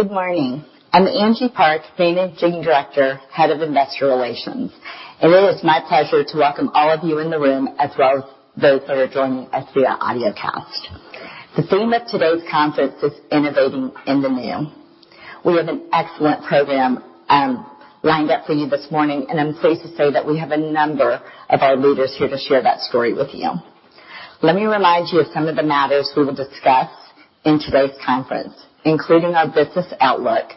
Good morning. I'm Angie Park, Managing Director, Head of Investor Relations. It is my pleasure to welcome all of you in the room, as well as those that are joining us via audiocast. The theme of today's conference is Innovating in the New. We have an excellent program lined up for you this morning, and I'm pleased to say that we have a number of our leaders here to share that story with you. Let me remind you of some of the matters we will discuss in today's conference, including our business outlook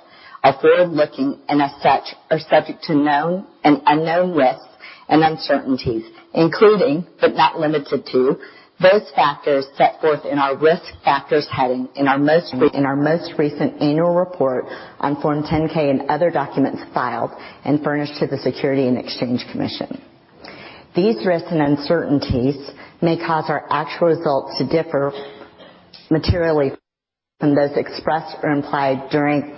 are forward-looking and as such, are subject to known and unknown risks and uncertainties, including but not limited to those factors set forth in our Risk Factors heading in our most recent annual report on Form 10-K and other documents filed and furnished to the Securities and Exchange Commission. These risks and uncertainties may cause our actual results to differ materially from those expressed or implied during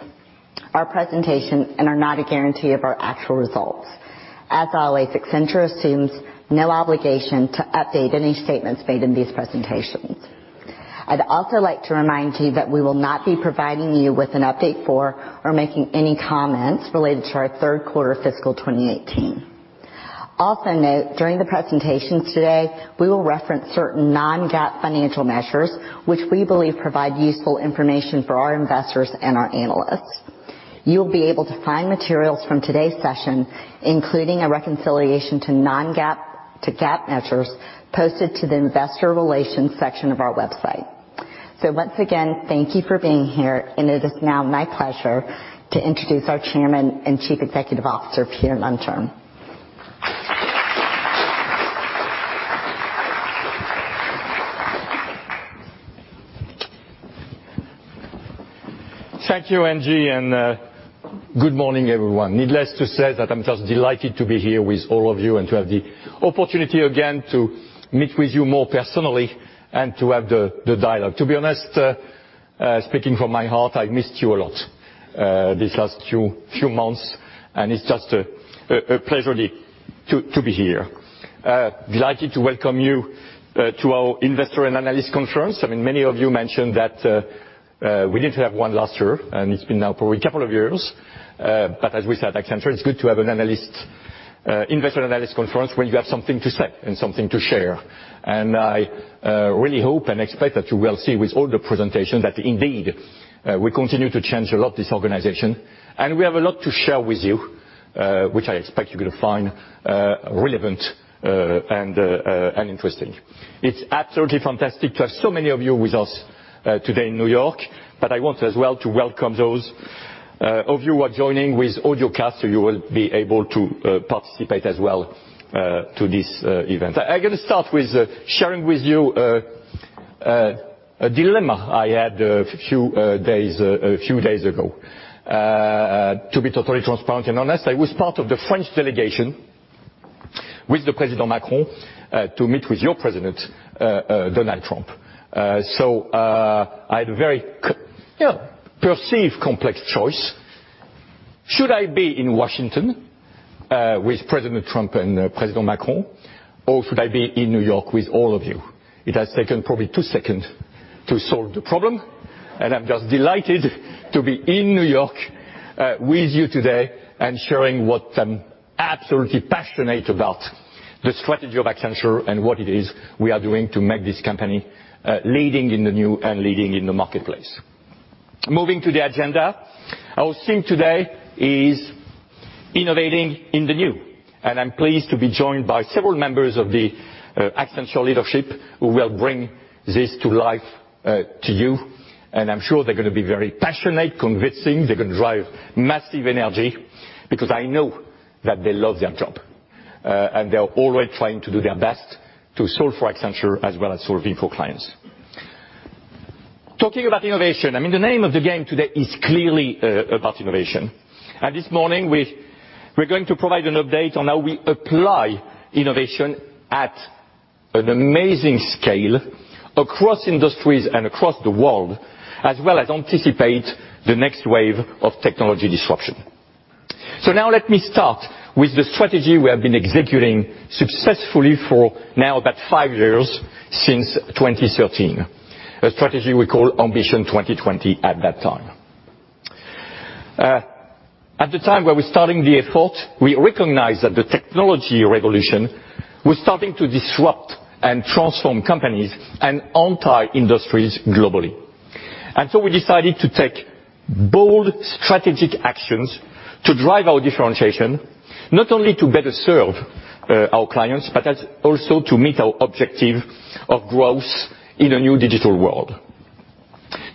our presentation and are not a guarantee of our actual results. As always, Accenture assumes no obligation to update any statements made in these presentations. I'd also like to remind you that we will not be providing you with an update for or making any comments related to our third-quarter fiscal 2018. Also note, during the presentations today, we will reference certain non-GAAP financial measures, which we believe provide useful information for our investors and our analysts. You'll be able to find materials from today's session, including a reconciliation to non-GAAP to GAAP measures posted to the Investor Relations section of our website. Once again, thank you for being here, and it is now my pleasure to introduce our Chairman and Chief Executive Officer, Pierre Nanterme. Thank you, Angie, and good morning, everyone. Needless to say that I'm just delighted to be here with all of you and to have the opportunity again to meet with you more personally and to have the dialogue. To be honest, speaking from my heart, I missed you a lot, these last few months, and it's just a pleasure to be here. Delighted to welcome you to our Investor and Analyst Conference. I mean, many of you mentioned that we didn't have one last year, and it's been now probably a couple of years. As we said, Accenture, it's good to have an Investor and Analyst Conference when you have something to say and something to share. I really hope and expect that you will see with all the presentations that indeed we continue to change a lot, this organization. We have a lot to share with you, which I expect you're going to find relevant and interesting. It's absolutely fantastic to have so many of you with us today in New York, but I want as well to welcome those of you who are joining with audiocast, you will be able to participate as well to this event. I'm going to start with sharing with you a dilemma I had a few days ago. To be totally transparent and honest, I was part of the French delegation with the President Macron to meet with your President Donald Trump. I had a very perceived complex choice. Should I be in Washington with President Trump and President Macron, or should I be in New York with all of you? It has taken probably two seconds to solve the problem. I'm just delighted to be in New York with you today and sharing what I'm absolutely passionate about, the strategy of Accenture and what it is we are doing to make this company leading in the new and leading in the marketplace. Moving to the agenda. Our theme today is Innovating in the New, and I'm pleased to be joined by several members of the Accenture leadership who will bring this to life to you. I'm sure they're going to be very passionate, convincing. They're going to drive massive energy because I know that they love their job, and they're always trying to do their best to solve for Accenture as well as solving for clients. Talking about innovation, I mean, the name of the game today is clearly about innovation. This morning, we're going to provide an update on how we apply innovation at an amazing scale across industries and across the world, as well as anticipate the next wave of technology disruption. Now let me start with the strategy we have been executing successfully for now about five years, since 2013. A strategy we call Ambition 2020 at that time. At the time where we're starting the effort, we recognized that the technology revolution was starting to disrupt and transform companies and entire industries globally. We decided to take bold strategic actions to drive our differentiation, not only to better serve our clients, but as also to meet our objective of growth in a new digital world.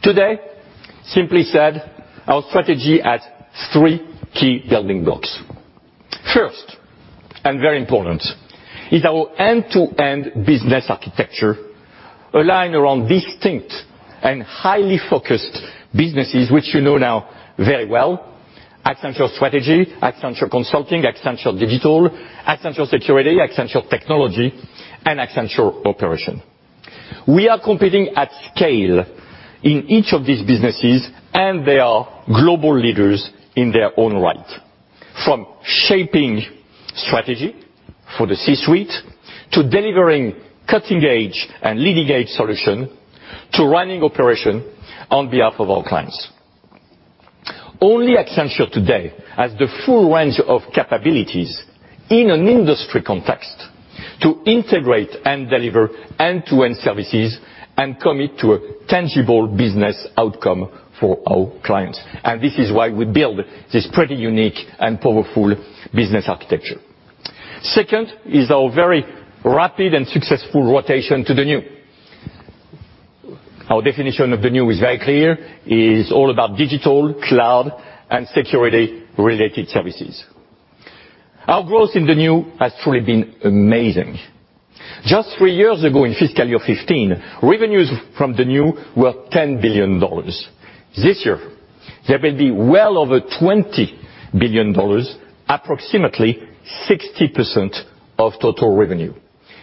Today, simply said, our strategy has three key building blocks. First, very important, is our end-to-end business architecture aligned around distinct and highly focused businesses, which you know now very well. Accenture Strategy, Accenture Consulting, Accenture Digital, Accenture Security, Accenture Technology, and Accenture Operations. We are competing at scale in each of these businesses, and they are global leaders in their own right. From shaping strategy for the C-suite, to delivering cutting edge and leading edge solution, to running operation on behalf of our clients. Only Accenture today has the full range of capabilities in an industry context to integrate and deliver end-to-end services and commit to a tangible business outcome for our clients. This is why we build this pretty unique and powerful business architecture. Second is our very rapid and successful rotation to the new. Our definition of the new is very clear, is all about digital, cloud, and security-related services. Our growth in the new has truly been amazing. Just three years ago in fiscal year 2015, revenues from the new were $10 billion. This year, they will be well over $20 billion, approximately 60% of total revenue.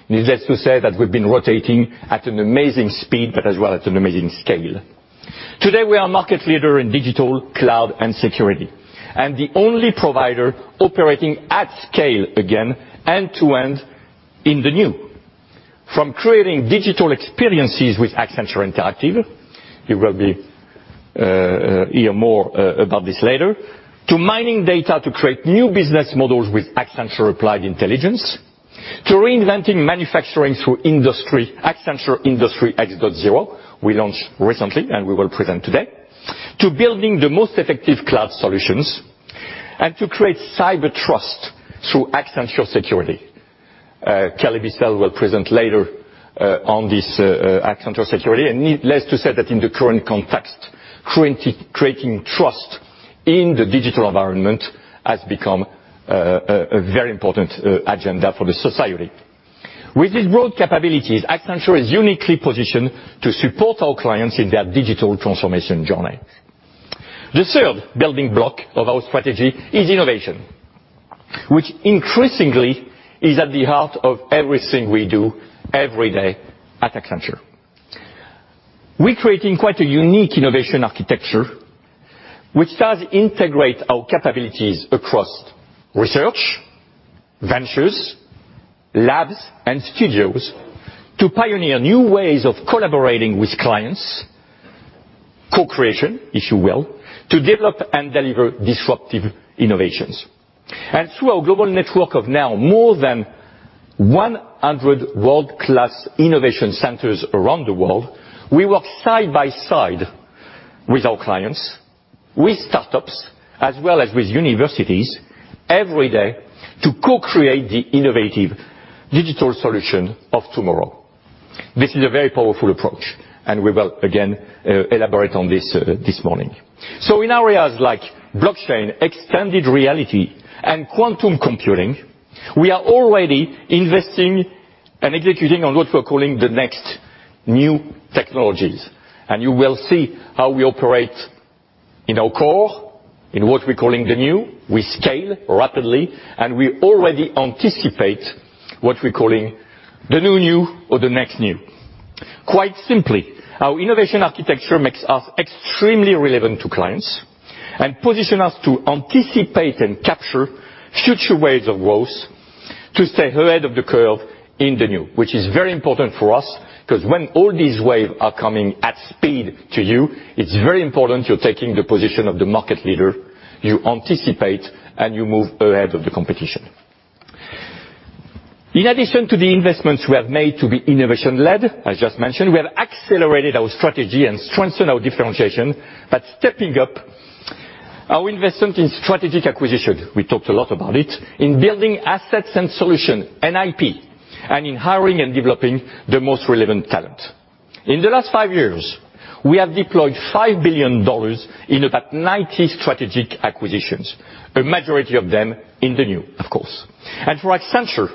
Needless to say that we've been rotating at an amazing speed, but as well as at an amazing scale. Today, we are a market leader in digital, cloud, and security. The only provider operating at scale again, end-to-end in the new. From creating digital experiences with Accenture Interactive, you will hear more about this later, to mining data to create new business models with Accenture Applied Intelligence, to reinventing manufacturing through Accenture Industry X.0 we launched recently and we will present today, to building the most effective cloud solutions, and to create cyber trust through Accenture Security. Kelly Bissell will present later on this Accenture Security. Needless to say that in the current context, creating trust in the digital environment has become a very important agenda for the society. With these broad capabilities, Accenture is uniquely positioned to support our clients in their digital transformation journey. The third building block of our strategy is innovation, which increasingly is at the heart of everything we do every day at Accenture. We're creating quite a unique innovation architecture, which does integrate our capabilities across Research, Ventures, Labs, and Studios to pioneer new ways of collaborating with clients, co-creation, if you will, to develop and deliver disruptive innovations. Through our global network of now more than 100 world-class innovation centers around the world, we work side by side with our clients, with startups, as well as with universities every day to co-create the innovative digital solution of tomorrow. This is a very powerful approach, and we will again elaborate on this this morning. In areas like blockchain, extended reality, and quantum computing, we are already investing and executing on what we're calling the next new technologies. You will see how we operate in our core, in what we're calling the new. We scale rapidly, and we already anticipate what we're calling the new new or the next new. Quite simply, our innovation architecture makes us extremely relevant to clients and position us to anticipate and capture future waves of growth to stay ahead of the curve in the new, which is very important for us. When all these waves are coming at speed to you, it's very important you're taking the position of the market leader. You anticipate, and you move ahead of the competition. In addition to the investments we have made to be innovation led, as I just mentioned, we have accelerated our strategy and strengthened our differentiation by stepping up our investment in strategic acquisition, we talked a lot about it, in building assets and solution, and IP, and in hiring and developing the most relevant talent. In the last 5 years, we have deployed $5 billion in about 90 strategic acquisitions, a majority of them in the new, of course. For Accenture,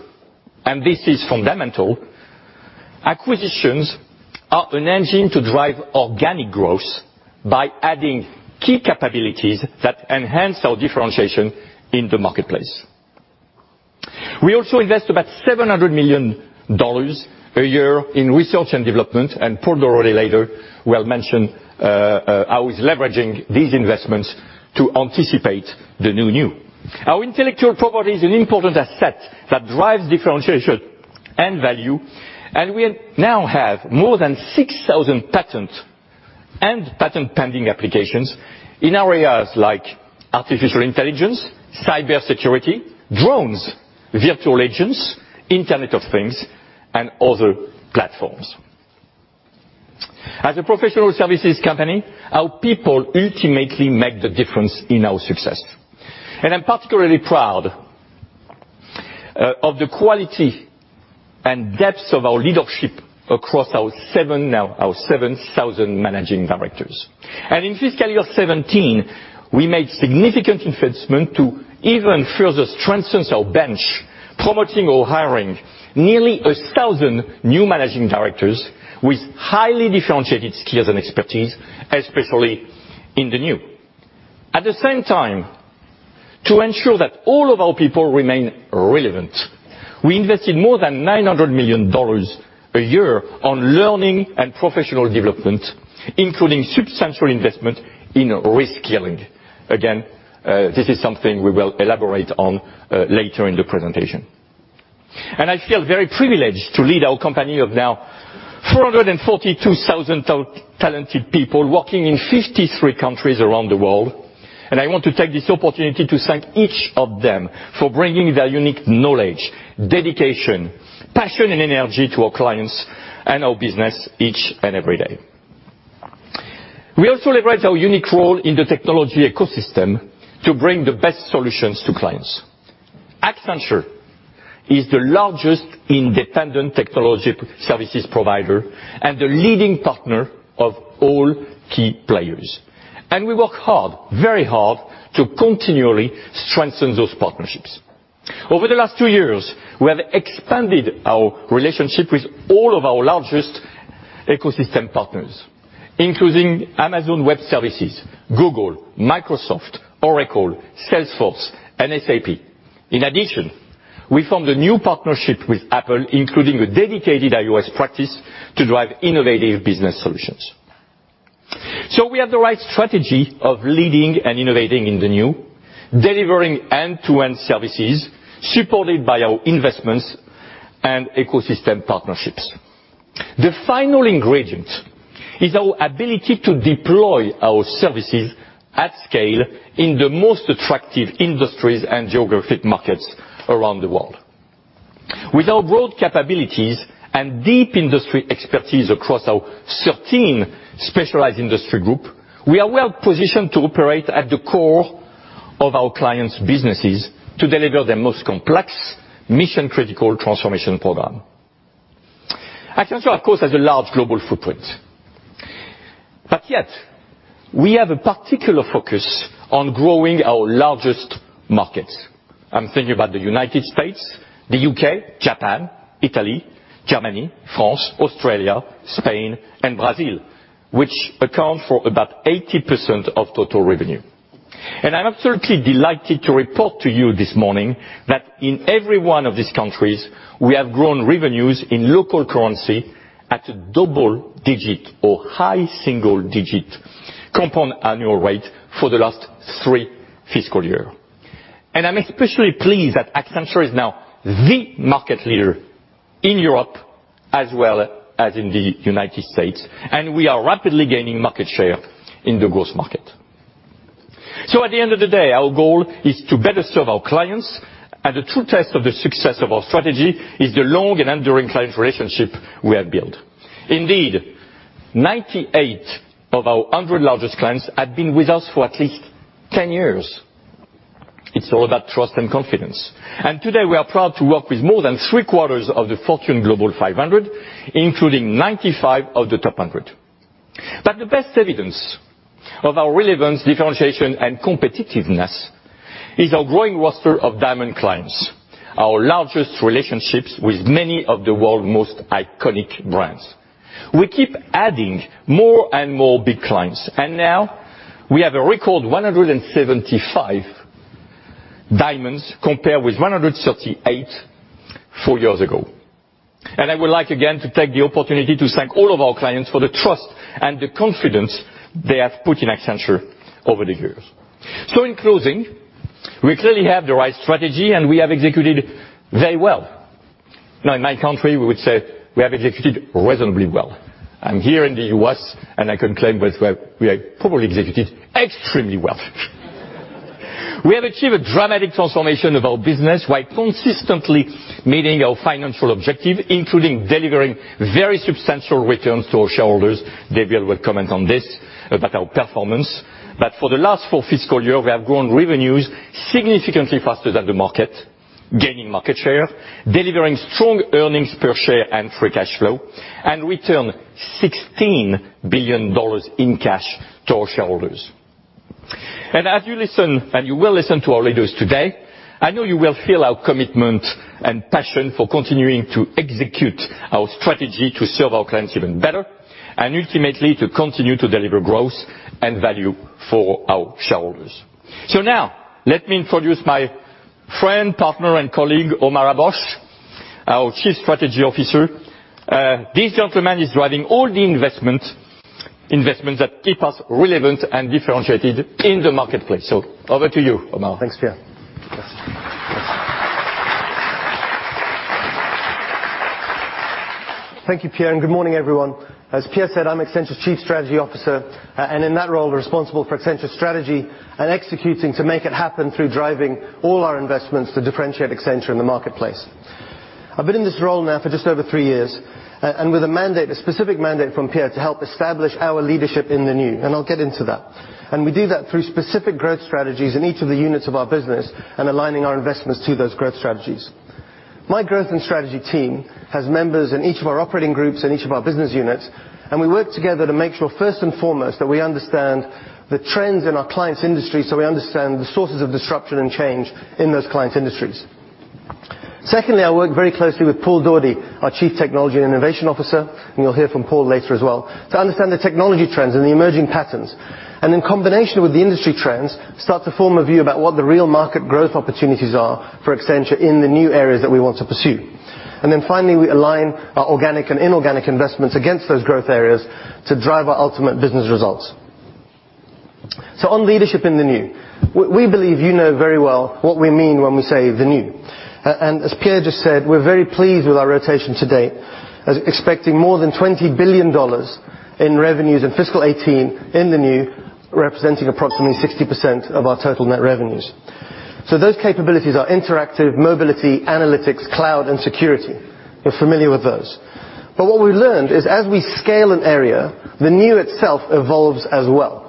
and this is fundamental, acquisitions are an engine to drive organic growth by adding key capabilities that enhance our differentiation in the marketplace. We also invest about $700 million a year in research and development, and Paul Daugherty later will mention how he's leveraging these investments to anticipate the new new. Our intellectual property is an important asset that drives differentiation and value, and we now have more than 6,000 patent and patent pending applications in areas like artificial intelligence, cybersecurity, drones, virtual agents, Internet of Things, and other platforms. As a professional services company, our people ultimately make the difference in our success. I'm particularly proud of the quality and depth of our leadership across our now 7,000 managing directors. In fiscal '17, we made significant investment to even further strengthen our bench, promoting or hiring nearly 1,000 new managing directors with highly differentiated skills and expertise, especially in the new. At the same time, to ensure that all of our people remain relevant. We invested more than $900 million a year on learning and professional development, including substantial investment in re-skilling. Again, this is something we will elaborate on later in the presentation. I feel very privileged to lead our company of now 442,000 talented people working in 53 countries around the world. I want to take this opportunity to thank each of them for bringing their unique knowledge, dedication, passion, and energy to our clients and our business each and every day. We also leverage our unique role in the technology ecosystem to bring the best solutions to clients. Accenture is the largest independent technology services provider and the leading partner of all key players. We work hard, very hard, to continually strengthen those partnerships. Over the last two years, we have expanded our relationship with all of our largest ecosystem partners, including Amazon Web Services, Google, Microsoft, Oracle, Salesforce, and SAP. In addition, we formed a new partnership with Apple, including a dedicated iOS practice to drive innovative business solutions. We have the right strategy of leading and innovating in the new, delivering end-to-end services supported by our investments and ecosystem partnerships. The final ingredient is our ability to deploy our services at scale in the most attractive industries and geographic markets around the world. With our broad capabilities and deep industry expertise across our 13 specialized industry group, we are well-positioned to operate at the core of our clients' businesses to deliver their most complex, mission-critical transformation program. Accenture, of course, has a large global footprint. Yet, we have a particular focus on growing our largest markets. I'm thinking about the U.S., the U.K., Japan, Italy, Germany, France, Australia, Spain, and Brazil, which account for about 80% of total revenue. I'm absolutely delighted to report to you this morning that in every one of these countries, we have grown revenues in local currency at a double digit or high single digit compound annual rate for the last three fiscal year. I'm especially pleased that Accenture is now the market leader in Europe as well as in the U.S., and we are rapidly gaining market share in the growth market. At the end of the day, our goal is to better serve our clients, and the true test of the success of our strategy is the long and enduring client relationship we have built. Indeed, 98 of our 100 largest clients have been with us for at least 10 years. It's all about trust and confidence. Today, we are proud to work with more than three-quarters of the Fortune Global 500, including 95 of the top 100. The best evidence of our relevance, differentiation, and competitiveness is our growing roster of Diamond clients, our largest relationships with many of the world's most iconic brands. We keep adding more and more big clients, and now we have a record 175 Diamonds, compared with 138 four years ago. I would like, again, to take the opportunity to thank all of our clients for the trust and the confidence they have put in Accenture over the years. In closing, we clearly have the right strategy, and we have executed very well. Now, in my country, we would say we have executed reasonably well. I'm here in the U.S., and I can claim that we have probably executed extremely well. We have achieved a dramatic transformation of our business while consistently meeting our financial objective, including delivering very substantial returns to our shareholders. [David] will comment on this, about our performance. For the last four fiscal years, we have grown revenues significantly faster than the market, gaining market share, delivering strong earnings per share and free cash flow, and returned $16 billion in cash to our shareholders. As you listen, and you will listen to our leaders today, I know you will feel our commitment and passion for continuing to execute our strategy to serve our clients even better and ultimately to continue to deliver growth and value for our shareholders. Now, let me introduce my friend, partner, and colleague, Omar Abbosh, our Chief Strategy Officer. This gentleman is driving all the investments that keep us relevant and differentiated in the marketplace. Over to you, Omar. Thanks, Pierre. Yes. Yes. Thank you, Pierre, and good morning, everyone. As Pierre said, I'm Accenture's Chief Strategy Officer, and in that role, responsible for Accenture's strategy and executing to make it happen through driving all our investments to differentiate Accenture in the marketplace. I've been in this role now for just over three years, with a mandate, a specific mandate from Pierre to help establish our leadership in the new, and I'll get into that. We do that through specific growth strategies in each of the units of our business and aligning our investments to those growth strategies. My growth and strategy team has members in each of our operating groups and each of our business units, we work together to make sure, first and foremost, that we understand the trends in our clients' industry so we understand the sources of disruption and change in those clients' industries. Secondly, I work very closely with Paul Daugherty, our Chief Technology & Innovation Officer, you'll hear from Paul later as well, to understand the technology trends and the emerging patterns, in combination with the industry trends, start to form a view about what the real market growth opportunities are for Accenture in the new areas that we want to pursue. Finally, we align our organic and inorganic investments against those growth areas to drive our ultimate business results. On leadership in the new, we believe you know very well what we mean when we say the new. As Pierre just said, we're very pleased with our rotation to date, expecting more than $20 billion in revenues in fiscal 2018 in the new, representing approximately 60% of our total net revenues. Those capabilities are Interactive, mobility, analytics, cloud, and security. You're familiar with those. What we've learned is as we scale an area, the new itself evolves as well.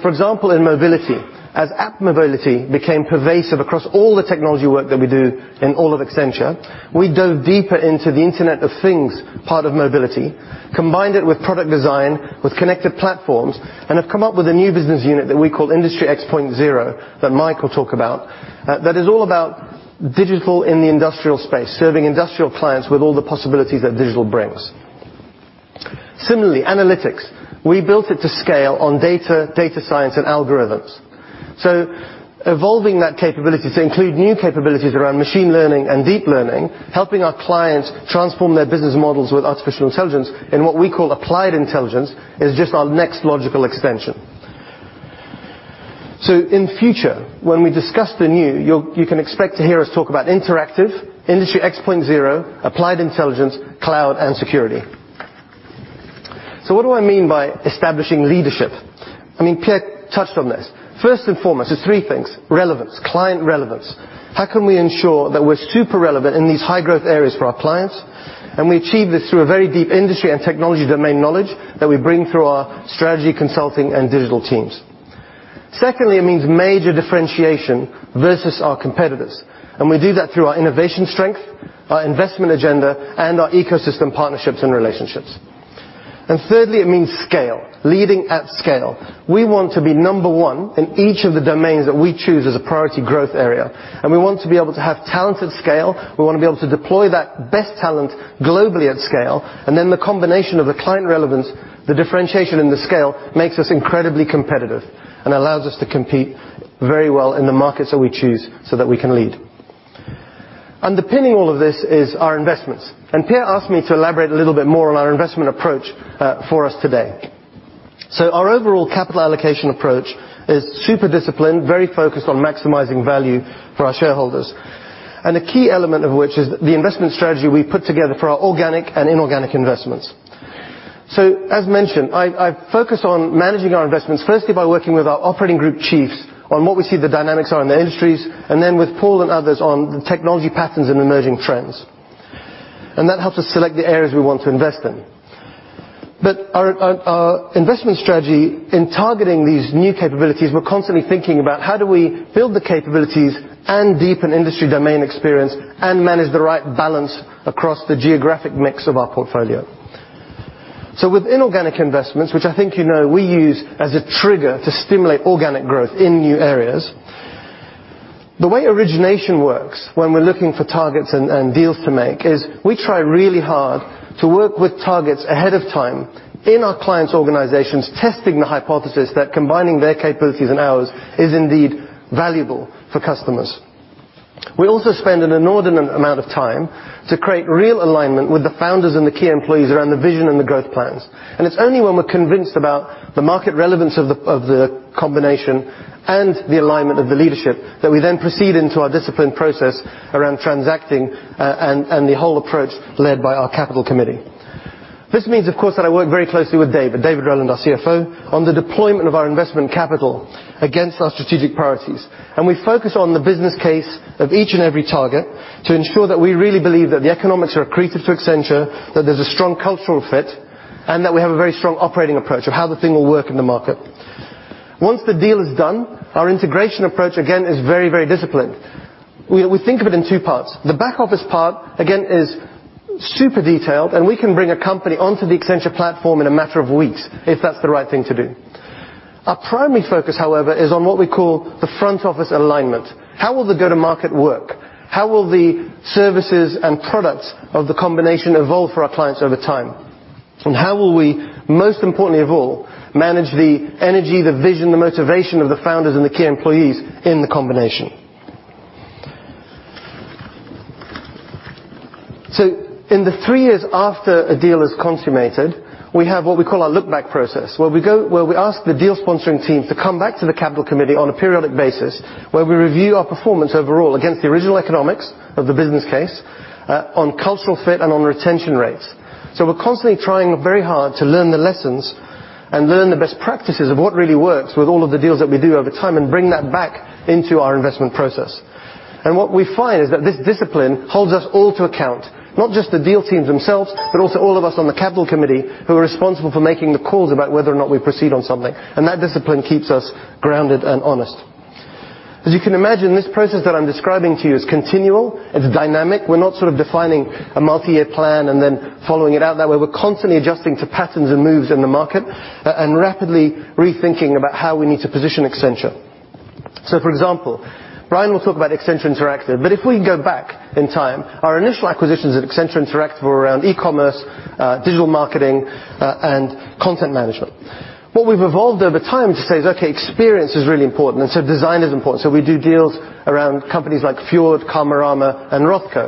For example, in mobility, as app mobility became pervasive across all the technology work that we do in all of Accenture, we dove deeper into the Internet of Things part of mobility, combined it with product design, with connected platforms, have come up with a new business unit that we call Industry X.0 that Mike will talk about, that is all about digital in the industrial space, serving industrial clients with all the possibilities that digital brings. Similarly, analytics, we built it to scale on data science, and algorithms. Evolving that capability to include new capabilities around machine learning and deep learning, helping our clients transform their business models with artificial intelligence in what we call Applied Intelligence, is just our next logical extension. In future, when we discuss the new, you can expect to hear us talk about Interactive, Industry X.0, Applied Intelligence, cloud, and security. What do I mean by establishing leadership? I mean, Pierre touched on this. First and foremost, there are 3 things. Relevance, client relevance. How can we ensure that we're super relevant in these high-growth areas for our clients? We achieve this through a very deep industry and technology domain knowledge that we bring through our strategy consulting and digital teams. Secondly, it means major differentiation versus our competitors. We do that through our innovation strength, our investment agenda, and our ecosystem partnerships and relationships. Thirdly, it means scale, leading at scale. We want to be number 1 in each of the domains that we choose as a priority growth area, and we want to be able to have talent at scale. We want to be able to deploy that best talent globally at scale. The combination of the client relevance, the differentiation, and the scale makes us incredibly competitive and allows us to compete very well in the markets that we choose so that we can lead. Underpinning all of this is our investments. Pierre asked me to elaborate a little bit more on our investment approach for us today. Our overall capital allocation approach is super disciplined, very focused on maximizing value for our shareholders. A key element of which is the investment strategy we put together for our organic and inorganic investments. As mentioned, I focus on managing our investments, firstly by working with our operating group chiefs on what we see the dynamics are in the industries, then with Paul and others on the technology patterns and emerging trends. That helps us select the areas we want to invest in. Our investment strategy in targeting these new capabilities, we're constantly thinking about how do we build the capabilities and deepen industry domain experience and manage the right balance across the geographic mix of our portfolio. With inorganic investments, which I think you know we use as a trigger to stimulate organic growth in new areas, the way origination works when we're looking for targets and deals to make is we try really hard to work with targets ahead of time in our clients' organizations, testing the hypothesis that combining their capabilities and ours is indeed valuable for customers. We also spend an inordinate amount of time to create real alignment with the founders and the key employees around the vision and the growth plans. It's only when we're convinced about the market relevance of the combination and the alignment of the leadership that we then proceed into our disciplined process around transacting and the whole approach led by our capital committee. This means, of course, that I work very closely with David Rowland, our CFO, on the deployment of our investment capital against our strategic priorities. We focus on the business case of each and every target to ensure that we really believe that the economics are accretive to Accenture, that there's a strong cultural fit, and that we have a very strong operating approach of how the thing will work in the market. Once the deal is done, our integration approach, again, is very disciplined. We think of it in two parts. The back office part, again, is super detailed, and we can bring a company onto the Accenture platform in a matter of weeks if that's the right thing to do. Our primary focus, however, is on what we call the front office alignment. How will the go-to-market work? How will the services and products of the combination evolve for our clients over time? How will we, most importantly of all, manage the energy, the vision, the motivation of the founders and the key employees in the combination? In the three years after a deal is consummated, we have what we call our look back process, where we ask the deal sponsoring team to come back to the capital committee on a periodic basis, where we review our performance overall against the original economics of the business case, on cultural fit and on retention rates. We're constantly trying very hard to learn the lessons and learn the best practices of what really works with all of the deals that we do over time and bring that back into our investment process. What we find is that this discipline holds us all to account, not just the deal teams themselves, but also all of us on the capital committee who are responsible for making the calls about whether or not we proceed on something. That discipline keeps us grounded and honest. As you can imagine, this process that I'm describing to you is continual and dynamic. We're not sort of defining a multi-year plan and then following it out that way. We're constantly adjusting to patterns and moves in the market and rapidly rethinking about how we need to position Accenture. For example, Brian will talk about Accenture Interactive, but if we go back in time, our initial acquisitions at Accenture Interactive were around e-commerce, digital marketing, and content management. What we've evolved over time to say is, okay, experience is really important, and so design is important. We do deals around companies like Fjord, Karmarama, and Rothco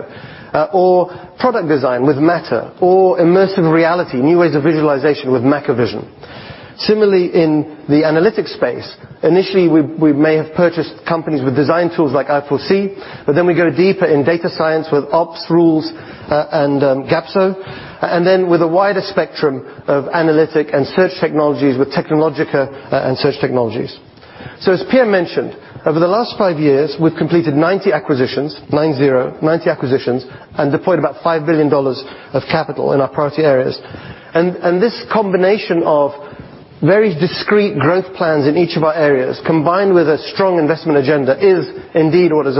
or product design with Matter, or immersive reality, new ways of visualization with Mackevision. Similarly, in the analytics space, initially, we may have purchased companies with design tools like i4C, but then we go deeper in data science with OPS Rules and Gapso, and then with a wider spectrum of analytic and search technologies with Technologica and Search Technologies. As Pierre mentioned, over the last five years, we've completed 90 acquisitions, nine, zero, 90 acquisitions, and deployed about $5 billion of capital in our priority areas. This combination of very discrete growth plans in each of our areas, combined with a strong investment agenda, is indeed what is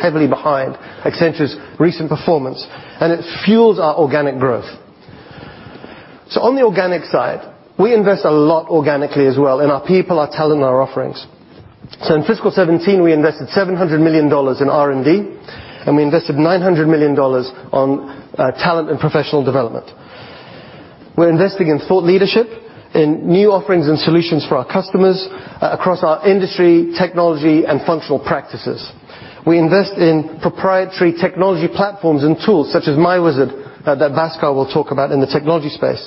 heavily behind Accenture's recent performance, and it fuels our organic growth. On the organic side, we invest a lot organically as well, and our people are telling our offerings. In fiscal 2017, we invested $700 million in R&D, and we invested $900 million on talent and professional development. We're investing in thought leadership, in new offerings and solutions for our customers across our industry, technology, and functional practices. We invest in proprietary technology platforms and tools such as myWizard that Bhaskar will talk about in the technology space.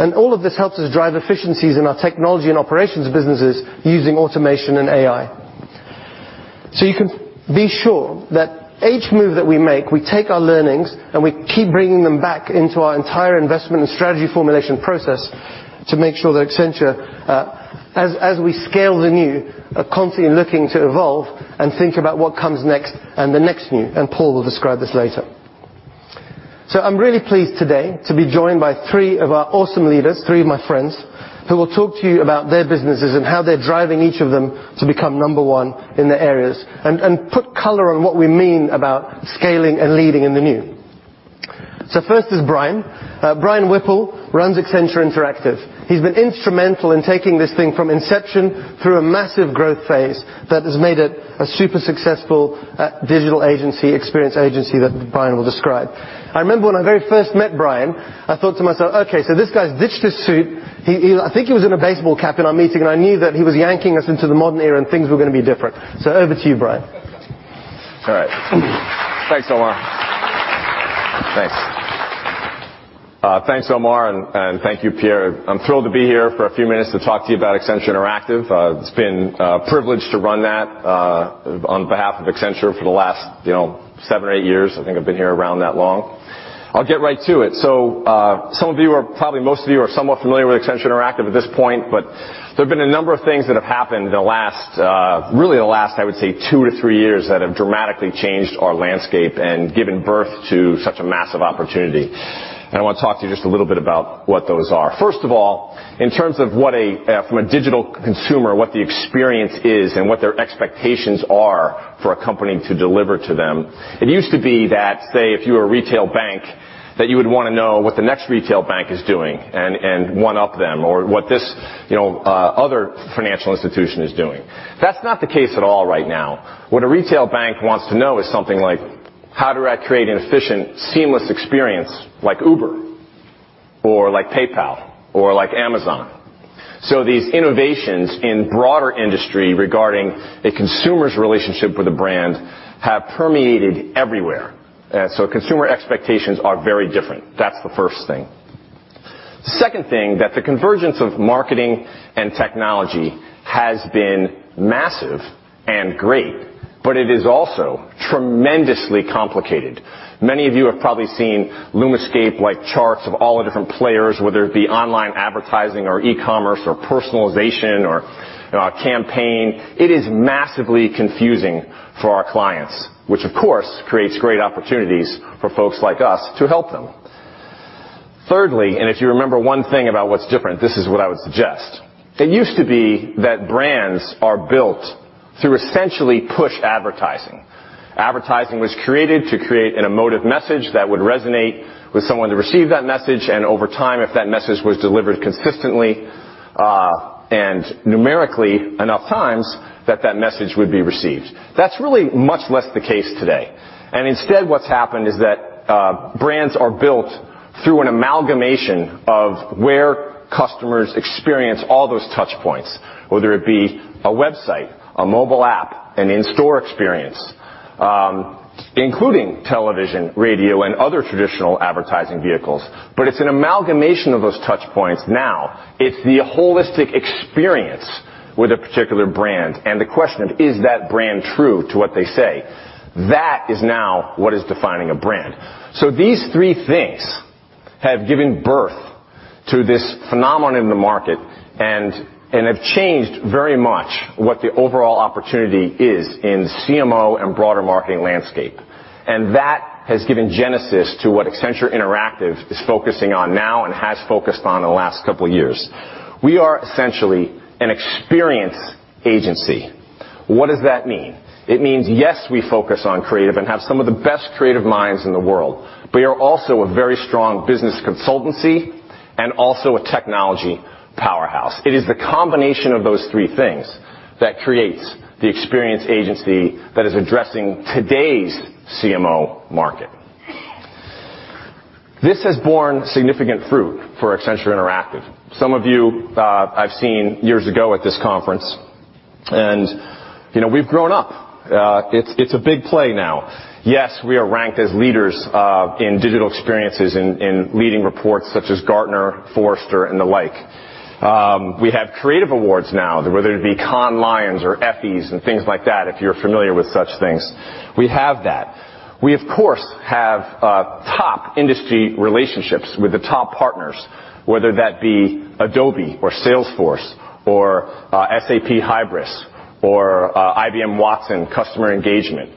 And all of this helps us drive efficiencies in our technology and operations businesses using automation and AI. You can be sure that each move that we make, we take our learnings, and we keep bringing them back into our entire investment and strategy formulation process to make sure that Accenture, as we scale the new, are constantly looking to evolve and think about what comes next and the next new, and Paul will describe this later. I'm really pleased today to be joined by three of our awesome leaders, three of my friends, who will talk to you about their businesses and how they're driving each of them to become number one in their areas and put color on what we mean about scaling and leading in the new. First is Brian. Brian Whipple runs Accenture Interactive. He's been instrumental in taking this thing from inception through a massive growth phase that has made it a super successful digital agency, experience agency that Brian will describe. I remember when I very first met Brian, I thought to myself, "Okay, this guy's ditched his suit." I think he was in a baseball cap in our meeting, and I knew that he was yanking us into the modern era and things were going to be different. Over to you, Brian. All right. Thanks, Omar. Thanks. Thanks, Omar, and thank you, Pierre. I am thrilled to be here for a few minutes to talk to you about Accenture Interactive. It has been a privilege to run that on behalf of Accenture for the last seven or eight years. I think I have been here around that long. I will get right to it. Some of you are, probably most of you, are somewhat familiar with Accenture Interactive at this point, but there have been a number of things that have happened in the last, really the last, I would say, two to three years that have dramatically changed our landscape and given birth to such a massive opportunity. I want to talk to you just a little bit about what those are. First of all, in terms of from a digital consumer, what the experience is and what their expectations are for a company to deliver to them, it used to be that, say, if you were a retail bank, that you would want to know what the next retail bank is doing and one up them or what this other financial institution is doing. That is not the case at all right now. What a retail bank wants to know is something like, how do I create an efficient, seamless experience like Uber or like PayPal or like Amazon? These innovations in broader industry regarding a consumer's relationship with a brand have permeated everywhere. Consumer expectations are very different. That is the first thing. The second thing, that the convergence of marketing and technology has been massive and great, but it is also tremendously complicated. Many of you have probably seen LUMAscape-like charts of all the different players, whether it be online advertising or e-commerce or personalization or a campaign. It is massively confusing for our clients, which of course creates great opportunities for folks like us to help them. Thirdly, if you remember one thing about what is different, this is what I would suggest. It used to be that brands are built through essentially push advertising. Advertising was created to create an emotive message that would resonate with someone to receive that message, and over time, if that message was delivered consistently and numerically enough times, that message would be received. That is really much less the case today. Instead, what has happened is that brands are built through an amalgamation of where customers experience all those touch points, whether it be a website, a mobile app, an in-store experience, including television, radio, and other traditional advertising vehicles. It is an amalgamation of those touch points. Now it is the holistic experience with a particular brand and the question of, is that brand true to what they say? That is now what is defining a brand. These three things have given birth to this phenomenon in the market and have changed very much what the overall opportunity is in CMO and broader marketing landscape. That has given genesis to what Accenture Interactive is focusing on now and has focused on in the last couple of years. We are essentially an experience agency. What does that mean? It means, yes, we focus on creative and have some of the best creative minds in the world, but we are also a very strong business consultancy and also a technology powerhouse. It is the combination of those three things that creates the experience agency that is addressing today's CMO market. This has borne significant fruit for Accenture Interactive. Some of you I've seen years ago at this conference, and we've grown up. It's a big play now. Yes, we are ranked as leaders in digital experiences in leading reports such as Gartner, Forrester, and the like. We have creative awards now, whether it be Cannes Lions or Effies and things like that, if you're familiar with such things. We have that. We, of course, have top industry relationships with the top partners, whether that be Adobe or Salesforce or SAP Hybris or IBM Watson Customer Engagement.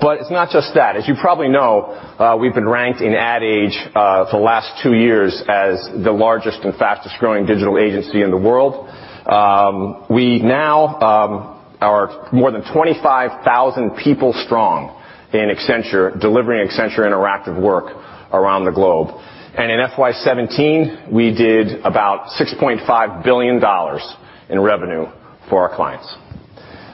It's not just that. As you probably know, we've been ranked in Ad Age for the last two years as the largest and fastest-growing digital agency in the world. We now are more than 25,000 people strong in Accenture, delivering Accenture Interactive work around the globe. In FY 2017, we did about $6.5 billion in revenue for our clients.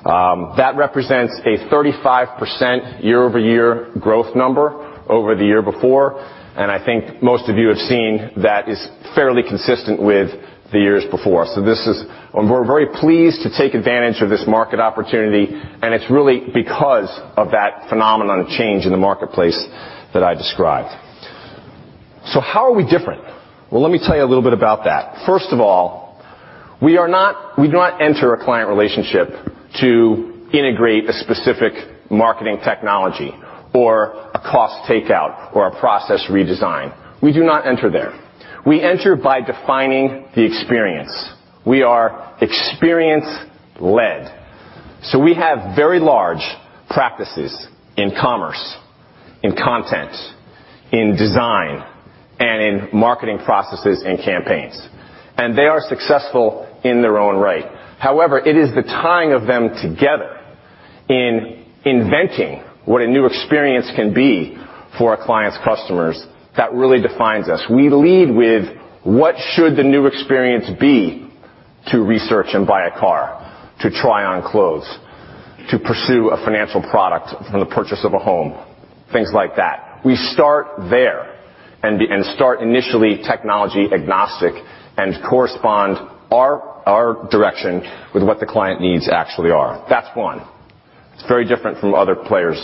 That represents a 35% year-over-year growth number over the year before, and I think most of you have seen that is fairly consistent with the years before. We're very pleased to take advantage of this market opportunity, and it's really because of that phenomenon of change in the marketplace that I described. How are we different? Let me tell you a little bit about that. First of all, we do not enter a client relationship to integrate a specific marketing technology or a cost takeout or a process redesign. We do not enter there. We enter by defining the experience. We are experience-led. We have very large practices in commerce, in content, in design, and in marketing processes and campaigns. They are successful in their own right. However, it is the tying of them together in inventing what a new experience can be for a client's customers that really defines us. We lead with what should the new experience be to research and buy a car, to try on clothes, to pursue a financial product from the purchase of a home, things like that. We start there and start initially technology agnostic and correspond our direction with what the client needs actually are. That's one. It's very different from other players.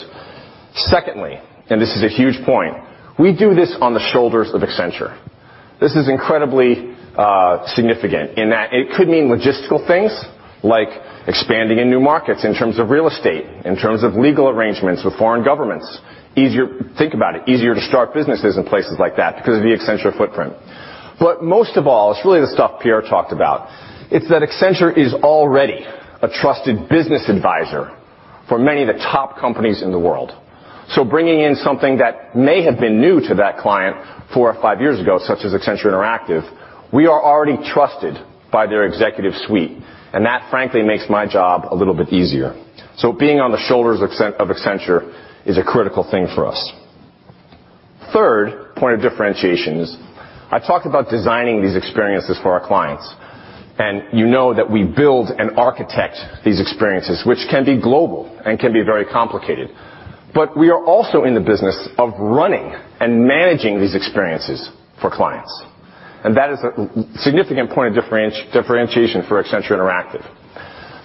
Secondly, this is a huge point. We do this on the shoulders of Accenture. This is incredibly significant in that it could mean logistical things like expanding in new markets in terms of real estate, in terms of legal arrangements with foreign governments. Think about it. Easier to start businesses in places like that because of the Accenture footprint. Most of all, it's really the stuff Pierre talked about. It's that Accenture is already a trusted business advisor for many of the top companies in the world. Bringing in something that may have been new to that client four or five years ago, such as Accenture Interactive, we are already trusted by their executive suite, and that, frankly, makes my job a little bit easier. Being on the shoulders of Accenture is a critical thing for us. Third point of differentiations, I've talked about designing these experiences for our clients, you know that we build and architect these experiences, which can be global and can be very complicated. We are also in the business of running and managing these experiences for clients. That is a significant point of differentiation for Accenture Interactive.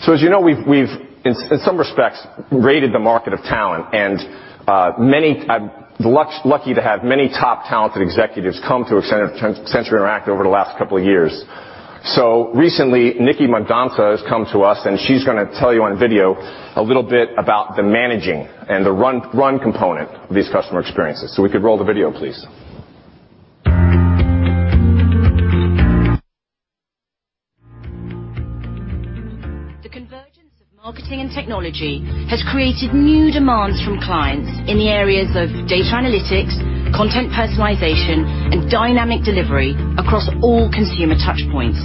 As you know, we've, in some respects, raided the market of talent, and I'm lucky to have many top talented executives come to Accenture Interactive over the last couple of years. Recently, Nikki Mendonça has come to us, and she's going to tell you on video a little bit about the managing and the run component of these customer experiences. We could roll the video, please. The convergence of marketing and technology has created new demands from clients in the areas of data analytics, content personalization, and dynamic delivery across all consumer touch points.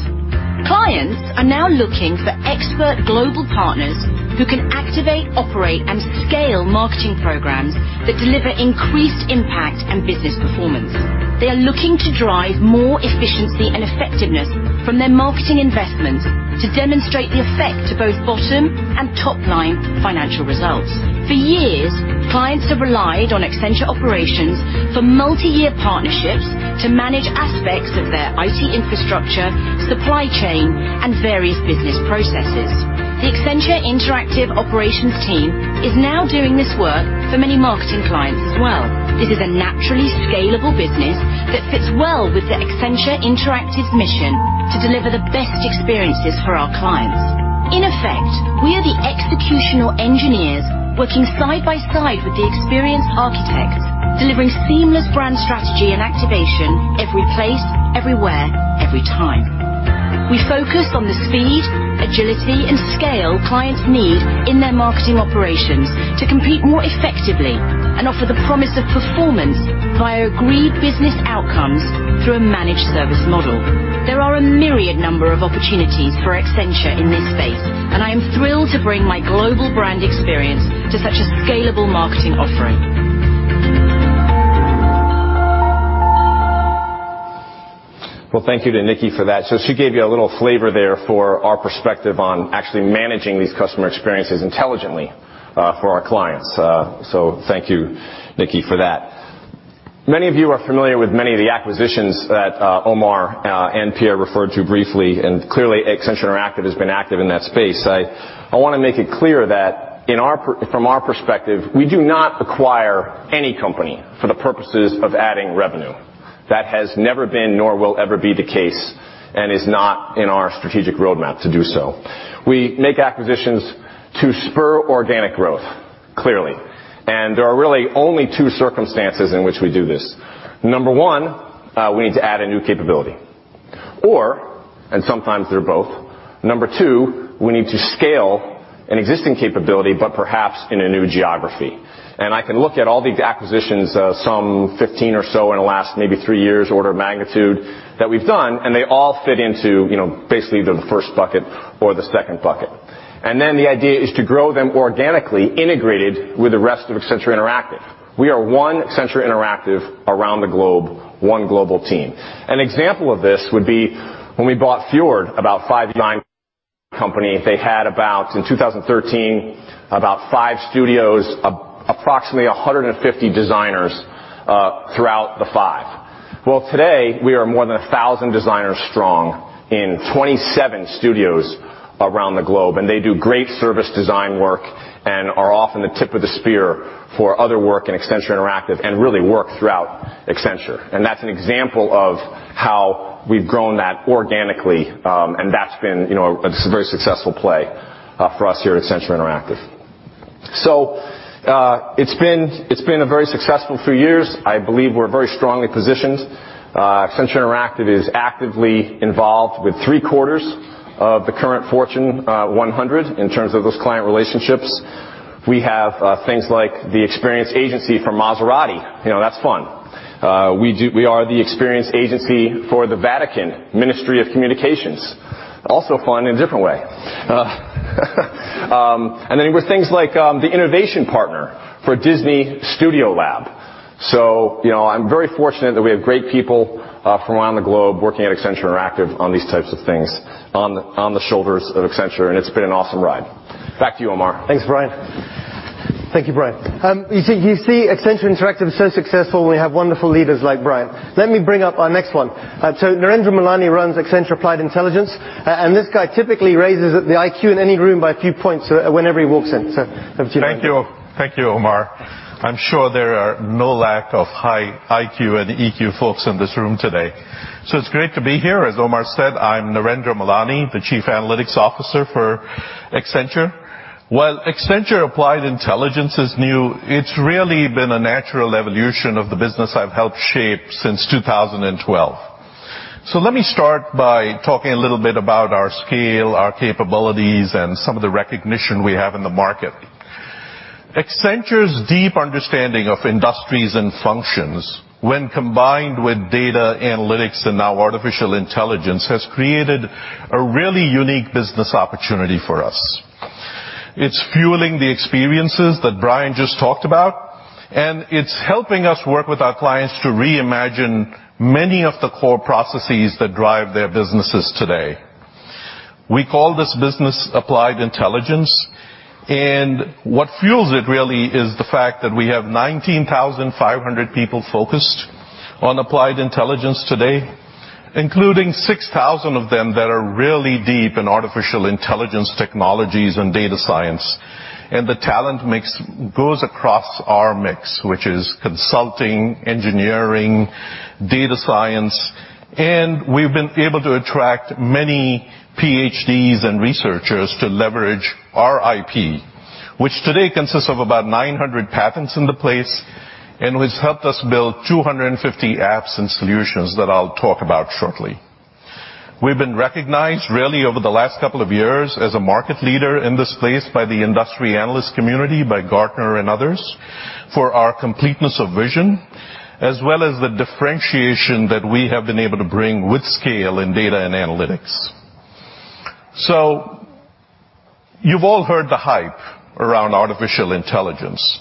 Clients are now looking for expert global partners who can activate, operate, and scale marketing programs that deliver increased impact and business performance. They are looking to drive more efficiency and effectiveness from their marketing investments to demonstrate the effect to both bottom and top-line financial results. For years, clients have relied on Accenture Operations for multi-year partnerships to manage aspects of their IT infrastructure, supply chain, and various business processes. The Accenture Interactive Operations team is now doing this work for many marketing clients as well. This is a naturally scalable business that fits well with the Accenture Interactive's mission to deliver the best experiences for our clients. In effect, we are the executional engineers working side by side with the experience architects, delivering seamless brand strategy and activation every place, everywhere, every time. We focus on the speed, agility, and scale clients need in their marketing operations to compete more effectively and offer the promise of performance via agreed business outcomes through a managed service model. There are a myriad number of opportunities for Accenture in this space, I am thrilled to bring my global brand experience to such a scalable marketing offering. Well, thank you to Nikki for that. She gave you a little flavor there for our perspective on actually managing these customer experiences intelligently for our clients. Thank you, Nikki, for that. Many of you are familiar with many of the acquisitions that Omar and Pierre referred to briefly, clearly, Accenture Interactive has been active in that space. I want to make it clear that from our perspective, we do not acquire any company for the purposes of adding revenue. That has never been nor will ever be the case and is not in our strategic roadmap to do so. We make acquisitions to spur organic growth, clearly. There are really only two circumstances in which we do this. Number 1, we need to add a new capability, or, sometimes they're both, number 2, we need to scale an existing capability, but perhaps in a new geography. I can look at all these acquisitions, some 15 or so in the last maybe 3 years order of magnitude that we've done, and they all fit into basically the first bucket or the second bucket. The idea is to grow them organically integrated with the rest of Accenture Interactive. We are one Accenture Interactive around the globe, one global team. An example of this would be when we bought Fjord about five, nine company. They had, in 2013, about five studios, approximately 150 designers throughout the five. Today, we are more than 1,000 designers strong in 27 studios around the globe, and they do great service design work and are often the tip of the spear for other work in Accenture Interactive and really work throughout Accenture. That's an example of how we've grown that organically. That's been a very successful play for us here at Accenture Interactive. It's been a very successful few years. I believe we're very strongly positioned. Accenture Interactive is actively involved with three-quarters of the current Fortune 100 in terms of those client relationships. We have things like the experience agency for Maserati. That's fun. We are the experience agency for the Vatican Ministry of Communications. Also fun in a different way. With things like the innovation partner for Disney StudioLAB. I'm very fortunate that we have great people from around the globe working at Accenture Interactive on these types of things on the shoulders of Accenture, and it's been an awesome ride. Back to you, Omar. Thanks, Brian. Thank you, Brian. You see Accenture Interactive is so successful, and we have wonderful leaders like Brian. Let me bring up our next one. Narendra Mulani runs Accenture Applied Intelligence, and this guy typically raises the IQ in any room by a few points whenever he walks in. Over to you. Thank you, Omar. I'm sure there are no lack of high IQ and EQ folks in this room today. It's great to be here. As Omar said, I'm Narendra Mulani, the Chief Analytics Officer for Accenture. While Accenture Applied Intelligence is new, it's really been a natural evolution of the business I've helped shape since 2012. Let me start by talking a little bit about our scale, our capabilities, and some of the recognition we have in the market. Accenture's deep understanding of industries and functions, when combined with data analytics and now artificial intelligence, has created a really unique business opportunity for us. It's fueling the experiences that Brian just talked about, and it's helping us work with our clients to reimagine many of the core processes that drive their businesses today. We call this business Applied Intelligence, and what fuels it really is the fact that we have 19,500 people focused on Applied Intelligence today, including 6,000 of them that are really deep in artificial intelligence technologies and data science. The talent goes across our mix, which is consulting, engineering, data science, and we've been able to attract many PhDs and researchers to leverage our IP, which today consists of about 900 patents in the place and has helped us build 250 apps and solutions that I'll talk about shortly. We've been recognized really over the last couple of years as a market leader in this space by the industry analyst community, by Gartner and others, for our completeness of vision, as well as the differentiation that we have been able to bring with scale in data and analytics. You've all heard the hype around artificial intelligence,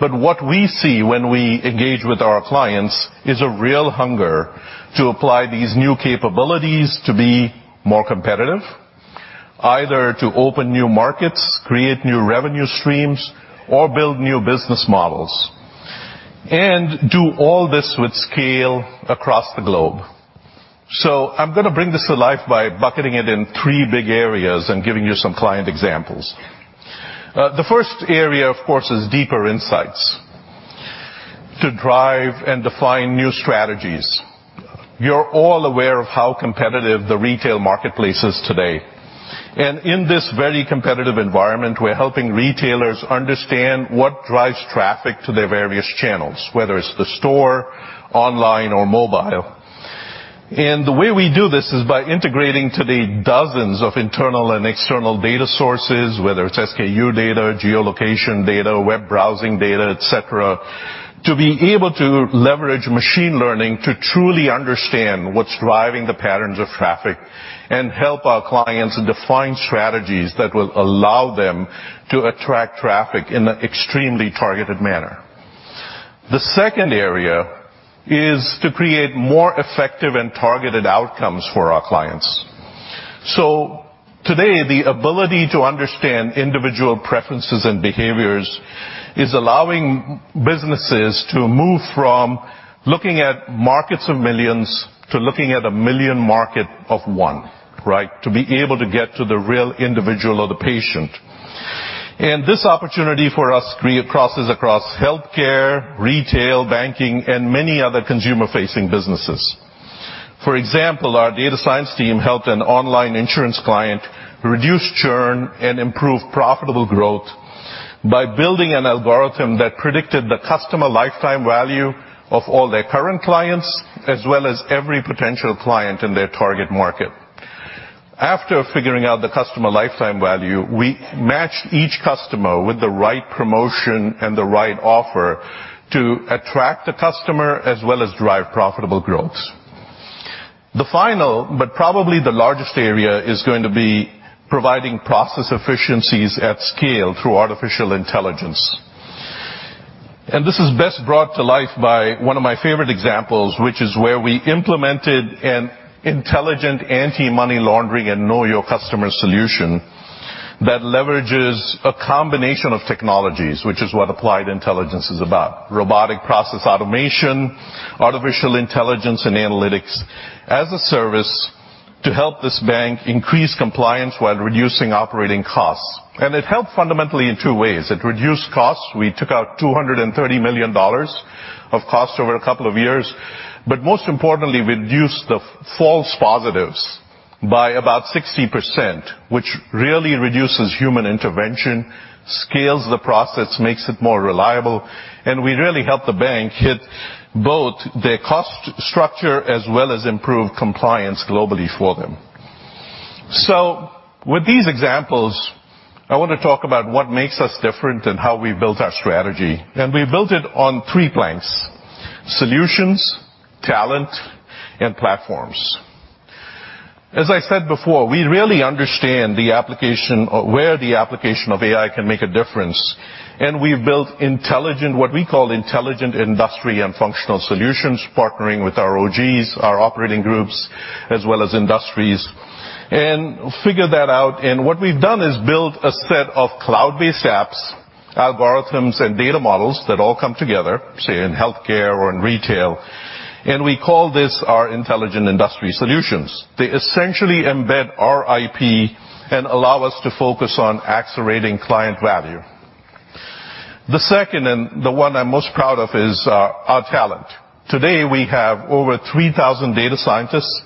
but what we see when we engage with our clients is a real hunger to apply these new capabilities to be more competitive, either to open new markets, create new revenue streams, or build new business models, and do all this with scale across the globe. I'm going to bring this to life by bucketing it in three big areas and giving you some client examples. The first area, of course, is deeper insights to drive and define new strategies. You're all aware of how competitive the retail marketplace is today. In this very competitive environment, we're helping retailers understand what drives traffic to their various channels, whether it's the store, online, or mobile. The way we do this is by integrating today dozens of internal and external data sources, whether it's SKU data, geolocation data, web browsing data, et cetera, to be able to leverage machine learning to truly understand what's driving the patterns of traffic and help our clients define strategies that will allow them to attract traffic in an extremely targeted manner. The second area is to create more effective and targeted outcomes for our clients. Today, the ability to understand individual preferences and behaviors is allowing businesses to move from looking at markets of millions to looking at a million market of one. To be able to get to the real individual or the patient. This opportunity for us crosses across healthcare, retail, banking, and many other consumer-facing businesses. For example, our data science team helped an online insurance client reduce churn and improve profitable growth by building an algorithm that predicted the customer lifetime value of all their current clients, as well as every potential client in their target market. After figuring out the customer lifetime value, we matched each customer with the right promotion and the right offer to attract the customer, as well as drive profitable growth. The final, but probably the largest area, is going to be providing process efficiencies at scale through artificial intelligence. This is best brought to life by one of my favorite examples, which is where we implemented an intelligent anti-money laundering and know-your-customer solution that leverages a combination of technologies, which is what applied intelligence is about. Robotic process automation, artificial intelligence, and analytics as a service to help this bank increase compliance while reducing operating costs. It helped fundamentally in two ways. It reduced costs. We took out $230 million of cost over a couple of years, but most importantly, reduced the false positives by about 60%, which really reduces human intervention, scales the process, makes it more reliable, and we really help the bank hit both their cost structure as well as improve compliance globally for them. With these examples, I want to talk about what makes us different and how we built our strategy, and we built it on three planks: solutions, talent, and platforms. As I said before, we really understand where the application of AI can make a difference, and we've built what we call intelligent industry and functional solutions, partnering with our OGs, our operating groups, as well as industries, and figured that out. What we've done is build a set of cloud-based apps, algorithms, and data models that all come together, say in healthcare or in retail, and we call this our intelligent industry solutions. They essentially embed our IP and allow us to focus on accelerating client value. The second, and the one I'm most proud of, is our talent. Today, we have over 3,000 data scientists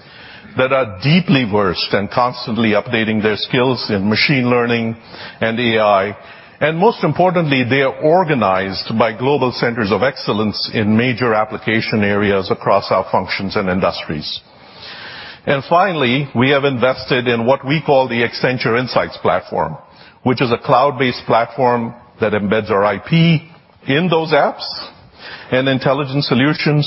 that are deeply versed and constantly updating their skills in machine learning and AI. Most importantly, they are organized by global centers of excellence in major application areas across our functions and industries. Finally, we have invested in what we call the Accenture Insights Platform, which is a cloud-based platform that embeds our IP in those apps and intelligent solutions.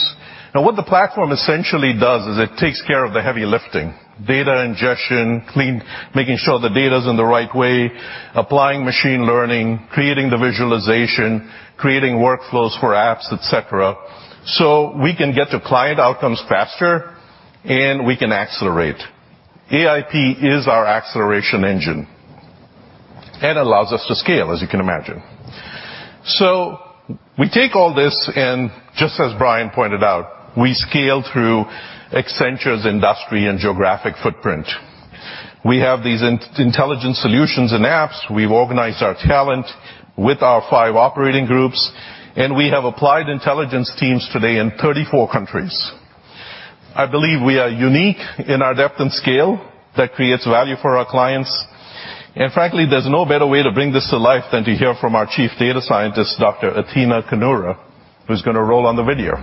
What the platform essentially does is it takes care of the heavy lifting, data ingestion, clean, making sure the data's in the right way, applying machine learning, creating the visualization, creating workflows for apps, et cetera, so we can get to client outcomes faster and we can accelerate. AIP is our acceleration engine and allows us to scale, as you can imagine. We take all this, and just as Brian pointed out, we scale through Accenture's industry and geographic footprint. We have these intelligence solutions and apps. We've organized our talent with our five operating groups, and we have applied intelligence teams today in 34 countries. I believe we are unique in our depth and scale that creates value for our clients. Frankly, there's no better way to bring this to life than to hear from our Chief Data Scientist, Dr. Athina Kanioura, who's going to roll on the video.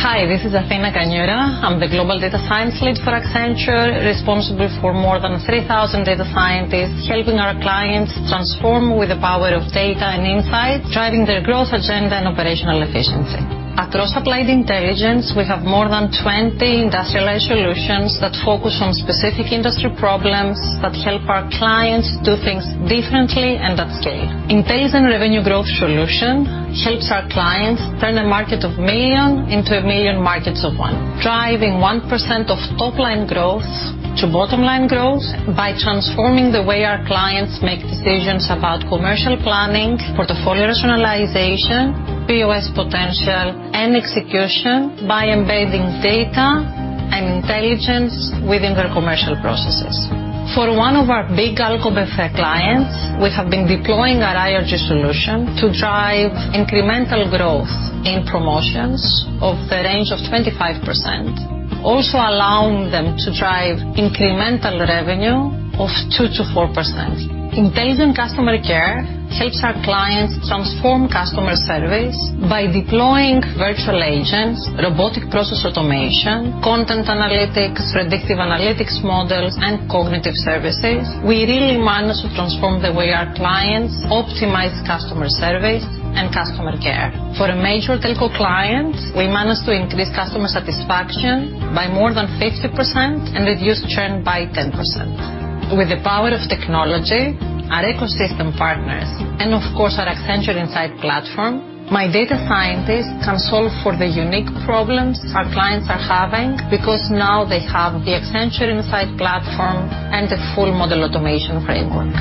Hi, this is Athina Kanioura. I'm the Global Data Science Lead for Accenture, responsible for more than 3,000 data scientists, helping our clients transform with the power of data and insights, driving their growth agenda and operational efficiency. Across Applied Intelligence, we have more than 20 industrialized solutions that focus on specific industry problems that help our clients do things differently and at scale. Intelligent Revenue Growth solution helps our clients turn a market of million into a million markets of one, driving 1% of top-line growth to bottom-line growth by transforming the way our clients make decisions about commercial planning, portfolio rationalization, POS potential, and execution by embedding data and intelligence within their commercial processes. For one of our big alcohol beverage clients, we have been deploying our IRG solution to drive incremental growth in promotions of the range of 25%, also allowing them to drive incremental revenue of 2%-4%. Enhancing customer care helps our clients transform customer service by deploying virtual agents, robotic process automation, content analytics, predictive analytics models, and cognitive services. We really manage to transform the way our clients optimize customer service and customer care. For a major telco client, we managed to increase customer satisfaction by more than 50% and reduce churn by 10%. With the power of technology, our ecosystem partners, and of course, our Accenture Insights Platform, my data scientists can solve for the unique problems our clients are having, because now they have the Accenture Insights Platform and the full model automation framework.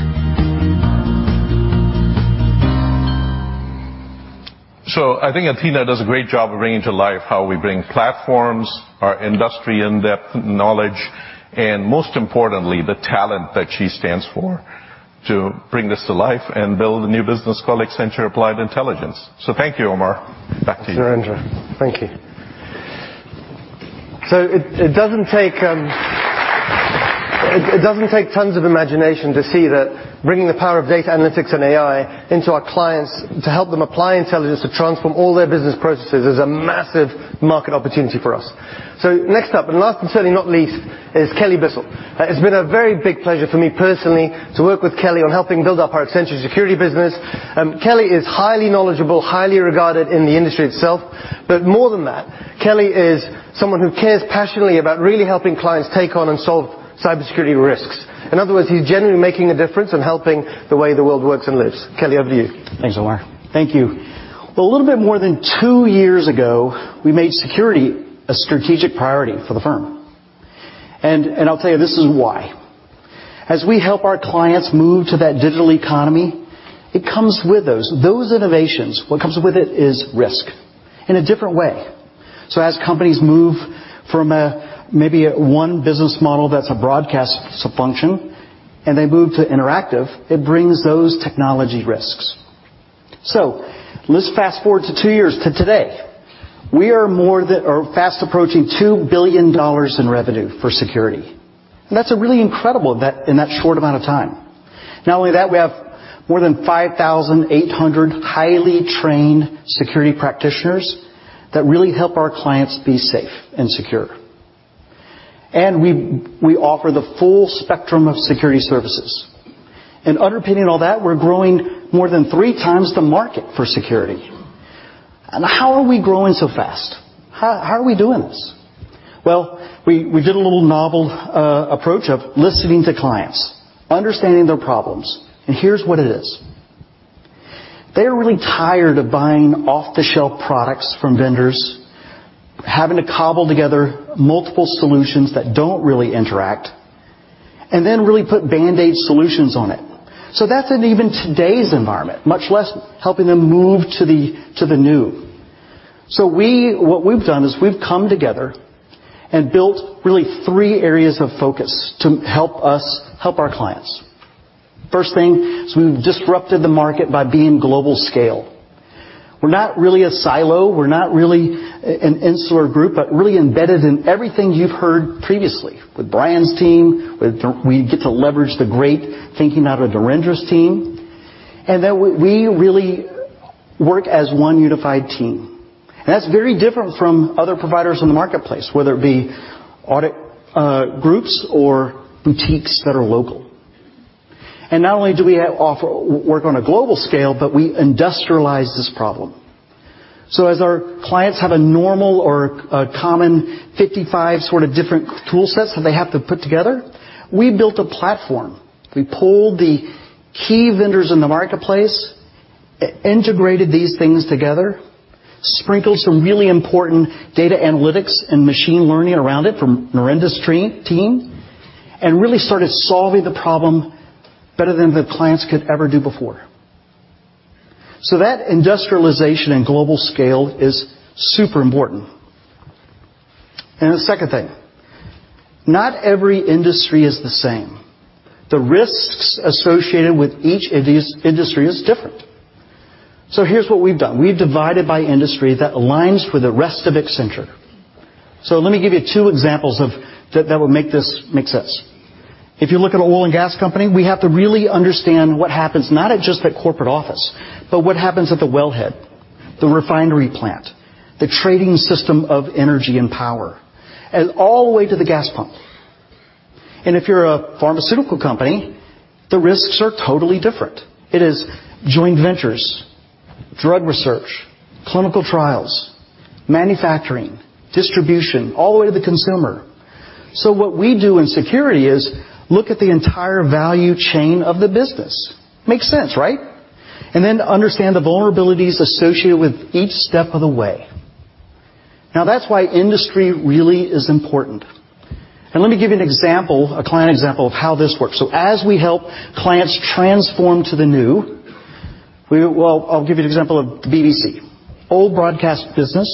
I think Athina does a great job of bringing to life how we bring platforms, our industry in-depth knowledge, and most importantly, the talent that she stands for, to bring this to life and build a new business called Accenture Applied Intelligence. Thank you, Omar. Back to you. Sure, Narendra. Thank you. It does not take tons of imagination to see that bringing the power of data analytics and AI into our clients to help them apply intelligence to transform all their business processes is a massive market opportunity for us. Next up, and last and certainly not least, is Kelly Bissell. It has been a very big pleasure for me personally to work with Kelly on helping build up our Accenture Security business. Kelly is highly knowledgeable, highly regarded in the industry itself. More than that, Kelly is someone who cares passionately about really helping clients take on and solve cybersecurity risks. In other words, he is genuinely making a difference in helping the way the world works and lives. Kelly, over to you. Thanks, Omar. Thank you. A little bit more than 2 years ago, we made security a strategic priority for the firm. I will tell you, this is why. As we help our clients move to that digital economy, it comes with those. Those innovations, what comes with it is risk in a different way. As companies move from maybe one business model that is a broadcast function, and they move to interactive, it brings those technology risks. Let us fast-forward to 2 years to today. We are fast approaching $2 billion in revenue for security. That is really incredible in that short amount of time. Not only that, we have more than 5,800 highly trained security practitioners that really help our clients be safe and secure. We offer the full spectrum of security services. Underpinning all that, we are growing more than 3 times the market for security. How are we growing so fast? How are we doing this? We did a little novel approach of listening to clients, understanding their problems, and here is what it is. They are really tired of buying off-the-shelf products from vendors, having to cobble together multiple solutions that do not really interact, and then really put band-aid solutions on it. That is in even today's environment, much less helping them move to the new. What we have done is we have come together and built really three areas of focus to help us help our clients. First thing is we have disrupted the market by being global scale. We are not really a silo, we are not really an insular group, but really embedded in everything you have heard previously. With Brian's team, we get to leverage the great thinking out of Narendra's team, and that we really work as one unified team. That is very different from other providers in the marketplace, whether it be audit groups or boutiques that are local. Not only do we work on a global scale, but we industrialize this problem. As our clients have a normal or a common 55 sort of different tool sets that they have to put together, we built a platform. We pulled the key vendors in the marketplace, integrated these things together, sprinkled some really important data analytics and machine learning around it from Narendra's team, and really started solving the problem better than the clients could ever do before. That industrialization and global scale is super important. The second thing, not every industry is the same. The risks associated with each industry is different. Here is what we have done. We have divided by industry that aligns with the rest of Accenture. Let me give you two examples that will make this make sense. If you look at an oil and gas company, we have to really understand what happens, not at just the corporate office, but what happens at the wellhead, the refinery plant, the trading system of energy and power, and all the way to the gas pump. If you're a pharmaceutical company, the risks are totally different. It is joint ventures, drug research, clinical trials, manufacturing, distribution, all the way to the consumer. What we do in security is look at the entire value chain of the business. Makes sense, right? To understand the vulnerabilities associated with each step of the way. That's why industry really is important. Let me give you an example, a client example, of how this works. As we help clients transform to the new. Well, I'll give you an example of the BBC. Old broadcast business,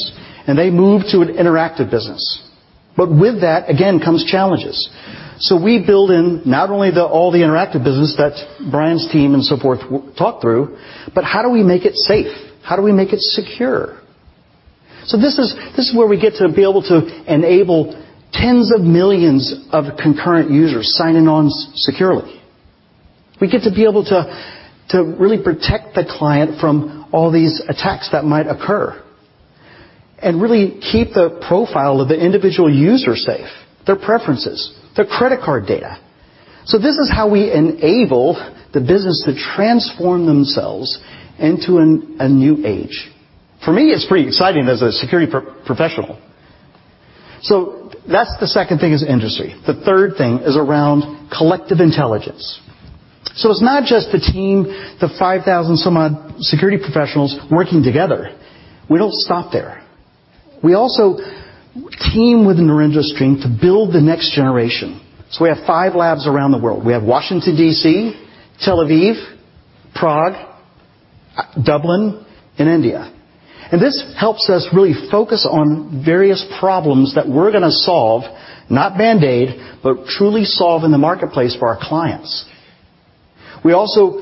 they moved to an interactive business. With that, again, comes challenges. We build in not only all the interactive business that Brian's team and so forth talked through, but how do we make it safe? How do we make it secure? This is where we get to be able to enable tens of millions of concurrent users signing on securely. We get to be able to really protect the client from all these attacks that might occur, and really keep the profile of the individual user safe, their preferences, their credit card data. This is how we enable the business to transform themselves into a new age. For me, it's pretty exciting as a security professional. That's the second thing is industry. The third thing is around collective intelligence. It's not just the team, the 5,000 some odd security professionals working together. We don't stop there. We also team with Narendra's team to build the next generation. We have five labs around the world. We have Washington, D.C., Tel Aviv, Prague, Dublin, and India. This helps us really focus on various problems that we're going to solve, not band-aid, but truly solve in the marketplace for our clients. We also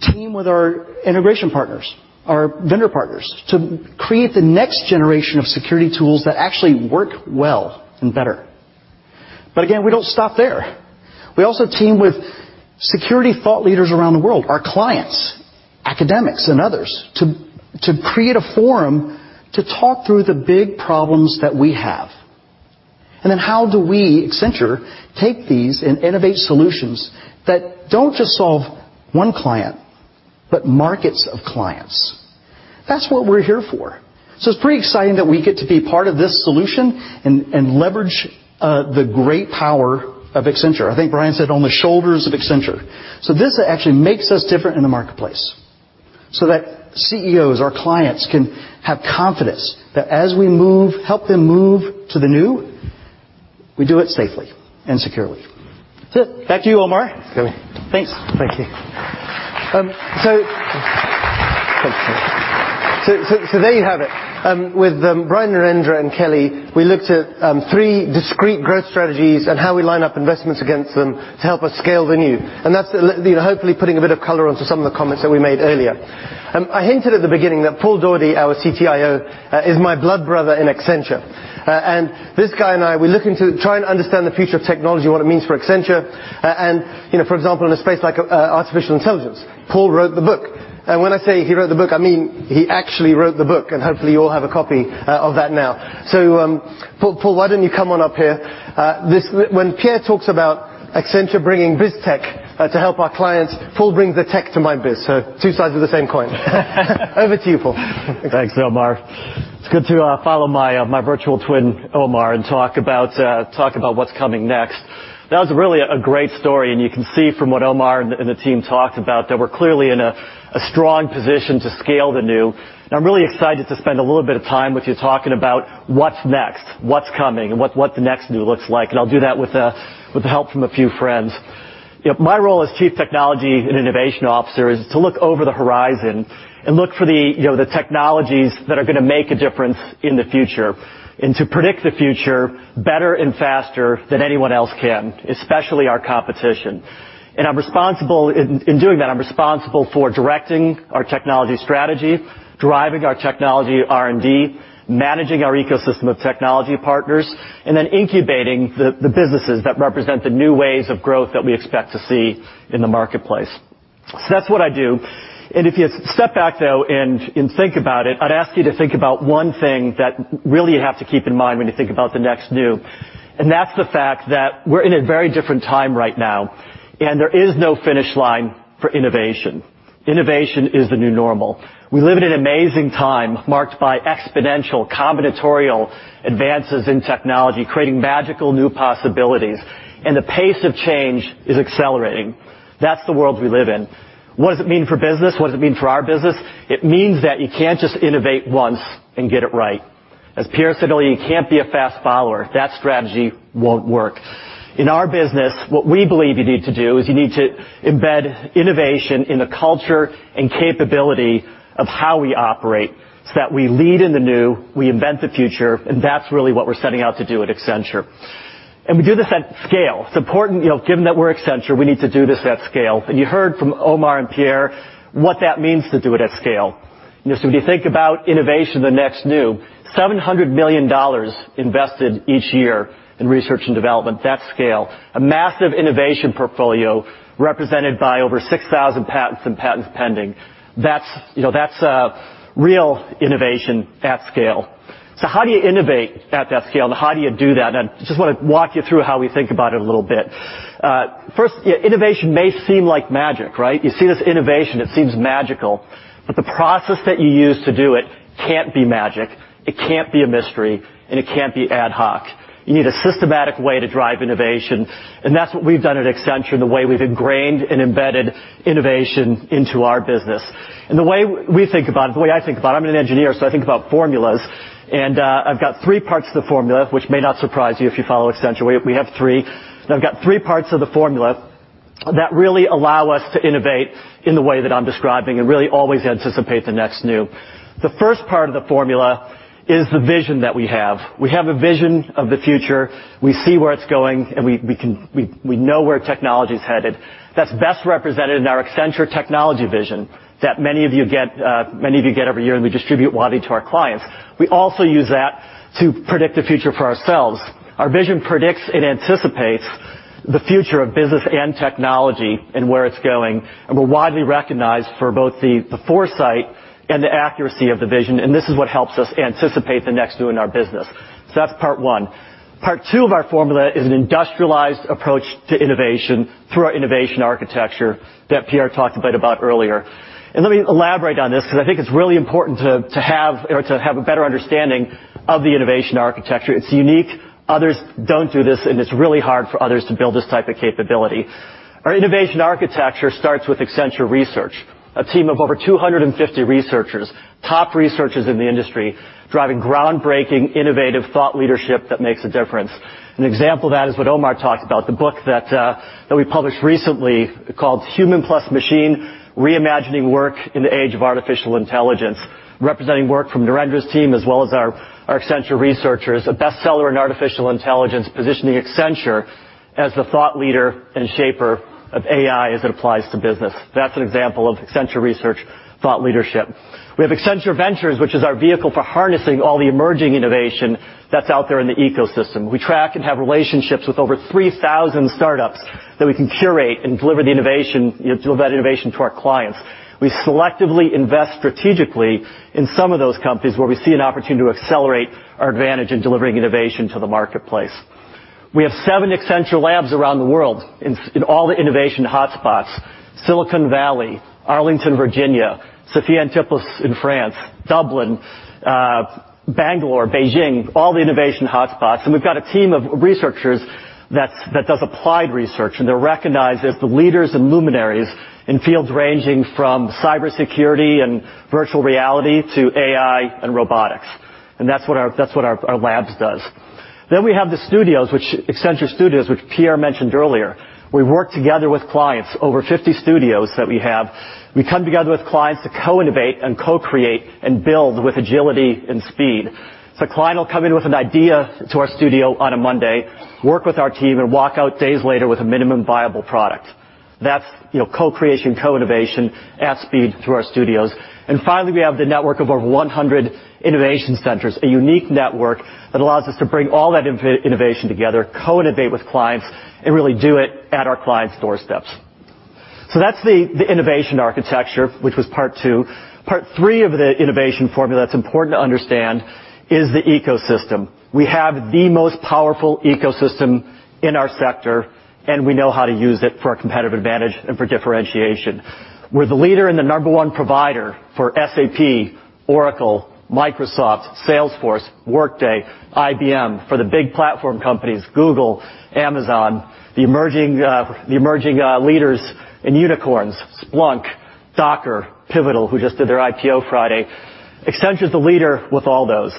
team with our integration partners, our vendor partners, to create the next generation of security tools that actually work well and better. Again, we don't stop there. We also team with security thought leaders around the world, our clients, academics, and others, to create a forum to talk through the big problems that we have. How do we, Accenture, take these and innovate solutions that don't just solve one client, but markets of clients? That's what we're here for. It's pretty exciting that we get to be part of this solution and leverage the great power of Accenture. I think Brian said on the shoulders of Accenture. This actually makes us different in the marketplace, so that CEOs, our clients, can have confidence that as we help them move to the new, we do it safely and securely. Back to you, Omar. Okay. Thanks. Thank you. There you have it. With Brian, Narendra, and Kelly, we looked at three discrete growth strategies and how we line up investments against them to help us scale the new. That's hopefully putting a bit of color onto some of the comments that we made earlier. I hinted at the beginning that Paul Daugherty, our CTIO, is my blood brother in Accenture. This guy and I, we're looking to try and understand the future of technology and what it means for Accenture. For example, in a space like artificial intelligence, Paul wrote the book. When I say he wrote the book, I mean he actually wrote the book. Hopefully, you all have a copy of that now. Paul, why don't you come on up here? When Pierre talks about Accenture bringing biz tech to help our clients, Paul brings the tech to my biz. Two sides of the same coin. Over to you, Paul. Thanks, Omar. It's good to follow my virtual twin, Omar, and talk about what's coming next. That was really a great story, and you can see from what Omar and the team talked about that we're clearly in a strong position to scale the new. I'm really excited to spend a little bit of time with you talking about what's next, what's coming, and what the next new looks like, and I'll do that with help from a few friends. My role as Chief Technology and Innovation Officer is to look over the horizon and look for the technologies that are going to make a difference in the future and to predict the future better and faster than anyone else can, especially our competition. In doing that, I'm responsible for directing our technology strategy, driving our technology R&D, managing our ecosystem of technology partners, and then incubating the businesses that represent the new ways of growth that we expect to see in the marketplace. That's what I do. If you step back, though, and think about it, I'd ask you to think about one thing that really you have to keep in mind when you think about the next new, and that's the fact that we're in a very different time right now, and there is no finish line for innovation. Innovation is the new normal. We live in an amazing time marked by exponential combinatorial advances in technology, creating magical new possibilities, and the pace of change is accelerating. That's the world we live in. What does it mean for business? What does it mean for our business? It means that you can't just innovate once and get it right. As Pierre said earlier, you can't be a fast follower. That strategy won't work. In our business, what we believe you need to do is you need to embed innovation in the culture and capability of how we operate so that we lead in the new, we invent the future, and that's really what we're setting out to do at Accenture. We do this at scale. It's important, given that we're Accenture, we need to do this at scale. You heard from Omar and Pierre what that means to do it at scale. When you think about innovation, the next new, $700 million invested each year in research and development. That's scale. A massive innovation portfolio represented by over 6,000 patents and patents pending. That's real innovation at scale. How do you innovate at that scale, and how do you do that? I just want to walk you through how we think about it a little bit. First, innovation may seem like magic, right? You see this innovation, it seems magical, but the process that you use to do it can't be magic, it can't be a mystery, and it can't be ad hoc. You need a systematic way to drive innovation, and that's what we've done at Accenture and the way we've ingrained and embedded innovation into our business. The way we think about it, the way I think about it, I'm an engineer, so I think about formulas. I've got three parts to the formula, which may not surprise you if you follow Accenture. We have three, and I've got three parts of the formula that really allow us to innovate in the way that I'm describing and really always anticipate the next new. The first part of the formula is the vision that we have. We have a vision of the future. We see where it's going, and we know where technology's headed. That's best represented in our Accenture Technology Vision that many of you get every year, and we distribute widely to our clients. We also use that to predict the future for ourselves. Our vision predicts and anticipates the future of business and technology and where it's going, and we're widely recognized for both the foresight and the accuracy of the vision, and this is what helps us anticipate the next new in our business. That's part one. Part two of our formula is an industrialized approach to innovation through our innovation architecture that Pierre talked a bit about earlier. Let me elaborate on this because I think it's really important to have a better understanding of the innovation architecture. It's unique, others don't do this, and it's really hard for others to build this type of capability. Our innovation architecture starts with Accenture Research, a team of over 250 researchers, top researchers in the industry, driving groundbreaking, innovative thought leadership that makes a difference. An example of that is what Omar talked about, the book that we published recently called "Human + Machine: Reimagining Work in the Age of AI," representing work from Narendra's team as well as our Accenture researchers. A bestseller in artificial intelligence, positioning Accenture as the thought leader and shaper of AI as it applies to business. That's an example of Accenture Research thought leadership. We have Accenture Ventures, which is our vehicle for harnessing all the emerging innovation that's out there in the ecosystem. We track and have relationships with over 3,000 startups that we can curate and deliver that innovation to our clients. We selectively invest strategically in some of those companies where we see an opportunity to accelerate our advantage in delivering innovation to the marketplace. We have seven Accenture labs around the world in all the innovation hotspots: Silicon Valley, Arlington, Virginia, Sophia Antipolis in France, Dublin, Bangalore, Beijing, all the innovation hotspots, and we've got a team of researchers that does applied research, and they're recognized as the leaders and luminaries in fields ranging from cybersecurity and virtual reality to AI and robotics. That's what our labs does. We have the studios, Accenture Studios, which Pierre mentioned earlier. We work together with clients, over 50 studios that we have. We come together with clients to co-innovate and co-create and build with agility and speed. A client will come in with an idea to our studio on a Monday, work with our team, and walk out days later with a minimum viable product. That's co-creation, co-innovation at speed through our studios. Finally, we have the network of over 100 innovation centers, a unique network that allows us to bring all that innovation together, co-innovate with clients, and really do it at our clients' doorsteps. That's the innovation architecture, which was part 2. Part 3 of the innovation formula that's important to understand is the ecosystem. We have the most powerful ecosystem in our sector, and we know how to use it for our competitive advantage and for differentiation. We're the leader and the number one provider for SAP, Oracle, Microsoft, Salesforce, Workday, IBM, for the big platform companies, Google, Amazon, the emerging leaders in unicorns, Splunk, Docker, Pivotal, who just did their IPO Friday. Accenture's the leader with all those.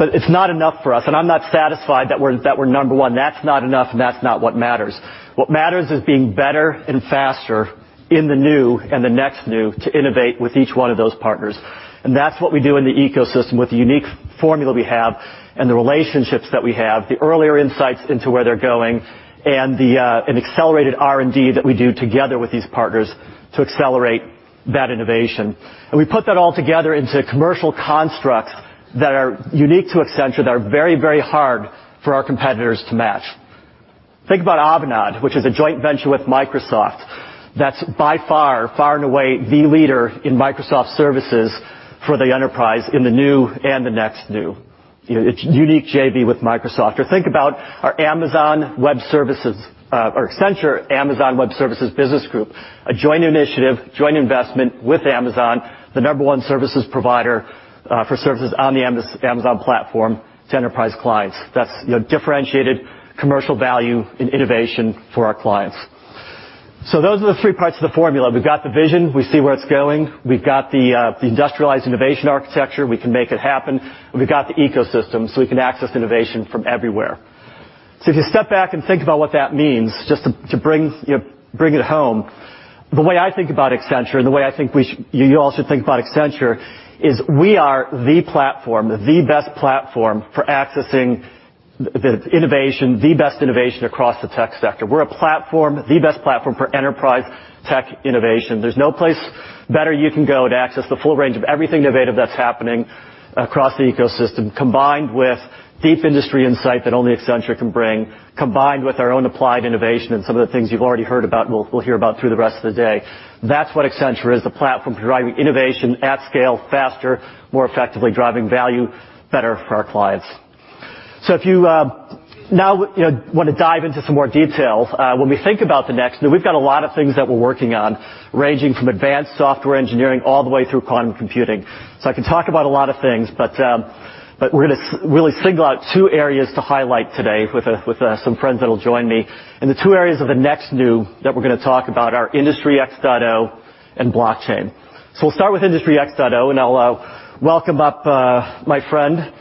It's not enough for us, and I'm not satisfied that we're number one. That's not enough, and that's not what matters. What matters is being better and faster in the new and the next new to innovate with each one of those partners. That's what we do in the ecosystem with the unique formula we have and the relationships that we have, the earlier insights into where they're going, and an accelerated R&D that we do together with these partners to accelerate that innovation. We put that all together into commercial constructs that are unique to Accenture, that are very hard for our competitors to match. Think about Avanade, which is a joint venture with Microsoft, that's by far, far and away, the leader in Microsoft services for the enterprise in the new and the next new. It's a unique JV with Microsoft. Think about our Accenture Amazon Web Services Business Group, a joint initiative, joint investment with Amazon, the number one services provider for services on the Amazon platform to enterprise clients. That's differentiated commercial value in innovation for our clients. Those are the 3 parts of the formula. We've got the vision. We see where it's going. We've got the industrialized innovation architecture. We can make it happen. We've got the ecosystem, so we can access innovation from everywhere. If you step back and think about what that means, just to bring it home, the way I think about Accenture and the way I think you all should think about Accenture is we are the platform, the best platform for accessing the best innovation across the tech sector. We're a platform, the best platform for enterprise tech innovation. There's no place better you can go to access the full range of everything innovative that's happening across the ecosystem, combined with deep industry insight that only Accenture can bring, combined with our own applied innovation and some of the things you've already heard about, and we'll hear about through the rest of the day. That's what Accenture is, the platform for driving innovation at scale, faster, more effectively driving value better for our clients. If you now want to dive into some more details, when we think about the next, now we've got a lot of things that we're working on, ranging from advanced software engineering all the way through quantum computing. I can talk about a lot of things, but we're going to really single out two areas to highlight today with some friends that'll join me. The two areas of the next new that we're going to talk about are Industry X.0 and blockchain. We'll start with Industry X.0, and I'll welcome up my friend,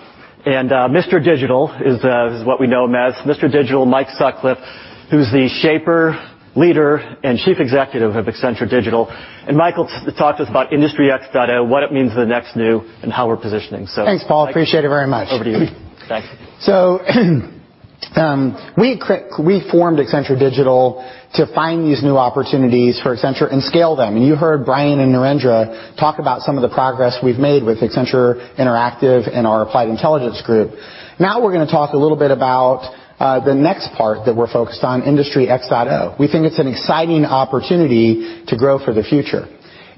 and Mr. Digital is what we know him as. Mr. Digital, Mike Sutcliff, who's the shaper, leader, and Chief Executive of Accenture Digital. Michael, to talk to us about Industry X.0, what it means to the next new, and how we're positioning. Thanks, Paul. Appreciate it very much. Over to you. Thanks. We formed Accenture Digital to find these new opportunities for Accenture and scale them. You heard Brian and Narendra talk about some of the progress we've made with Accenture Interactive and our Applied Intelligence group. Now we're going to talk a little bit about the next part that we're focused on, Industry X.0. We think it's an exciting opportunity to grow for the future.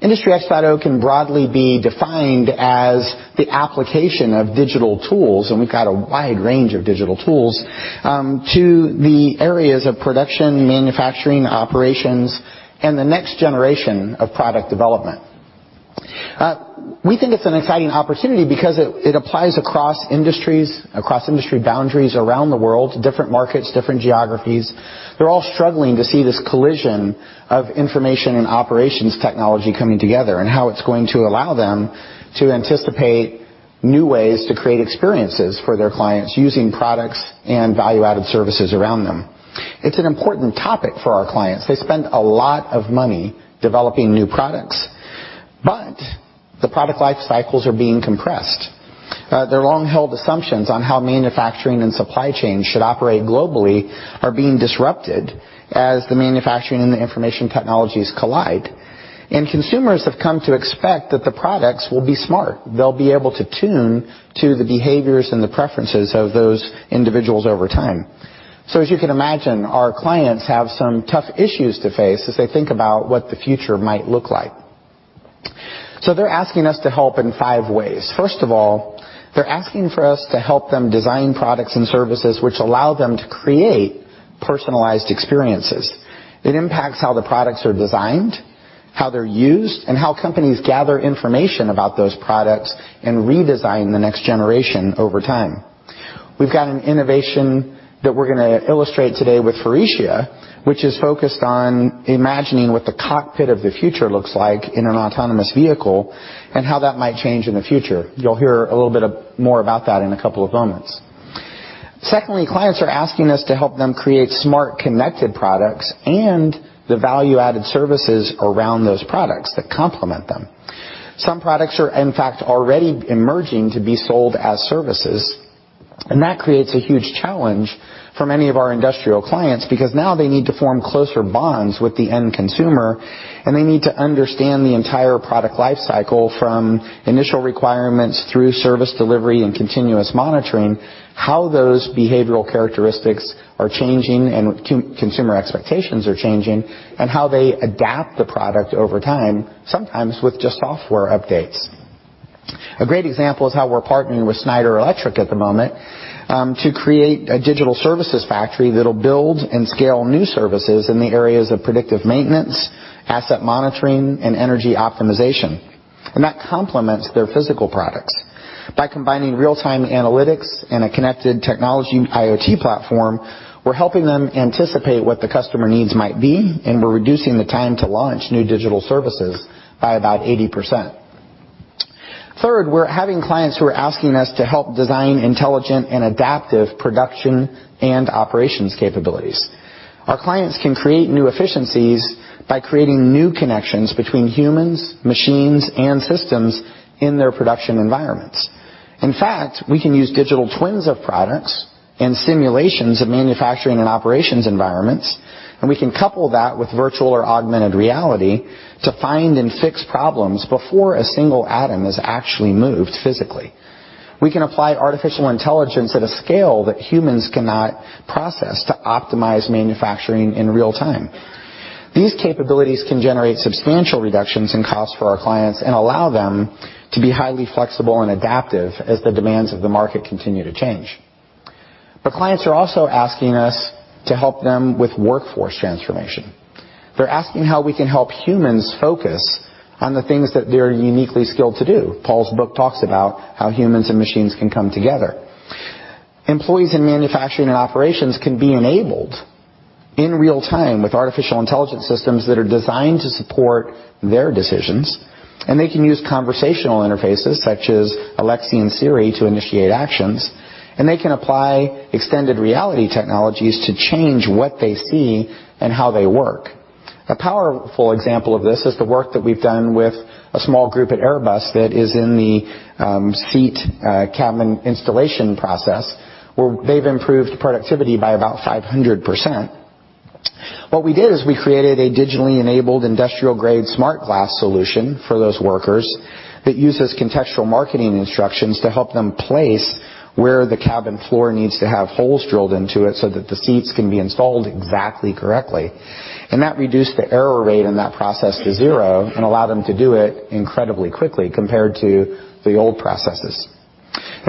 Industry X.0 can broadly be defined as the application of digital tools, and we've got a wide range of digital tools, to the areas of production, manufacturing, operations, and the next generation of product development. We think it's an exciting opportunity because it applies across industries, across industry boundaries, around the world, different markets, different geographies. They're all struggling to see this collision of information and operations technology coming together, and how it's going to allow them to anticipate new ways to create experiences for their clients using products and value-added services around them. It's an important topic for our clients. The product life cycles are being compressed. Their long-held assumptions on how manufacturing and supply chain should operate globally are being disrupted as the manufacturing and the information technologies collide. Consumers have come to expect that the products will be smart. They'll be able to tune to the behaviors and the preferences of those individuals over time. As you can imagine, our clients have some tough issues to face as they think about what the future might look like. They're asking us to help in five ways. First of all, they're asking for us to help them design products and services which allow them to create personalized experiences. It impacts how the products are designed, how they're used, and how companies gather information about those products and redesign the next generation over time. We've got an innovation that we're going to illustrate today with Faurecia, which is focused on imagining what the cockpit of the future looks like in an autonomous vehicle, and how that might change in the future. You'll hear a little bit more about that in a couple of moments. Secondly, clients are asking us to help them create smart, connected products and the value-added services around those products that complement them. Some products are, in fact, already emerging to be sold as services, and that creates a huge challenge for many of our industrial clients because now they need to form closer bonds with the end consumer, and they need to understand the entire product life cycle from initial requirements through service delivery and continuous monitoring, how those behavioral characteristics are changing and consumer expectations are changing, and how they adapt the product over time, sometimes with just software updates. A great example is how we're partnering with Schneider Electric at the moment to create a digital services factory that'll build and scale new services in the areas of predictive maintenance, asset monitoring, and energy optimization. That complements their physical products. By combining real-time analytics and a connected technology IoT platform, we're helping them anticipate what the customer needs might be, and we're reducing the time to launch new digital services by about 80%. We're having clients who are asking us to help design intelligent and adaptive production and operations capabilities. Our clients can create new efficiencies by creating new connections between humans, machines, and systems in their production environments. In fact, we can use digital twins of products and simulations of manufacturing and operations environments, and we can couple that with virtual or augmented reality to find and fix problems before a single atom is actually moved physically. We can apply artificial intelligence at a scale that humans cannot process to optimize manufacturing in real time. These capabilities can generate substantial reductions in cost for our clients and allow them to be highly flexible and adaptive as the demands of the market continue to change. Clients are also asking us to help them with workforce transformation. They're asking how we can help humans focus on the things that they're uniquely skilled to do. Paul's book talks about how humans and machines can come together. Employees in manufacturing and operations can be enabled in real time with artificial intelligence systems that are designed to support their decisions, and they can use conversational interfaces such as Alexa and Siri to initiate actions, and they can apply extended reality technologies to change what they see and how they work. A powerful example of this is the work that we've done with a small group at Airbus that is in the seat cabin installation process, where they've improved productivity by about 500%. What we did is we created a digitally enabled industrial-grade smart glass solution for those workers that uses contextual marking instructions to help them place where the cabin floor needs to have holes drilled into it so that the seats can be installed exactly correctly. That reduced the error rate in that process to zero and allowed them to do it incredibly quickly compared to the old processes.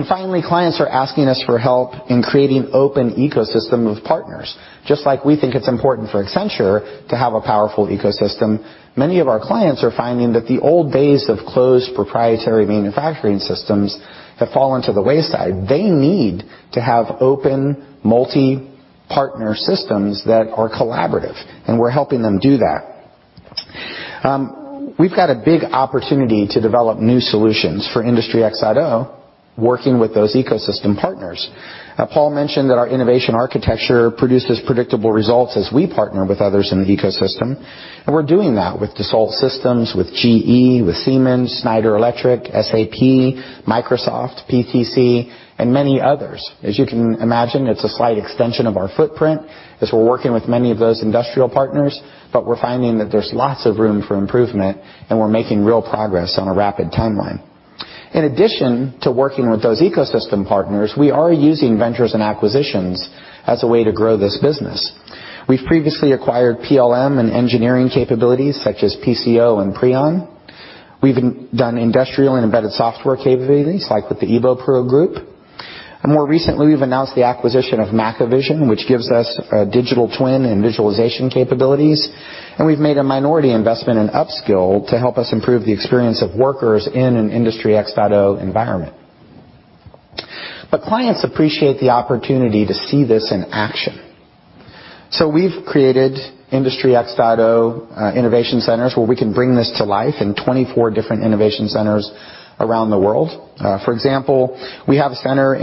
Finally, clients are asking us for help in creating open ecosystem of partners. Just like we think it's important for Accenture to have a powerful ecosystem, many of our clients are finding that the old days of closed proprietary manufacturing systems have fallen to the wayside. They need to have open multi-partner systems that are collaborative, we're helping them do that. We've got a big opportunity to develop new solutions for Industry X.0, working with those ecosystem partners. Paul mentioned that our innovation architecture produces predictable results as we partner with others in the ecosystem, we're doing that with Dassault Systèmes, with GE, with Siemens, Schneider Electric, SAP, Microsoft, PTC, and many others. As you can imagine, it's a slight extension of our footprint as we're working with many of those industrial partners, we're finding that there's lots of room for improvement, we're making real progress on a rapid timeline. In addition to working with those ecosystem partners, we are using ventures and acquisitions as a way to grow this business. We've previously acquired PLM and engineering capabilities such as PCO and PRION. We've done industrial and embedded software capabilities, like with the evopro group. More recently, we've announced the acquisition of Mackevision, which gives us digital twin and visualization capabilities, and we've made a minority investment in Upskill to help us improve the experience of workers in an Industry X.0 environment. Clients appreciate the opportunity to see this in action. We've created Industry X.0 innovation centers where we can bring this to life in 24 different innovation centers around the world. For example, we have a center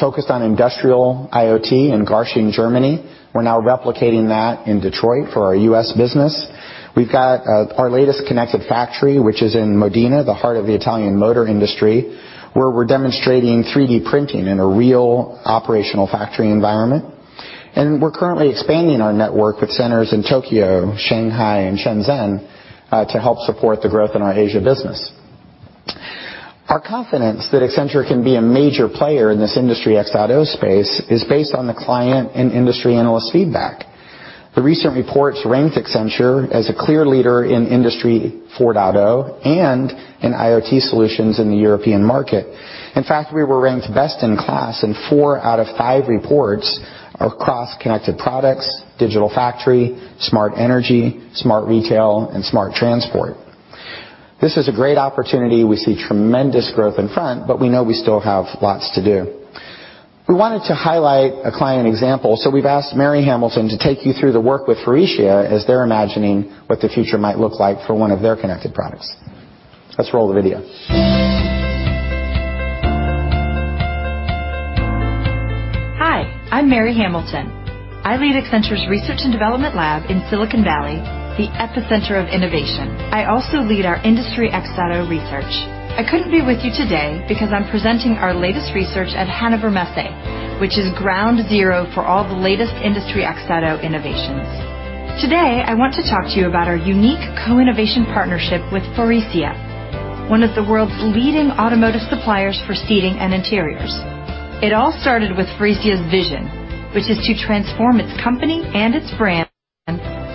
focused on industrial IoT in Garching, Germany. We're now replicating that in Detroit for our U.S. business. We've got our latest connected factory, which is in Modena, the heart of the Italian motor industry, where we're demonstrating 3D printing in a real operational factory environment. We're currently expanding our network with centers in Tokyo, Shanghai, and Shenzhen, to help support the growth in our Asia business. Our confidence that Accenture can be a major player in this Industry X.0 space is based on the client and industry analyst feedback. The recent reports ranked Accenture as a clear leader in Industry 4.0 and in IoT solutions in the European market. In fact, we were ranked best in class in four out of five reports across connected products, digital factory, smart energy, smart retail, and smart transport. This is a great opportunity. We see tremendous growth in front, but we know we still have lots to do. We wanted to highlight a client example, so we've asked Mary Hamilton to take you through the work with Faurecia as they're imagining what the future might look like for one of their connected products. Let's roll the video. Hi, I'm Mary Hamilton. I lead Accenture's research and development lab in Silicon Valley, the epicenter of innovation. I also lead our Industry X.0 research. I couldn't be with you today because I'm presenting our latest research at Hannover Messe, which is ground zero for all the latest Industry X.0 innovations. Today, I want to talk to you about our unique co-innovation partnership with Faurecia, one of the world's leading automotive suppliers for seating and interiors. It all started with Faurecia's vision, which is to transform its company and its brand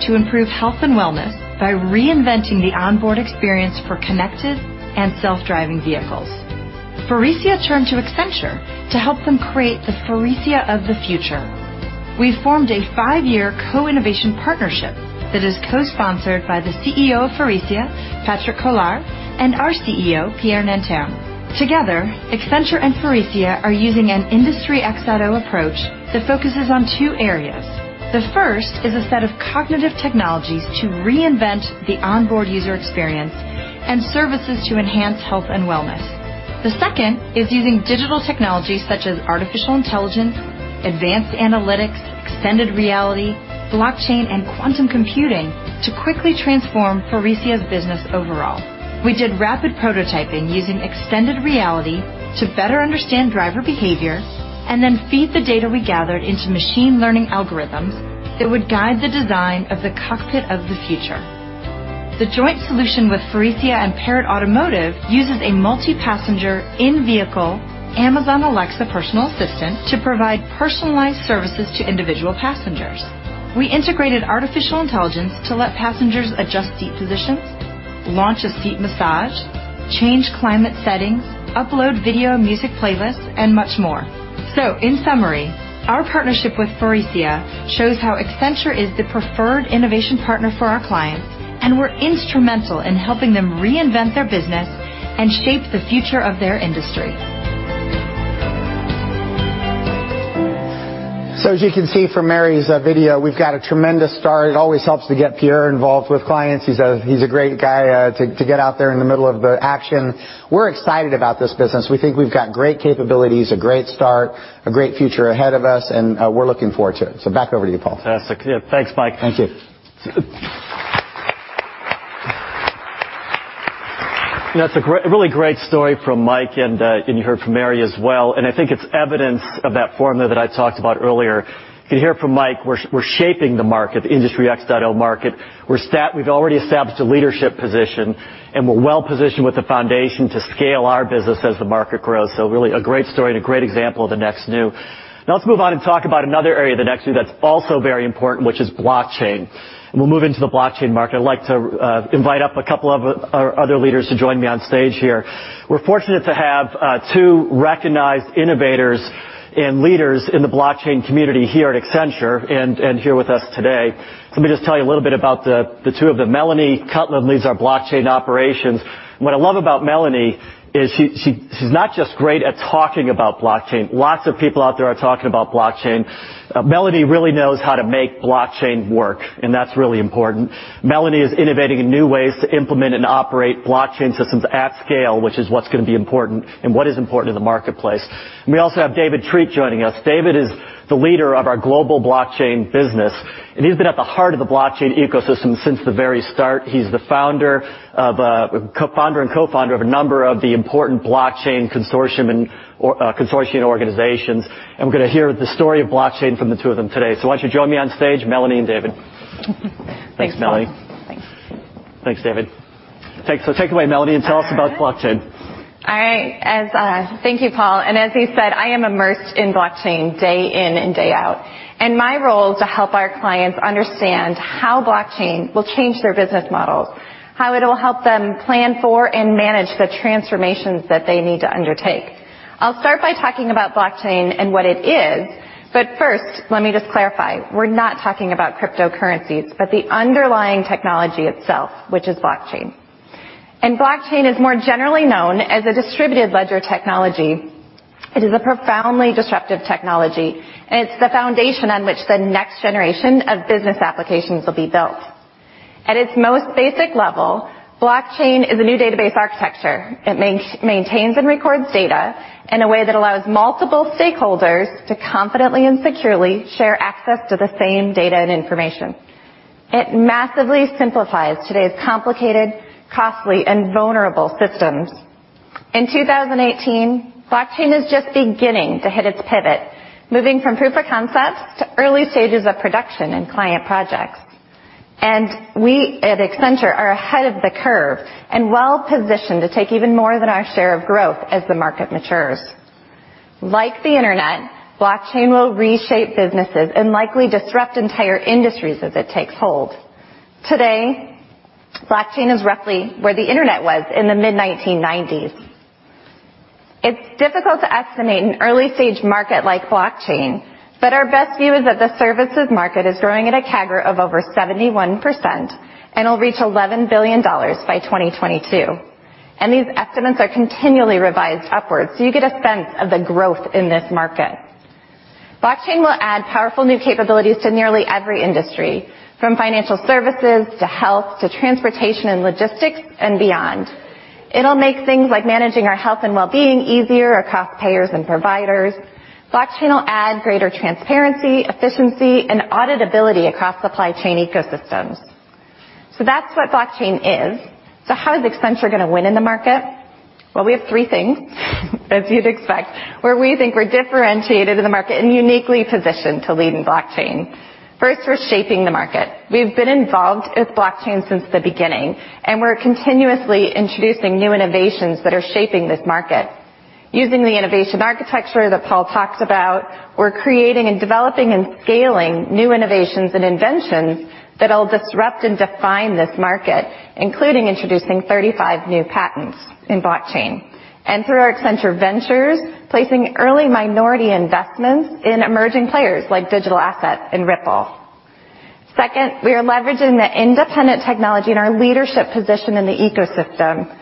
to improve health and wellness by reinventing the onboard experience for connected and self-driving vehicles. Faurecia turned to Accenture to help them create the Faurecia of the future. We formed a five-year co-innovation partnership that is co-sponsored by the CEO of Faurecia, Patrick Koller, and our CEO, Pierre Nanterme. Together, Accenture and Faurecia are using an Industry X.0 approach that focuses on two areas. The first is a set of cognitive technologies to reinvent the onboard user experience and services to enhance health and wellness. The second is using digital technologies such as artificial intelligence, advanced analytics, extended reality, blockchain, and quantum computing to quickly transform Faurecia's business overall. We did rapid prototyping using extended reality to better understand driver behavior and then feed the data we gathered into machine learning algorithms that would guide the design of the cockpit of the future. The joint solution with Faurecia and Parrot Automotive uses a multi-passenger in-vehicle Amazon Alexa personal assistant to provide personalized services to individual passengers. We integrated artificial intelligence to let passengers adjust seat positions, launch a seat massage, change climate settings, upload video-music playlists, and much more. In summary, our partnership with Faurecia shows how Accenture is the preferred innovation partner for our clients, and we're instrumental in helping them reinvent their business and shape the future of their industry. As you can see from Mary's video, we've got a tremendous start. It always helps to get Pierre involved with clients. He's a great guy to get out there in the middle of the action. We're excited about this business. We think we've got great capabilities, a great start, a great future ahead of us, and we're looking forward to it. Back over to you, Paul. Fantastic. Yeah, thanks, Mike. Thank you. That's a really great story from Mike, and you heard from Mary as well, and I think it's evidence of that formula that I talked about earlier. You can hear it from Mike, we're shaping the market, the Industry X.0 market. We've already established a leadership position, and we're well-positioned with the foundation to scale our business as the market grows. Really, a great story and a great example of the next new. Let's move on and talk about another area of the next new that's also very important, which is blockchain. We'll move into the blockchain market. I'd like to invite up a couple of our other leaders to join me on stage here. We're fortunate to have two recognized innovators and leaders in the blockchain community here at Accenture and here with us today. Let me just tell you a little bit about the two of them. Melanie Cutlan leads our blockchain operations. What I love about Melanie is she's not just great at talking about blockchain. Lots of people out there are talking about blockchain. Melanie really knows how to make blockchain work, and that's really important. Melanie is innovating new ways to implement and operate blockchain systems at scale, which is what's going to be important and what is important in the marketplace. We also have David Treat joining us. David is the leader of our global blockchain business, and he's been at the heart of the blockchain ecosystem since the very start. He's the founder and co-founder of a number of the important blockchain consortium organizations, and we're going to hear the story of blockchain from the two of them today. Why don't you join me on stage, Melanie and David. Thanks, Paul. Thanks, Melanie. Thanks. Thanks, David. Take it away, Melanie, tell us about blockchain. All right. Thank you, Paul. As you said, I am immersed in blockchain day in and day out, my role is to help our clients understand how blockchain will change their business models, how it'll help them plan for and manage the transformations that they need to undertake. I'll start by talking about blockchain and what it is, but first, let me just clarify. We're not talking about cryptocurrencies, but the underlying technology itself, which is blockchain. Blockchain is more generally known as a distributed ledger technology. It is a profoundly disruptive technology, and it's the foundation on which the next generation of business applications will be built. At its most basic level, blockchain is a new database architecture. It maintains and records data in a way that allows multiple stakeholders to confidently and securely share access to the same data and information. It massively simplifies today's complicated, costly, and vulnerable systems. In 2018, blockchain is just beginning to hit its pivot, moving from proof of concepts to early stages of production and client projects. We, at Accenture, are ahead of the curve and well-positioned to take even more than our share of growth as the market matures. Like the internet, blockchain will reshape businesses and likely disrupt entire industries as it takes hold. Today, blockchain is roughly where the internet was in the mid-1990s. It's difficult to estimate an early-stage market like blockchain, but our best view is that the services market is growing at a CAGR of over 71% and will reach $11 billion by 2022. These estimates are continually revised upwards, so you get a sense of the growth in this market. Blockchain will add powerful new capabilities to nearly every industry, from financial services to health, to transportation and logistics, and beyond. It'll make things like managing our health and wellbeing easier across payers and providers. Blockchain will add greater transparency, efficiency, and auditability across supply chain ecosystems. That's what blockchain is. How is Accenture going to win in the market? We have three things as you'd expect, where we think we're differentiated in the market and uniquely positioned to lead in blockchain. First, we're shaping the market. We've been involved with blockchain since the beginning, and we're continuously introducing new innovations that are shaping this market. Using the innovation architecture that Paul talked about, we're creating and developing and scaling new innovations and inventions that will disrupt and define this market, including introducing 35 new patents in blockchain. Through our Accenture Ventures, placing early minority investments in emerging players like Digital Asset and Ripple. Second, we are leveraging the independent technology and our leadership position in the ecosystem.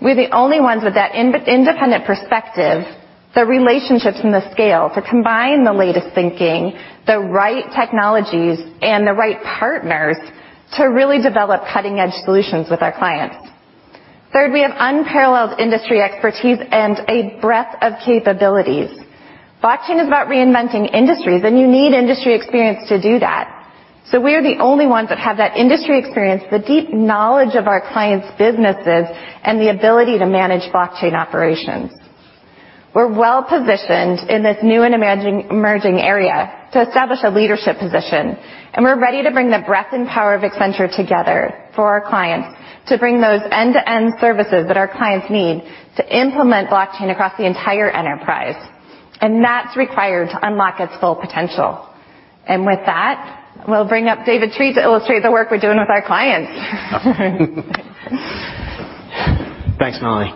We're the only ones with that independent perspective, the relationships, and the scale to combine the latest thinking, the right technologies, and the right partners to really develop cutting-edge solutions with our clients. Third, we have unparalleled industry expertise and a breadth of capabilities. Blockchain is about reinventing industries, and you need industry experience to do that. We are the only ones that have that industry experience, the deep knowledge of our clients' businesses, and the ability to manage blockchain operations. We're well-positioned in this new and emerging area to establish a leadership position, and we're ready to bring the breadth and power of Accenture together for our clients to bring those end-to-end services that our clients need to implement blockchain across the entire enterprise. That's required to unlock its full potential. With that, we'll bring up David Treat to illustrate the work we're doing with our clients. Thanks, Melanie.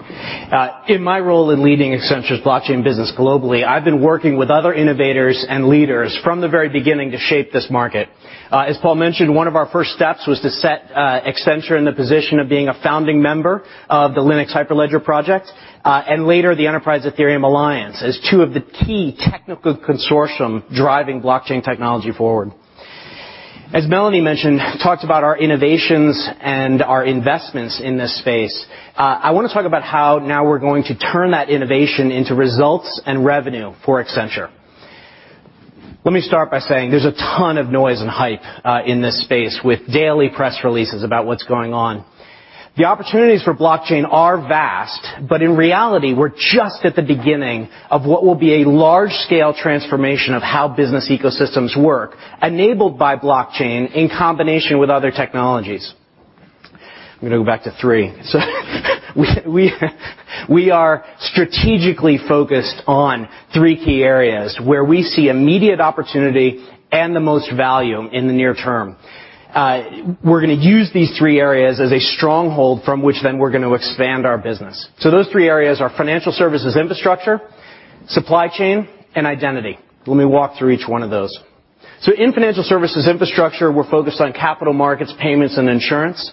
In my role in leading Accenture's blockchain business globally, I have been working with other innovators and leaders from the very beginning to shape this market. As Paul mentioned, one of our first steps was to set Accenture in the position of being a founding member of the Linux Hyperledger project, and later the Enterprise Ethereum Alliance as two of the key technical consortium driving blockchain technology forward. As Melanie mentioned, talked about our innovations and our investments in this space, I want to talk about how now we are going to turn that innovation into results and revenue for Accenture. Let me start by saying there is a ton of noise and hype in this space with daily press releases about what is going on. The opportunities for blockchain are vast, but in reality, we are just at the beginning of what will be a large-scale transformation of how business ecosystems work, enabled by blockchain in combination with other technologies. I am going to go back to three. We are strategically focused on three key areas where we see immediate opportunity and the most value in the near term. We are going to use these three areas as a stronghold from which then we are going to expand our business. Those three areas are financial services infrastructure, supply chain, and identity. Let me walk through each one of those. In financial services infrastructure, we are focused on capital markets, payments, and insurance,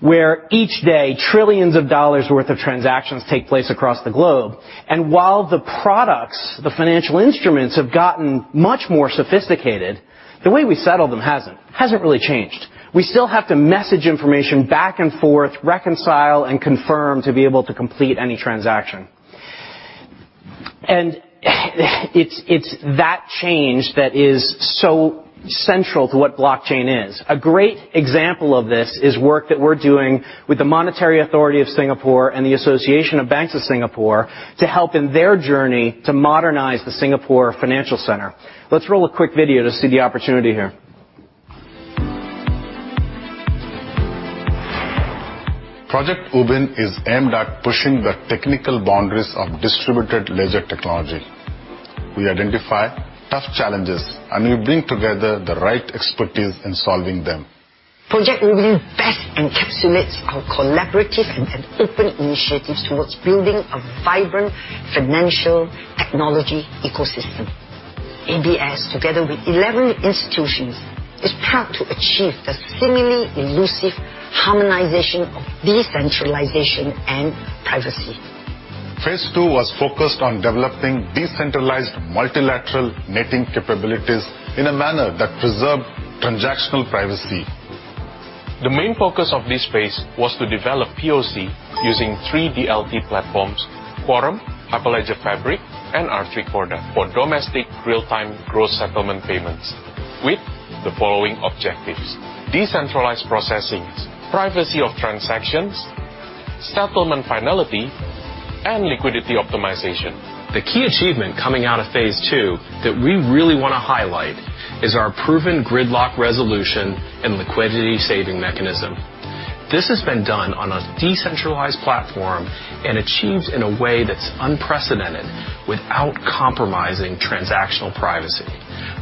where each day, $trillions worth of transactions take place across the globe. While the products, the financial instruments, have gotten much more sophisticated, the way we settle them has not. Has not really changed. We still have to message information back and forth, reconcile, and confirm to be able to complete any transaction. It is that change that is so central to what blockchain is. A great example of this is work that we are doing with the Monetary Authority of Singapore and the Association of Banks in Singapore to help in their journey to modernize the Singapore financial center. Let us roll a quick video to see the opportunity here. Project Ubin is aimed at pushing the technical boundaries of distributed ledger technology. We identify tough challenges, and we bring together the right expertise in solving them. Project Ubin best encapsulates our collaborative and open initiatives towards building a vibrant financial technology ecosystem. ABS, together with 11 institutions, is proud to achieve the seemingly elusive harmonization of decentralization and privacy. Phase two was focused on developing decentralized multilateral netting capabilities in a manner that preserved transactional privacy. The main focus of this phase was to develop PoC using three DLT platforms, Quorum, Hyperledger Fabric, and R3 Corda, for domestic real-time gross settlement payments with the following objectives. Decentralized processing, privacy of transactions, settlement finality, and liquidity optimization. The key achievement coming out of phase two that we really want to highlight is our proven gridlock resolution and liquidity saving mechanism. This has been done on a decentralized platform and achieved in a way that's unprecedented, without compromising transactional privacy.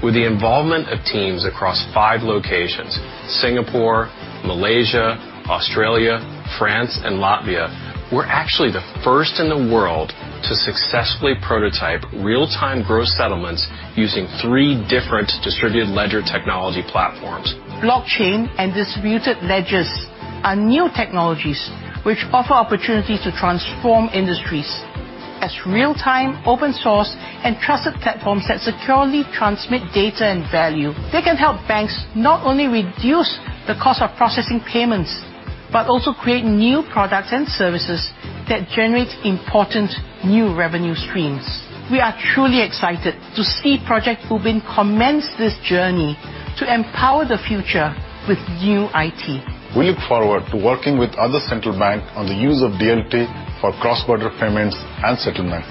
With the involvement of teams across five locations, Singapore, Malaysia, Australia, France, and Latvia, we're actually the first in the world to successfully prototype real-time gross settlements using three different distributed ledger technology platforms. Blockchain and distributed ledgers are new technologies which offer opportunities to transform industries. As real-time, open source, and trusted platforms that securely transmit data and value, they can help banks not only reduce the cost of processing payments, but also create new products and services that generate important new revenue streams. We are truly excited to see Project Ubin commence this journey to empower the future with new IT. We look forward to working with other central banks on the use of DLT for cross-border payments and settlement.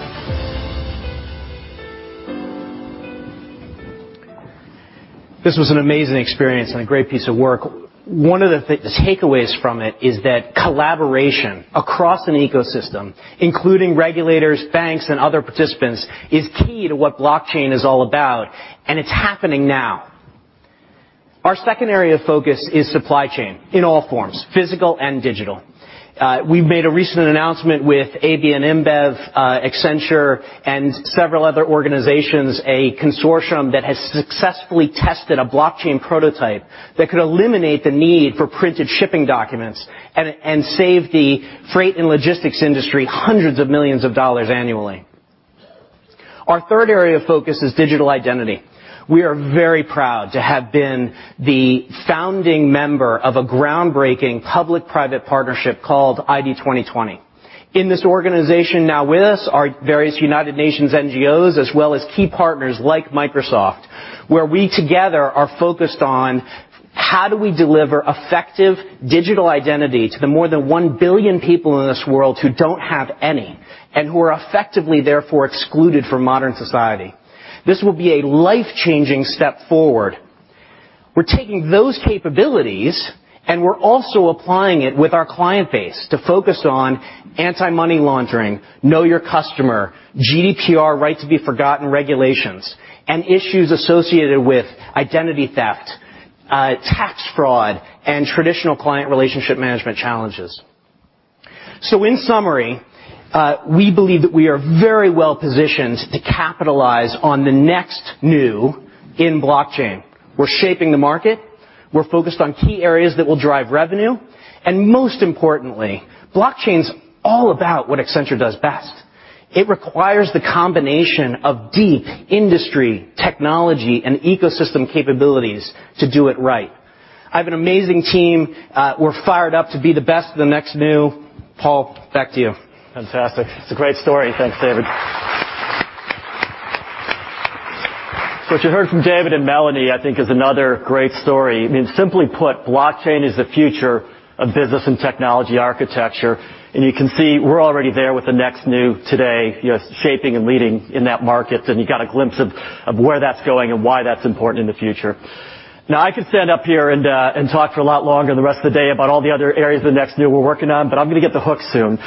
This was an amazing experience and a great piece of work. One of the takeaways from it is that collaboration across an ecosystem, including regulators, banks, and other participants, is key to what blockchain is all about, and it's happening now. Our second area of focus is supply chain in all forms, physical and digital. We made a recent announcement with AB InBev, Accenture, and several other organizations, a consortium that has successfully tested a blockchain prototype that could eliminate the need for printed shipping documents and save the freight and logistics industry hundreds of millions of dollars annually. Our third area of focus is digital identity. We are very proud to have been the founding member of a groundbreaking public-private partnership called ID2020. In this organization now with us are various United Nations NGOs as well as key partners like Microsoft, where we together are focused on how do we deliver effective digital identity to the more than 1 billion people in this world who don't have any, and who are effectively therefore excluded from modern society. This will be a life-changing step forward. We're taking those capabilities, and we're also applying it with our client base to focus on anti-money laundering, know your customer, GDPR right to be forgotten regulations, and issues associated with identity theft, tax fraud, and traditional client relationship management challenges. In summary, we believe that we are very well positioned to capitalize on the next new in blockchain. We're shaping the market. We're focused on key areas that will drive revenue. Most importantly, blockchain's all about what Accenture does best. It requires the combination of deep industry, technology, and ecosystem capabilities to do it right. I have an amazing team. We're fired up to be the best of the next new. Paul, back to you. Fantastic. It's a great story. Thanks, David. What you heard from David and Melanie, I think is another great story. I mean, simply put, blockchain is the future of business and technology architecture. You can see we're already there with the next new today, shaping and leading in that market, and you got a glimpse of where that's going and why that's important in the future. I could stand up here and talk for a lot longer the rest of the day about all the other areas of the next new we're working on, but I'm gonna get the hook soon.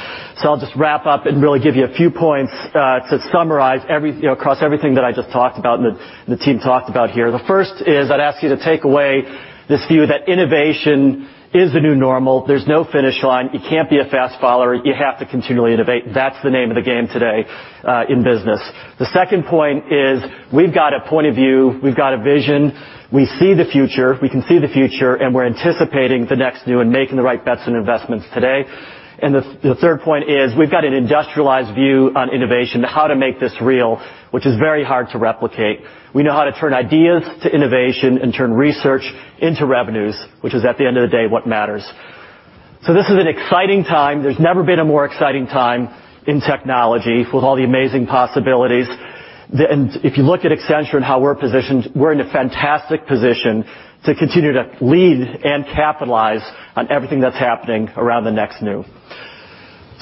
I'll just wrap up and really give you a few points to summarize across everything that I just talked about and the team talked about here. The first is, I'd ask you to take away this view that innovation is the new normal. There's no finish line. You can't be a fast follower. You have to continually innovate. That's the name of the game today in business. The second point is, we've got a point of view, we've got a vision. We see the future. We can see the future, and we're anticipating the next new and making the right bets and investments today. The third point is, we've got an industrialized view on innovation, how to make this real, which is very hard to replicate. We know how to turn ideas to innovation and turn research into revenues, which is, at the end of the day, what matters. This is an exciting time. There's never been a more exciting time in technology with all the amazing possibilities. If you look at Accenture and how we're positioned, we're in a fantastic position to continue to lead and capitalize on everything that's happening around the next new.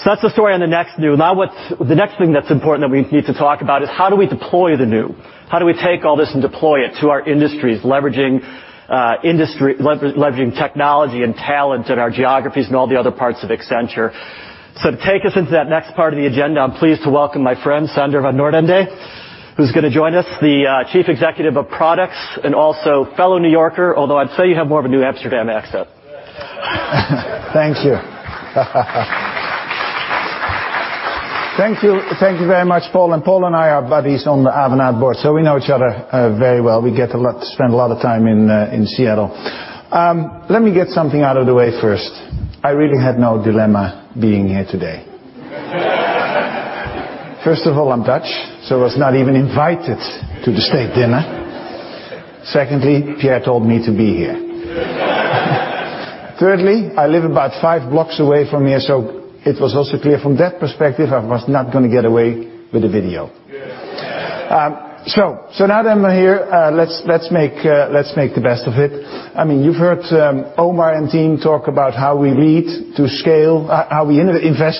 That's the story on the next new. The next thing that's important that we need to talk about is how do we deploy the new? How do we take all this and deploy it to our industries, leveraging technology and talent and our geographies and all the other parts of Accenture? To take us into that next part of the agenda, I'm pleased to welcome my friend, Sander van 't Noordende, who's going to join us, the Chief Executive of Products and also fellow New Yorker. Although, I'd say you have more of a New Amsterdam accent. Thank you. Thank you. Thank you very much, Paul. Paul and I are buddies on the Avanade board, we know each other very well. We get to spend a lot of time in Seattle. Let me get something out of the way first. I really had no dilemma being here today. First of all, I'm Dutch, was not even invited to the state dinner. Secondly, Pierre told me to be here. Thirdly, I live about five blocks away from here, it was also clear from that perspective, I was not going to get away with a video. Now that I'm here, let's make the best of it. You've heard Omar and team talk about how we invest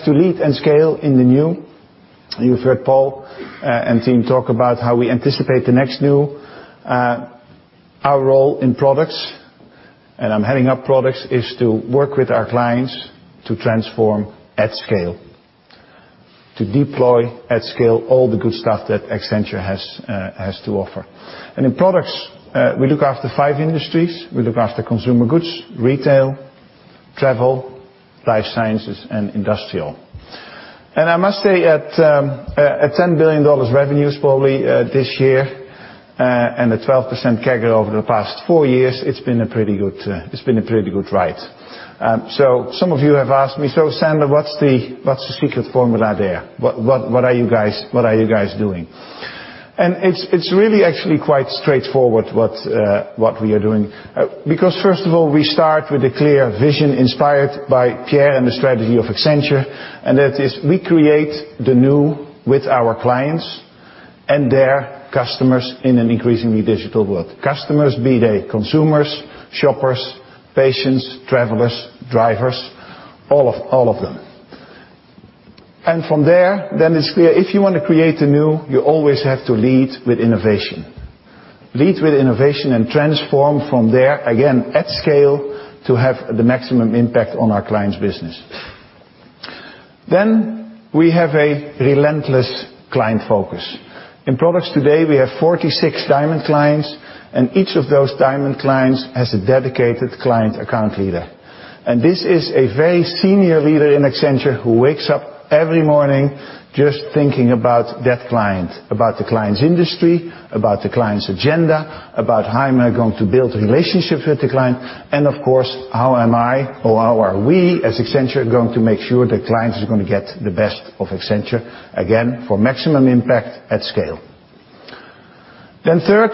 to lead and scale in the new. You've heard Paul, team talk about how we anticipate the next new. Our role in products, I'm heading up products, is to work with our clients to transform at scale. To deploy at scale all the good stuff that Accenture has to offer. In products, we look after five industries. We look after consumer goods, retail, travel, life sciences and industrial. I must say at $10 billion revenues probably this year, at 12% CAGR over the past four years, it's been a pretty good ride. Some of you have asked me, "Sander, what's the secret formula there? What are you guys doing?" It's really actually quite straightforward what we are doing. First of all, we start with a clear vision inspired by Pierre and the strategy of Accenture, that is we create the new with our clients and their customers in an increasingly digital world. Customers, be they consumers, shoppers, patients, travelers, drivers, all of them. From there, it's clear, if you want to create the new, you always have to lead with innovation. Lead with innovation and transform from there, again, at scale, to have the maximum impact on our client's business. We have a relentless client focus. In products today, we have 46 Diamond clients, each of those Diamond clients has a dedicated client account leader. This is a very senior leader in Accenture who wakes up every morning just thinking about that client, about the client's industry, about the client's agenda, about how am I going to build relationships with the client, of course, how am I, or how are we as Accenture going to make sure the clients are going to get the best of Accenture, again, for maximum impact at scale. Third,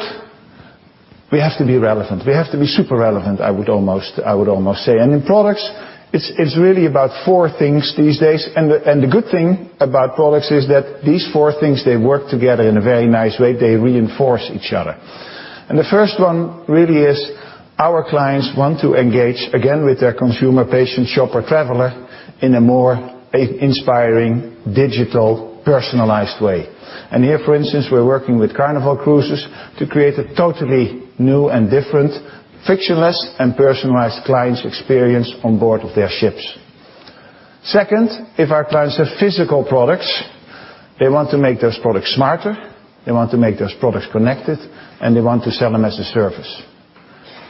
we have to be relevant. We have to be super relevant, I would almost say. In products, it's really about four things these days, the good thing about products is that these four things, they work together in a very nice way. They reinforce each other. The first one really is our clients want to engage again with their consumer, patient, shopper, traveler in a more inspiring, digital, personalized way. Here, for instance, we're working with Carnival Cruise Line to create a totally new and different frictionless and personalized client experience on board of their ships. Second, if our clients have physical products, they want to make those products smarter, they want to make those products connected, and they want to sell them as a service.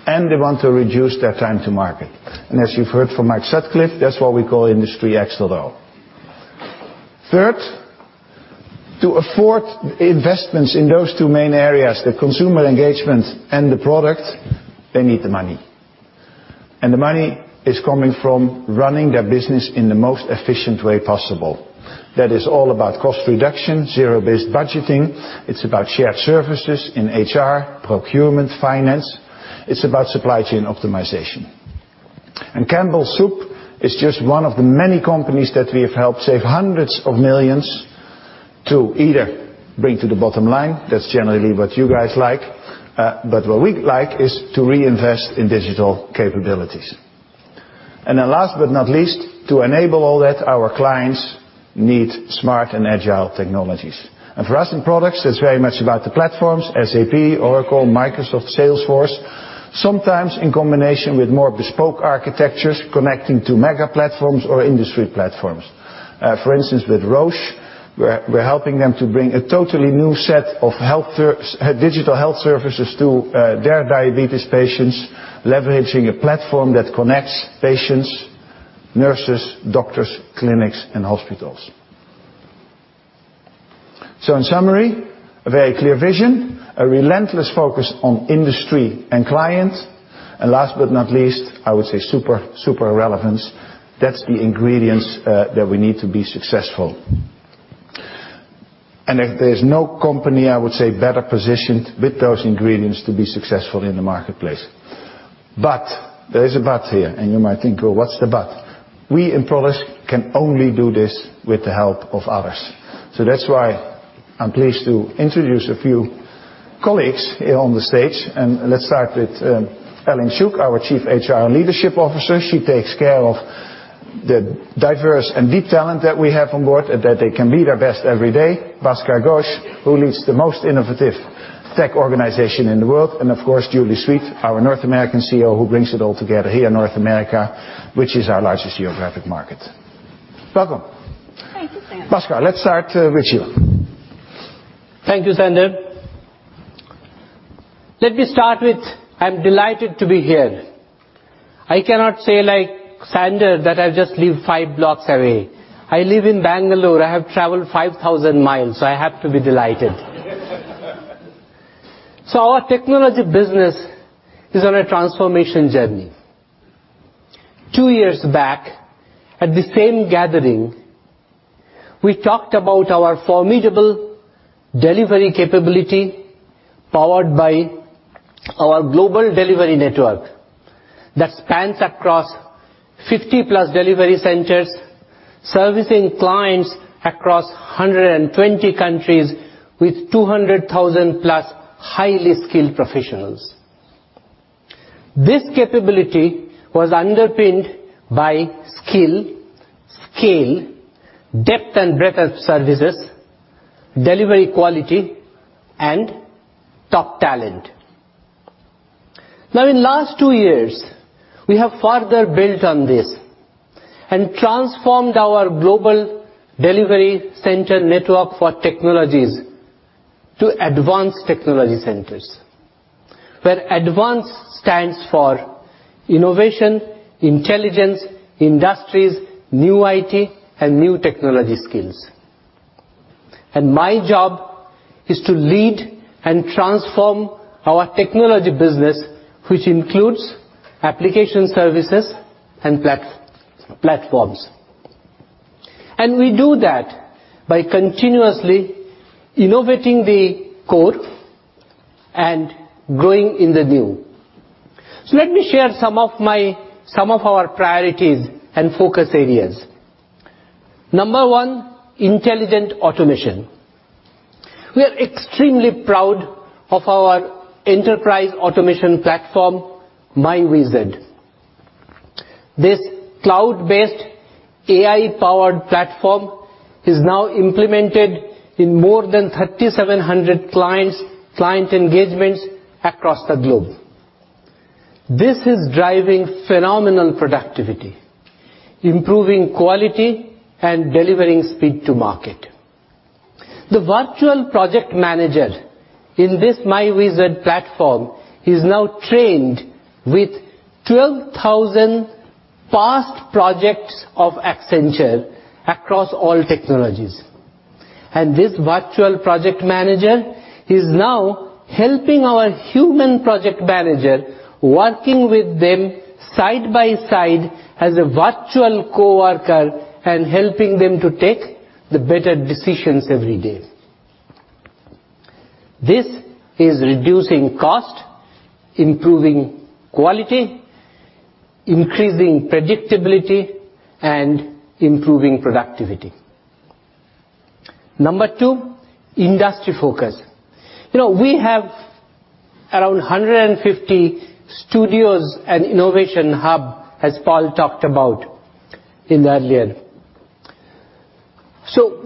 They want to reduce their time to market. As you've heard from Mike Sutcliff, that's what we call Industry X.0. Third, to afford investments in those two main areas, the consumer engagement and the product, they need the money. The money is coming from running their business in the most efficient way possible. That is all about cost reduction, zero-based budgeting. It's about shared services in HR, procurement, finance. It's about supply chain optimization. Campbell Soup is just one of the many companies that we have helped save $ hundreds of millions to either bring to the bottom line. That's generally what you guys like. What we like is to reinvest in digital capabilities. Last but not least, to enable all that, our clients need smart and agile technologies. For us in products, it's very much about the platforms, SAP, Oracle, Microsoft, Salesforce, sometimes in combination with more bespoke architectures connecting to mega platforms or industry platforms. For instance, with Roche, we're helping them to bring a totally new set of digital health services to their diabetes patients, leveraging a platform that connects patients, nurses, doctors, clinics and hospitals. In summary, a very clear vision, a relentless focus on industry and client, and last but not least, I would say super relevance. That's the ingredients that we need to be successful. There's no company, I would say, better positioned with those ingredients to be successful in the marketplace. There is a but here, and you might think, "Well, what's the but?" We in products can only do this with the help of others. That's why I'm pleased to introduce a few colleagues here on the stage, and let's start with Ellyn Shook, our Chief HR and Leadership Officer. She takes care of the diverse and deep talent that we have on board, and that they can be their best every day. Bhaskar Ghosh, who leads the most innovative tech organization in the world, and of course, Julie Sweet, our North American CEO, who brings it all together here in North America, which is our largest geographic market. Welcome. Thank you, Sander. Bhaskar, let's start with you. Thank you, Sander. Let me start with, I'm delighted to be here. I cannot say like Sander, that I just live five blocks away. I live in Bangalore. I have traveled 5,000 miles, so I have to be delighted. Our technology business is on a transformation journey. Two years back, at the same gathering, we talked about our formidable delivery capability powered by our global delivery network that spans across 50-plus delivery centers, servicing clients across 120 countries with 200,000-plus highly skilled professionals. This capability was underpinned by skill, scale, depth and breadth of services, delivery quality, and top talent. Now, in last two years, we have further built on this and transformed our global delivery center network for technologies to advanced technology centers, where advanced stands for innovation, intelligence, industries, new IT, and new technology skills. My job is to lead and transform our technology business, which includes application services and platforms. We do that by continuously innovating the core and growing in the new. Let me share some of our priorities and focus areas. Number one, intelligent automation. We are extremely proud of our enterprise automation platform, myWizard. This cloud-based, AI-powered platform is now implemented in more than 3,700 client engagements across the globe. This is driving phenomenal productivity, improving quality, and delivering speed to market. The virtual project manager in this myWizard platform is now trained with 12,000 past projects of Accenture across all technologies. This virtual project manager is now helping our human project manager, working with them side by side as a virtual coworker and helping them to take the better decisions every day. This is reducing cost, improving quality, increasing predictability, and improving productivity. Number two, industry focus. We have around 150 studios and innovation hub, as Paul talked about earlier.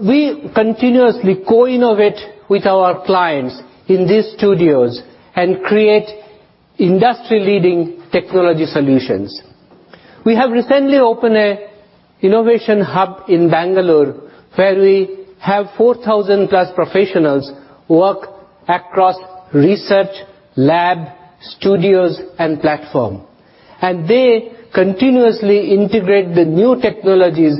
We continuously co-innovate with our clients in these studios and create industry-leading technology solutions. We have recently opened an innovation hub in Bangalore, where we have 4,000-plus professionals who work across research, lab, studios, and platform. They continuously integrate the new technologies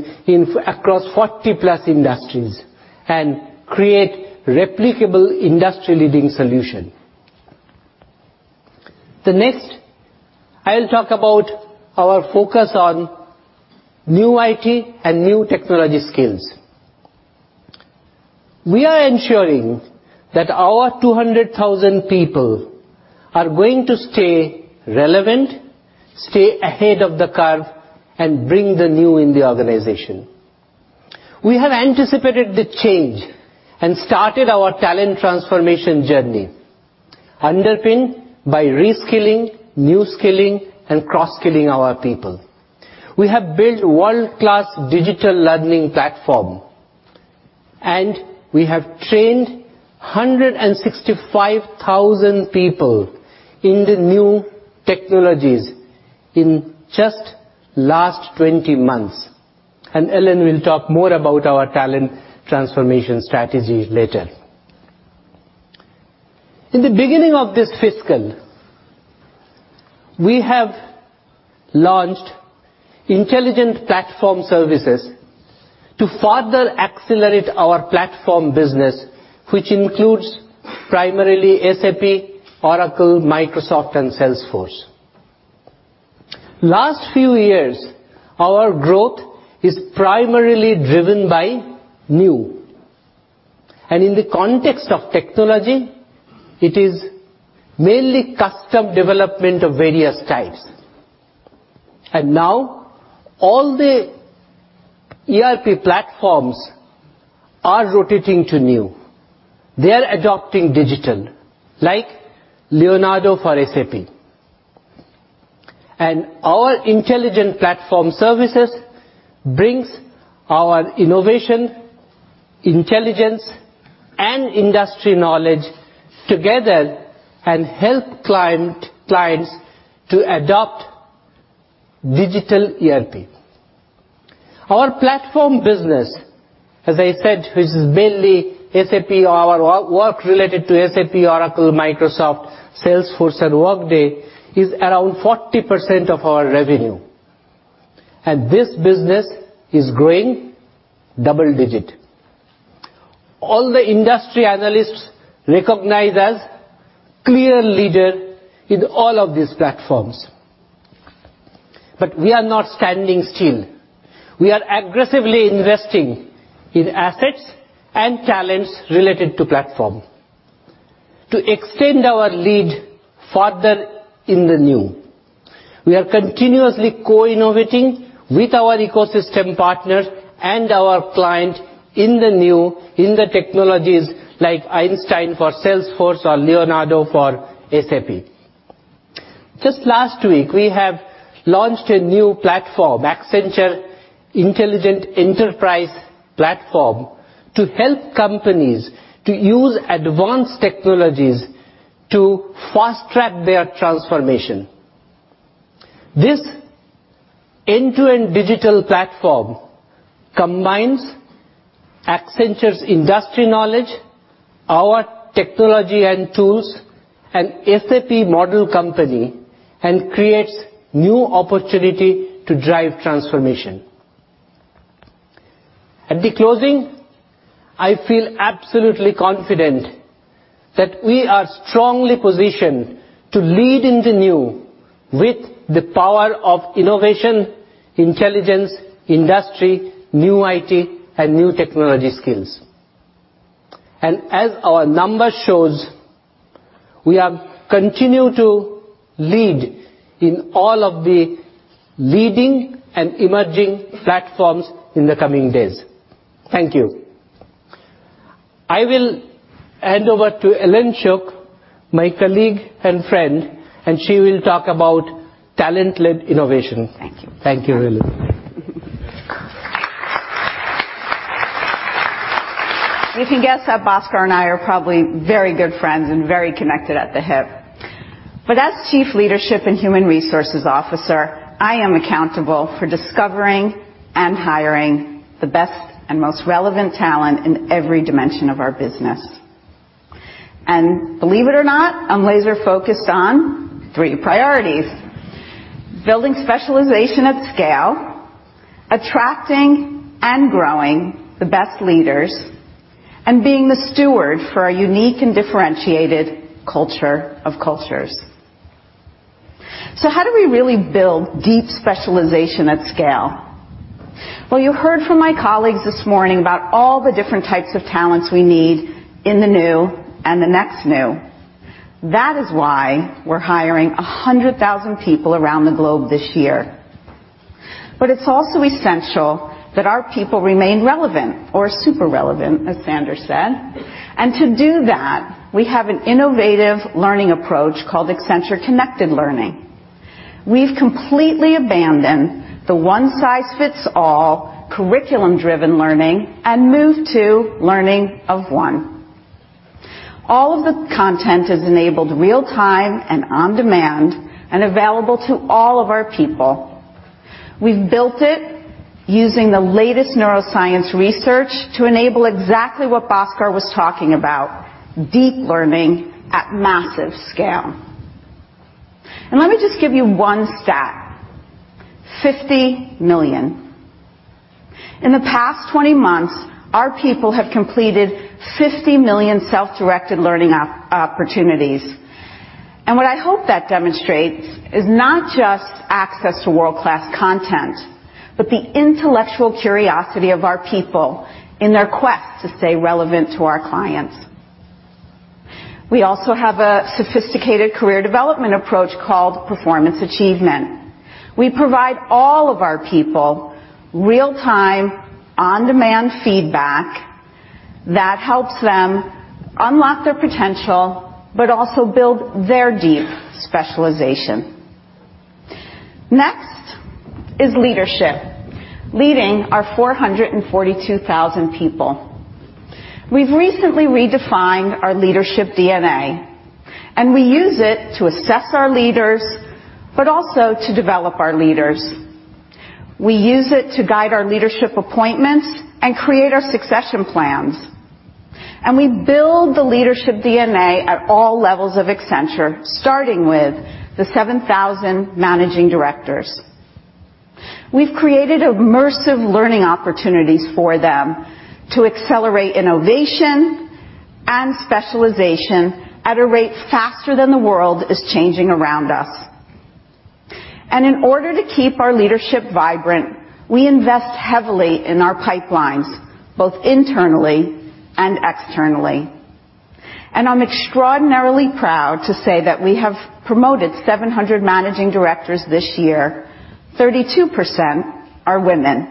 across 40-plus industries and create replicable industry-leading solution. The next, I'll talk about our focus on new IT and new technology skills. We are ensuring that our 200,000 people are going to stay relevant, stay ahead of the curve, and bring the new in the organization. We have anticipated the change and started our talent transformation journey, underpinned by re-skilling, new skilling, and cross-skilling our people. We have built world-class digital learning platform, and we have trained 165,000 people in the new technologies in just last 20 months. Ellyn will talk more about our talent transformation strategy later. In the beginning of this fiscal, we have launched intelligent platform services to further accelerate our platform business, which includes primarily SAP, Oracle, Microsoft, and Salesforce. Last few years, our growth is primarily driven by new. In the context of technology, it is mainly custom development of various types. Now, all the ERP platforms are rotating to new. They are adopting digital, like SAP Leonardo. Our intelligent platform services brings our innovation, intelligence, and industry knowledge together and help clients to adopt digital ERP. Our platform business, as I said, which is mainly SAP, our work related to SAP, Oracle, Microsoft, Salesforce, and Workday, is around 40% of our revenue. This business is growing double digit. All the industry analysts recognize us clear leader in all of these platforms. We are not standing still. We are aggressively investing in assets and talents related to platform to extend our lead further in the new. We are continuously co-innovating with our ecosystem partners and our client in the new, in the technologies like Salesforce Einstein or SAP Leonardo. Just last week, we have launched a new platform, Accenture Intelligent Enterprise Platform, to help companies to use advanced technologies to fast-track their transformation. This end-to-end digital platform combines Accenture's industry knowledge, our technology and tools, and SAP Model Company, creates new opportunity to drive transformation. At the closing, I feel absolutely confident that we are strongly positioned to lead in the new with the power of innovation, intelligence, industry, new IT, and new technology skills. As our numbers shows, we are continue to lead in all of the leading and emerging platforms in the coming days. Thank you. I will hand over to Ellyn Shook, my colleague and friend, and she will talk about talent-led innovation. Thank you. Thank you, Ellyn. As Chief Leadership and Human Resources Officer, I am accountable for discovering and hiring the best and most relevant talent in every dimension of our business. Believe it or not, I'm laser-focused on three priorities: building specialization at scale, attracting and growing the best leaders, and being the steward for our unique and differentiated culture of cultures. How do we really build deep specialization at scale? Well, you heard from my colleagues this morning about all the different types of talents we need in the new and the next new. That is why we're hiring 100,000 people around the globe this year. It's also essential that our people remain relevant or super relevant, as Sander said. To do that, we have an innovative learning approach called Accenture Connected Learning. We've completely abandoned the one-size-fits-all curriculum-driven learning and moved to learning of one. All of the content is enabled real time and on demand and available to all of our people. We've built it using the latest neuroscience research to enable exactly what Bhaskar was talking about, deep learning at massive scale. Let me just give you one stat: 50 million. In the past 20 months, our people have completed 50 million self-directed learning opportunities. What I hope that demonstrates is not just access to world-class content, but the intellectual curiosity of our people in their quest to stay relevant to our clients. We also have a sophisticated career development approach called Performance Achievement. We provide all of our people real-time, on-demand feedback that helps them unlock their potential, but also build their deep specialization. Next is leadership. Leading our 442,000 people. We've recently redefined our leadership DNA. We use it to assess our leaders, but also to develop our leaders. We use it to guide our leadership appointments and create our succession plans. We build the leadership DNA at all levels of Accenture, starting with the 7,000 managing directors. We've created immersive learning opportunities for them to accelerate innovation and specialization at a rate faster than the world is changing around us. In order to keep our leadership vibrant, we invest heavily in our pipelines, both internally and externally. I'm extraordinarily proud to say that we have promoted 700 managing directors this year. 32% are women.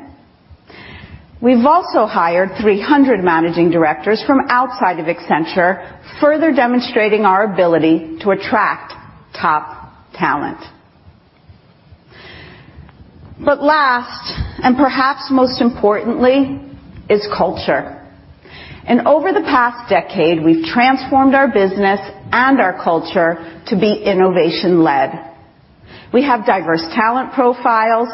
We've also hired 300 managing directors from outside of Accenture, further demonstrating our ability to attract top talent. Last, and perhaps most importantly, is culture. Over the past decade, we've transformed our business and our culture to be innovation-led. We have diverse talent profiles,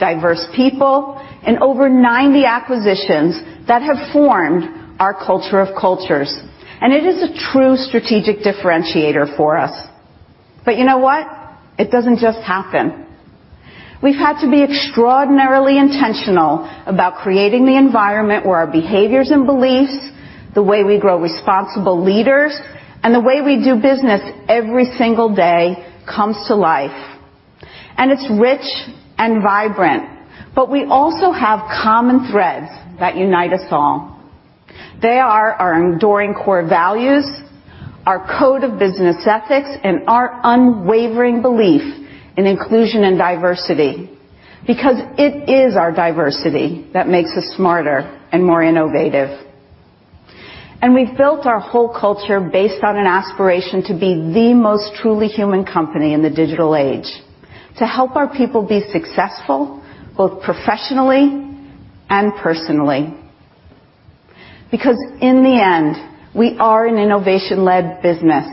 diverse people, and over 90 acquisitions that have formed our culture of cultures. It is a true strategic differentiator for us. You know what? It doesn't just happen. We've had to be extraordinarily intentional about creating the environment where our behaviors and beliefs, the way we grow responsible leaders, and the way we do business every single day comes to life. It's rich and vibrant. We also have common threads that unite us all. They are our enduring core values, our code of business ethics, and our unwavering belief in inclusion and diversity, because it is our diversity that makes us smarter and more innovative. We've built our whole culture based on an aspiration to be the most truly human company in the digital age, to help our people be successful, both professionally and personally. Because in the end, we are an innovation-led business,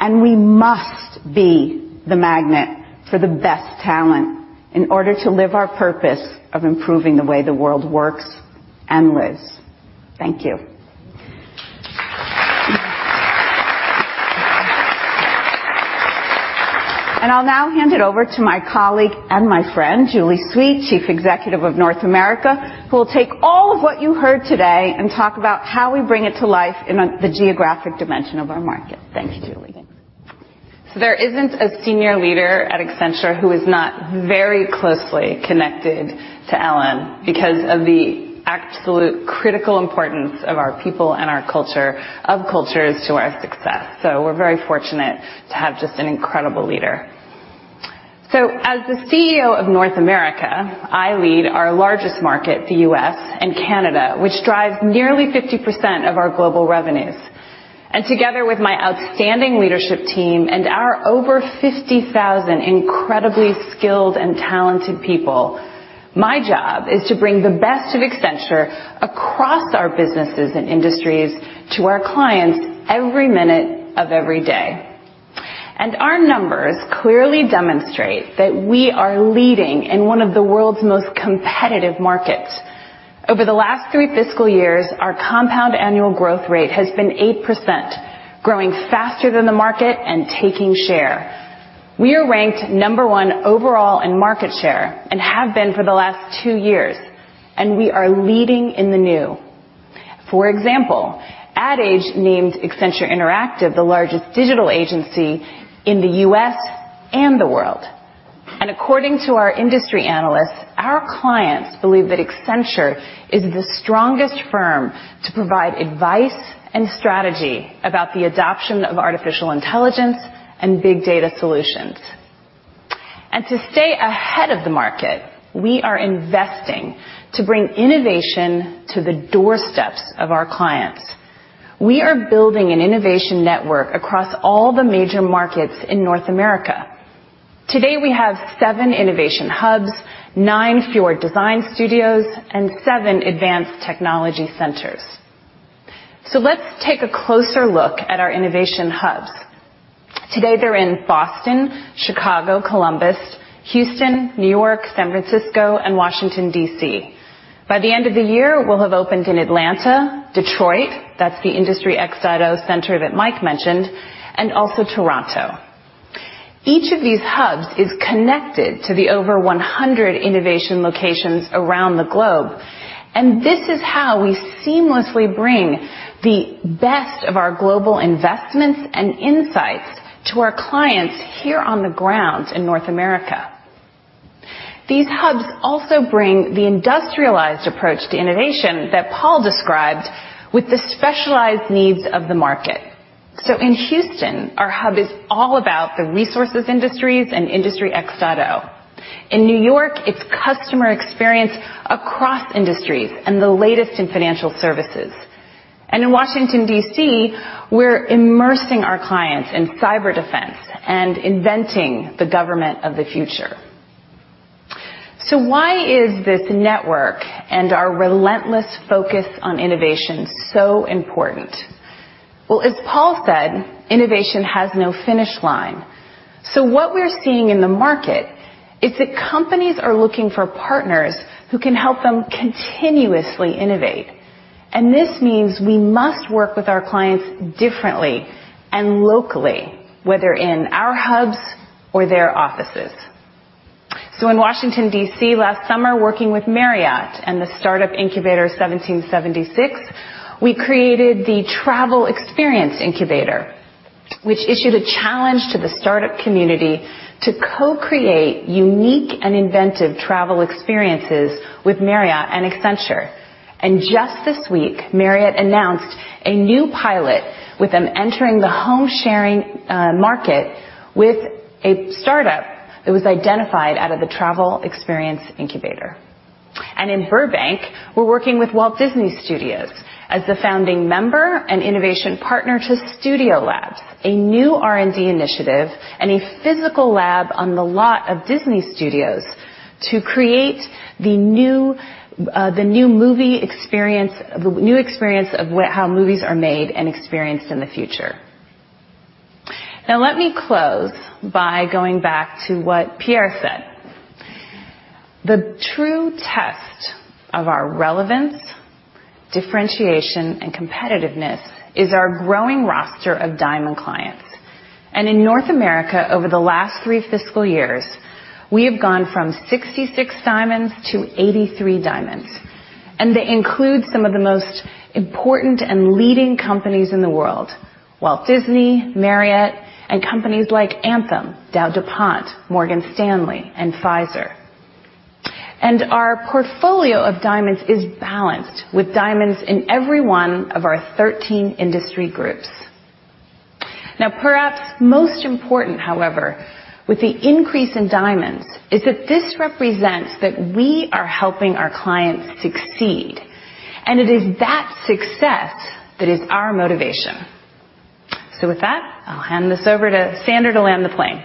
and we must be the magnet for the best talent in order to live our purpose of improving the way the world works and lives. Thank you. I'll now hand it over to my colleague and my friend, Julie Sweet, Chief Executive of North America, who will take all of what you heard today and talk about how we bring it to life in the geographic dimension of our market. Thank you, Julie. There isn't a senior leader at Accenture who is not very closely connected to Ellyn because of the absolute critical importance of our people and our culture of cultures to our success. We're very fortunate to have just an incredible leader. As the CEO of North America, I lead our largest market, the U.S. and Canada, which drives nearly 50% of our global revenues. Together with my outstanding leadership team and our over 50,000 incredibly skilled and talented people, my job is to bring the best of Accenture across our businesses and industries to our clients every minute of every day. Our numbers clearly demonstrate that we are leading in one of the world's most competitive markets. Over the last three fiscal years, our compound annual growth rate has been 8%, growing faster than the market and taking share. We are ranked number 1 overall in market share and have been for the last two years, and we are leading in the new. For example, Ad Age named Accenture Interactive the largest digital agency in the U.S. and the world. According to our industry analysts, our clients believe that Accenture is the strongest firm to provide advice and strategy about the adoption of artificial intelligence and big data solutions. To stay ahead of the market, we are investing to bring innovation to the doorsteps of our clients. We are building an innovation network across all the major markets in North America. Today, we have seven innovation hubs, nine Fjord design studios, and seven advanced technology centers. Let's take a closer look at our innovation hubs. Today, they're in Boston, Chicago, Columbus, Houston, New York, San Francisco, and Washington, D.C. By the end of the year, we'll have opened in Atlanta, Detroit, that's the Industry X.0 Center that Mike mentioned, and also Toronto. Each of these hubs is connected to the over 100 innovation locations around the globe, and this is how we seamlessly bring the best of our global investments and insights to our clients here on the ground in North America. These hubs also bring the industrialized approach to innovation that Paul described with the specialized needs of the market. In Houston, our hub is all about the resources industries and Industry X.0. In New York, it's customer experience across industries and the latest in financial services. In Washington, D.C., we're immersing our clients in cyber defense and inventing the government of the future. Why is this network and our relentless focus on innovation so important? Well, as Paul said, innovation has no finish line. What we're seeing in the market is that companies are looking for partners who can help them continuously innovate. This means we must work with our clients differently and locally, whether in our hubs or their offices. In Washington, D.C. last summer, working with Marriott and the startup incubator 1776, we created the Travel Experience Incubator, which issued a challenge to the startup community to co-create unique and inventive travel experiences with Marriott and Accenture. Just this week, Marriott announced a new pilot with them entering the home-sharing market with a startup that was identified out of the Travel Experience Incubator. In Burbank, we're working with Walt Disney Studios as the founding member and innovation partner to StudioLAB, a new R&D initiative and a physical lab on the lot of Disney Studios to create the new experience of how movies are made and experienced in the future. Now let me close by going back to what Pierre said. The true test of our relevance, differentiation, and competitiveness is our growing roster of Diamond clients. In North America, over the last three fiscal years, we have gone from 66 Diamonds to 83 Diamonds, and they include some of the most important and leading companies in the world, Walt Disney, Marriott, and companies like Anthem, DowDuPont, Morgan Stanley, and Pfizer. Our portfolio of Diamonds is balanced with Diamonds in every one of our 13 industry groups. Now, perhaps most important, however, with the increase in Diamonds, is that this represents that we are helping our clients succeed, and it is that success that is our motivation. With that, I'll hand this over to Sander to land the plane.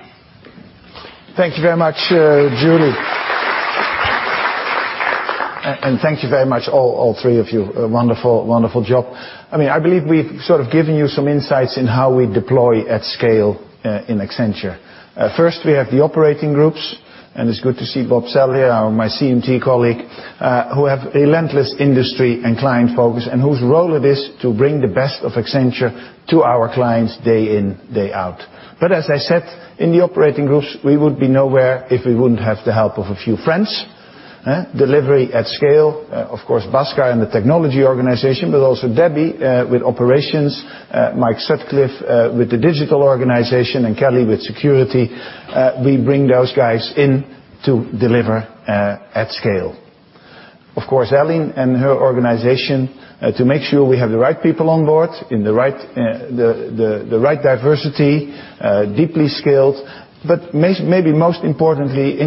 Thank you very much, Julie. Thank you very much, all three of you. Wonderful job. I believe we've sort of given you some insights in how we deploy at scale in Accenture. First, we have the operating groups, it's good to see Bob Sell here, my CMT colleague, who have a relentless industry and client focus, and whose role it is to bring the best of Accenture to our clients day in, day out. As I said, in the operating groups, we would be nowhere if we wouldn't have the help of a few friends. Delivery at scale, of course, Bhaskar and the technology organization, but also Debbie with operations, Mike Sutcliff with the digital organization, and Kelly with security. We bring those guys in to deliver at scale. Of course, Ellyn and her organization, to make sure we have the right people on board in the right diversity, deeply skilled, but maybe most importantly,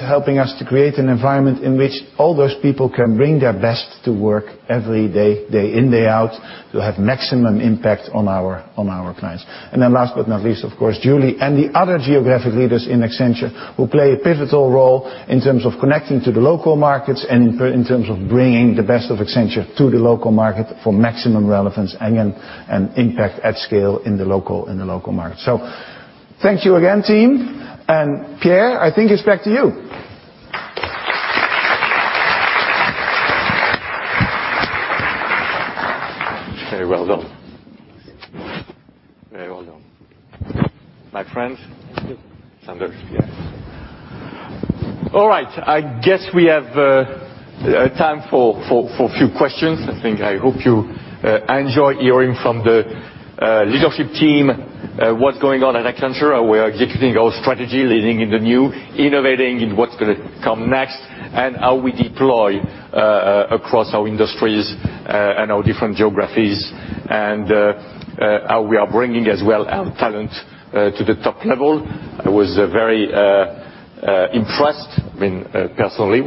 helping us to create an environment in which all those people can bring their best to work every day in, day out, to have maximum impact on our clients. Then last but not least, of course, Julie and the other geographic leaders in Accenture who play a pivotal role in terms of connecting to the local markets and in terms of bringing the best of Accenture to the local market for maximum relevance and impact at scale in the local market. Thank you again, team. Pierre, I think it's back to you. Very well done. Very well done. My friends. Sander. Yes. All right. I guess we have time for a few questions. I hope you enjoyed hearing from the leadership team what's going on at Accenture, how we are executing our strategy, leading in the new, innovating in what's going to come next, and how we deploy across our industries and our different geographies, and how we are bringing as well our talent to the top level. I was very impressed, personally.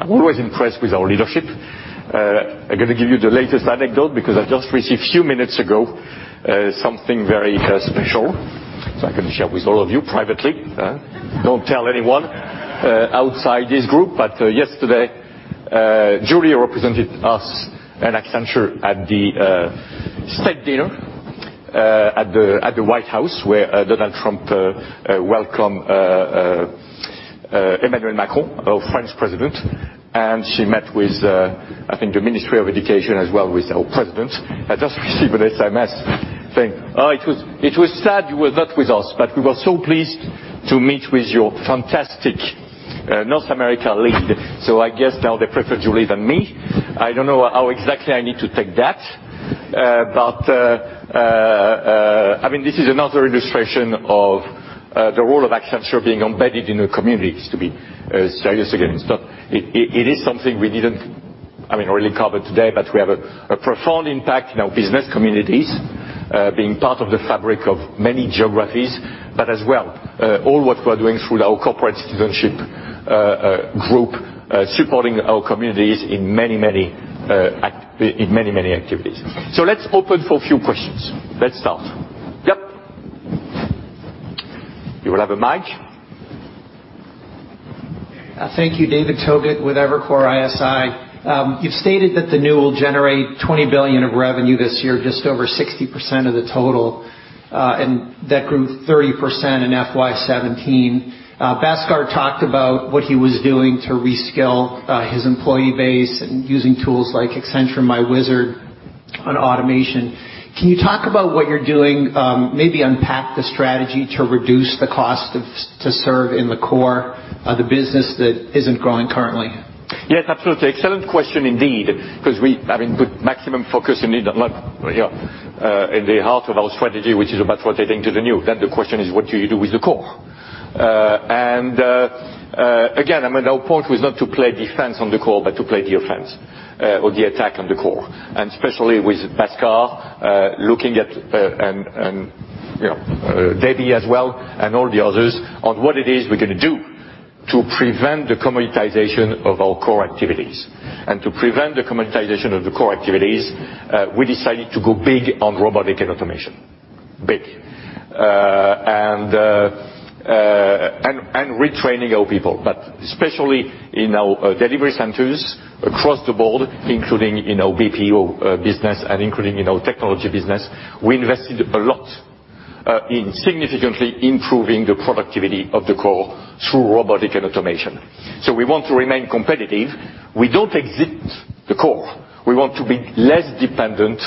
I'm always impressed with our leadership. I'm going to give you the latest anecdote because I just received a few minutes ago, something very special, so I can share with all of you privately. Don't tell anyone outside this group. Yesterday, Julie represented us and Accenture at the state dinner at the White House, where Donald Trump welcomed Emmanuel Macron, our French President, and she met with, I think, the Ministry of Education as well as our president. I just received an SMS saying, "Oh, it was sad you were not with us, but we were so pleased to meet with your fantastic North America lead." I guess now they prefer Julie than me. I don't know how exactly I need to take that. This is another illustration of the role of Accenture being embedded in the communities, to be serious again. It is something we didn't really cover today, but we have a profound impact in our business communities, being part of the fabric of many geographies, but as well, all what we're doing through our corporate citizenship group, supporting our communities in many activities. Let's open for a few questions. Let's start. Yep. You will have a mic. Thank you, David Togut with Evercore ISI. You've stated that the new will generate $20 billion of revenue this year, just over 60% of the total, and that grew 30% in FY 2017. Bhaskar talked about what he was doing to reskill his employee base and using tools like Accenture myWizard on automation. Can you talk about what you're doing, maybe unpack the strategy to reduce the cost to serve in the core of the business that isn't growing currently? Yes, absolutely. Excellent question indeed, because we put maximum focus in the heart of our strategy, which is about rotating to the new. The question is, what do you do with the core? Again, our point was not to play defense on the core, but to play the offense or the attack on the core, and especially with Bhaskar looking at, and Debbie as well, and all the others, on what it is we're going to do to prevent the commoditization of our core activities. To prevent the commoditization of the core activities, we decided to go big on robotic and automation. Big. Retraining our people. Especially in our delivery centers across the board, including in our BPO business and including in our technology business, we invested a lot in significantly improving the productivity of the core through robotic and automation. We want to remain competitive. We don't exit the core. We want to be less dependent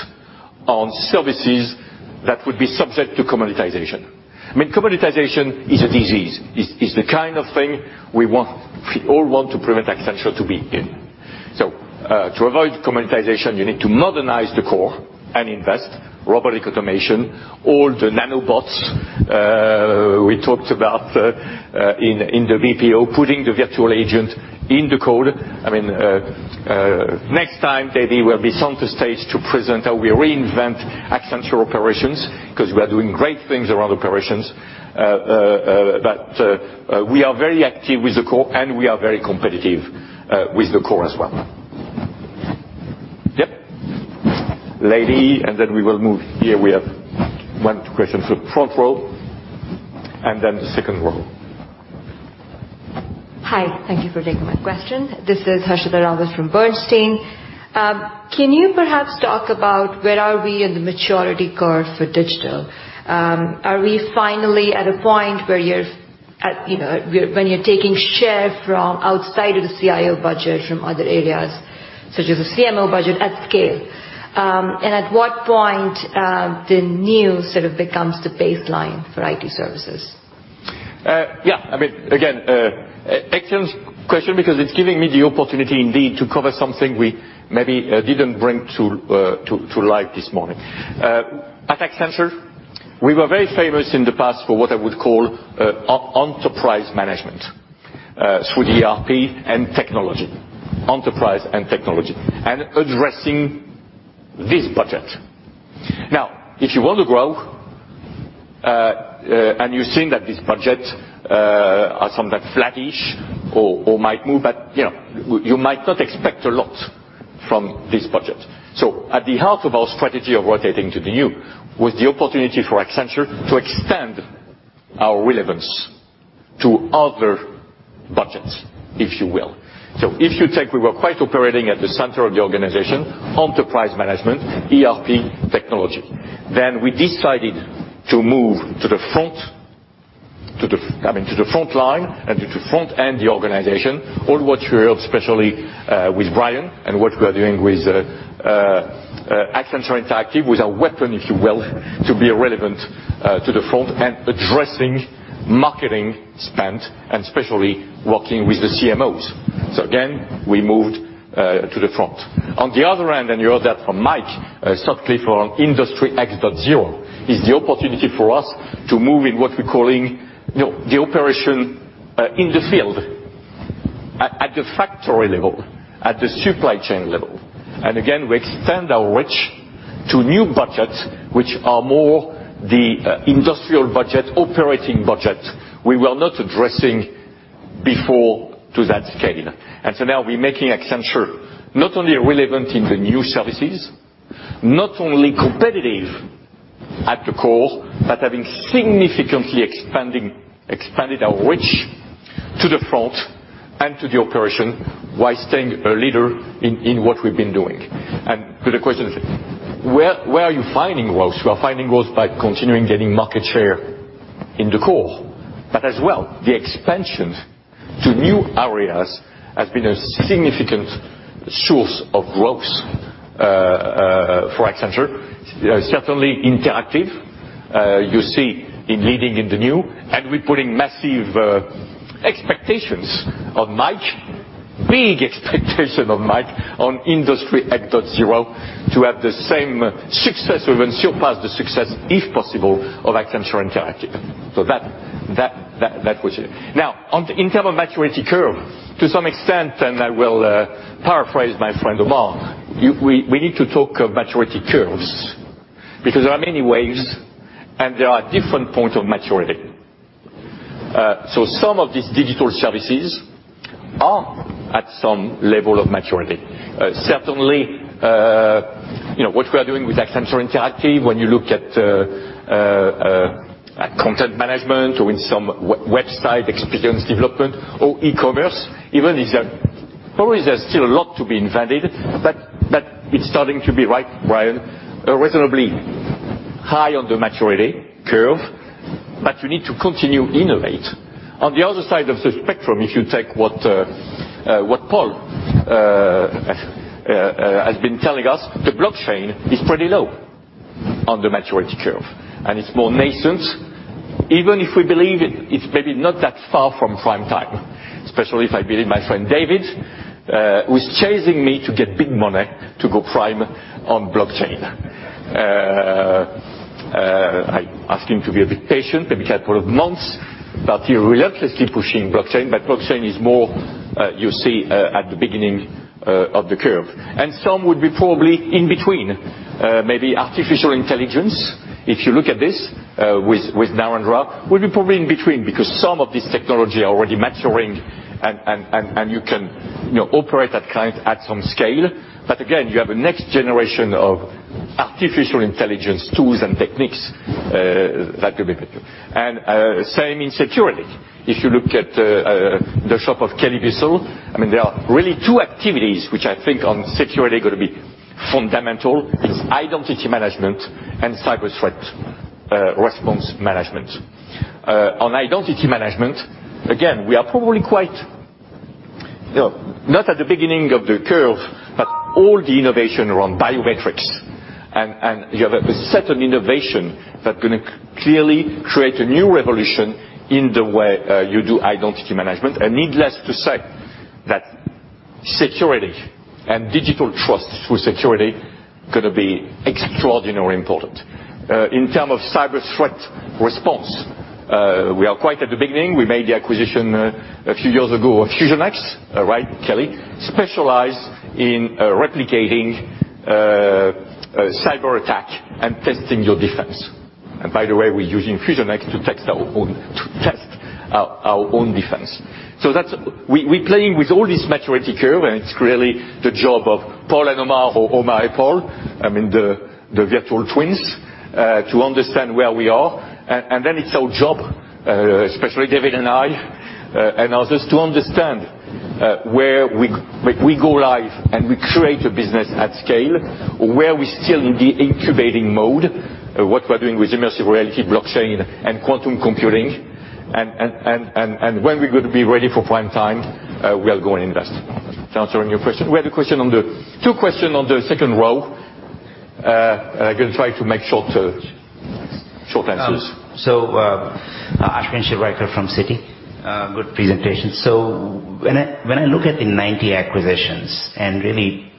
on services that would be subject to commoditization. Commoditization is a disease. It's the kind of thing we all want to prevent Accenture to be in. To avoid commoditization, you need to modernize the core and invest, robotic automation, all the nanobots we talked about in the BPO, putting the virtual agent in the code. Next time, maybe we'll be center stage to present how we reinvent Accenture Operations, because we are doing great things around operations. We are very active with the core, and we are very competitive with the core as well. Yep. Lady, we will move here. We have one question. Front row, and then the second row. Hi, thank you for taking my question. This is Harshita Rawat from Bernstein. Can you perhaps talk about where are we in the maturity curve for digital? Are we finally at a point where you're taking share from outside of the CIO budget from other areas, such as the CMO budget at scale? At what point the new sort of becomes the baseline for IT services? Yeah. Again, excellent question because it's giving me the opportunity indeed to cover something we maybe didn't bring to light this morning. At Accenture, we were very famous in the past for what I would call enterprise management through ERP and technology, enterprise and technology, and addressing this budget. If you want to grow, and you're seeing that these projects are somewhat flattish or might move, but you might not expect a lot from this budget. At the heart of our strategy of rotating to the new was the opportunity for Accenture to extend our relevance to other budgets, if you will. If you take, we were quite operating at the center of the organization, enterprise management, ERP technology. We decided to move to the front line and to front end the organization. All what you heard, especially with Brian, and what we are doing with Accenture Interactive with a weapon, if you will, to be relevant to the front and addressing marketing spend, and especially working with the CMOs. Again, we moved to the front. On the other end, you heard that from Mike Sutcliff on Industry X.0, is the opportunity for us to move in what we're calling the operation in the field at the factory level, at the supply chain level. Again, we extend our reach to new budgets, which are more the industrial budget, operating budget we were not addressing before to that scale. Now we're making Accenture not only relevant in the new services, not only competitive at the core, but having significantly expanded our reach to the front and to the operation while staying a leader in what we've been doing. To the question, where are you finding growth? We are finding growth by continuing getting market share in the core. As well, the expansion to new areas has been a significant source of growth for Accenture. Certainly Accenture Interactive, you see in leading in the new, and we're putting massive expectations on Mike, big expectation on Mike on Industry X.0 to have the same success or even surpass the success, if possible, of Accenture Interactive. That was it. Now, on the internal maturity curve, to some extent, and I will paraphrase my friend, Juan, we need to talk of maturity curves because there are many waves, and there are different points of maturity. Some of these digital services are at some level of maturity. Certainly, what we are doing with Accenture Interactive, when you look at content management or in some website experience development or e-commerce, even if probably there's still a lot to be invented, but it's starting to be, right, Brian, reasonably high on the maturity curve, but you need to continue innovate. On the other side of the spectrum, if you take what Paul has been telling us, the blockchain is pretty low on the maturity curve, and it's more nascent. Even if we believe it's maybe not that far from prime time, especially if I believe my friend David, who is chasing me to get big money to go prime on blockchain. I ask him to be a bit patient, maybe a couple of months, but he relentlessly pushing blockchain. Blockchain is more, you see, at the beginning of the curve. Some would be probably in between. Maybe artificial intelligence, if you look at this with Narendra, will be probably in between because some of this technology are already maturing. You can operate that client at some scale. Again, you have a next generation of artificial intelligence tools and techniques that could be better. Same in security. If you look at the shop of Kelly Bissell, there are really two activities which I think on security are going to be fundamental, is identity management and cyber threat response management. On identity management, again, we are probably quite, not at the beginning of the curve, but all the innovation around biometrics. You have a certain innovation that's going to clearly create a new revolution in the way you do identity management. Needless to say, that security and digital trust through security going to be extraordinarily important. In term of cyber threat response, we are quite at the beginning. We made the acquisition a few years ago of FusionX. Right, Kelly? Specialized in replicating cyber attack and testing your defense. By the way, we're using FusionX to test our own defense. We're playing with all this maturity curve, and it's really the job of Paul and Omar or Omar and Paul, the virtual twins, to understand where we are. Then it's our job, especially David and I, and others, to understand where we go live and we create a business at scale, where we're still in the incubating mode, what we're doing with immersive reality, blockchain, and quantum computing. When we're going to be ready for prime time, we are going to invest. To answering your question. We had a question on the two question on the second row. I can try to make short answers. Ashwin Shirvaikar from Citi. Good presentation. When I look at the 90 acquisitions, and really,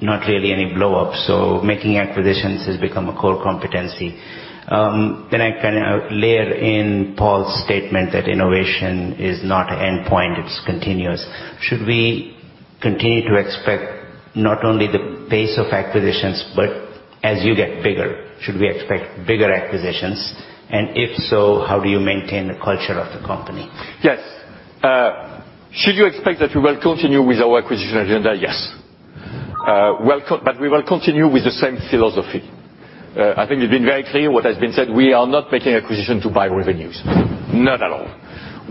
not really any blow-ups, making acquisitions has become a core competency. I layer in Paul's statement that innovation is not an endpoint, it's continuous. Should we continue to expect not only the pace of acquisitions, but as you get bigger, should we expect bigger acquisitions? If so, how do you maintain the culture of the company? Yes. Should you expect that we will continue with our acquisition agenda? Yes. We will continue with the same philosophy. I think we've been very clear what has been said, we are not making acquisition to buy revenues. Not at all.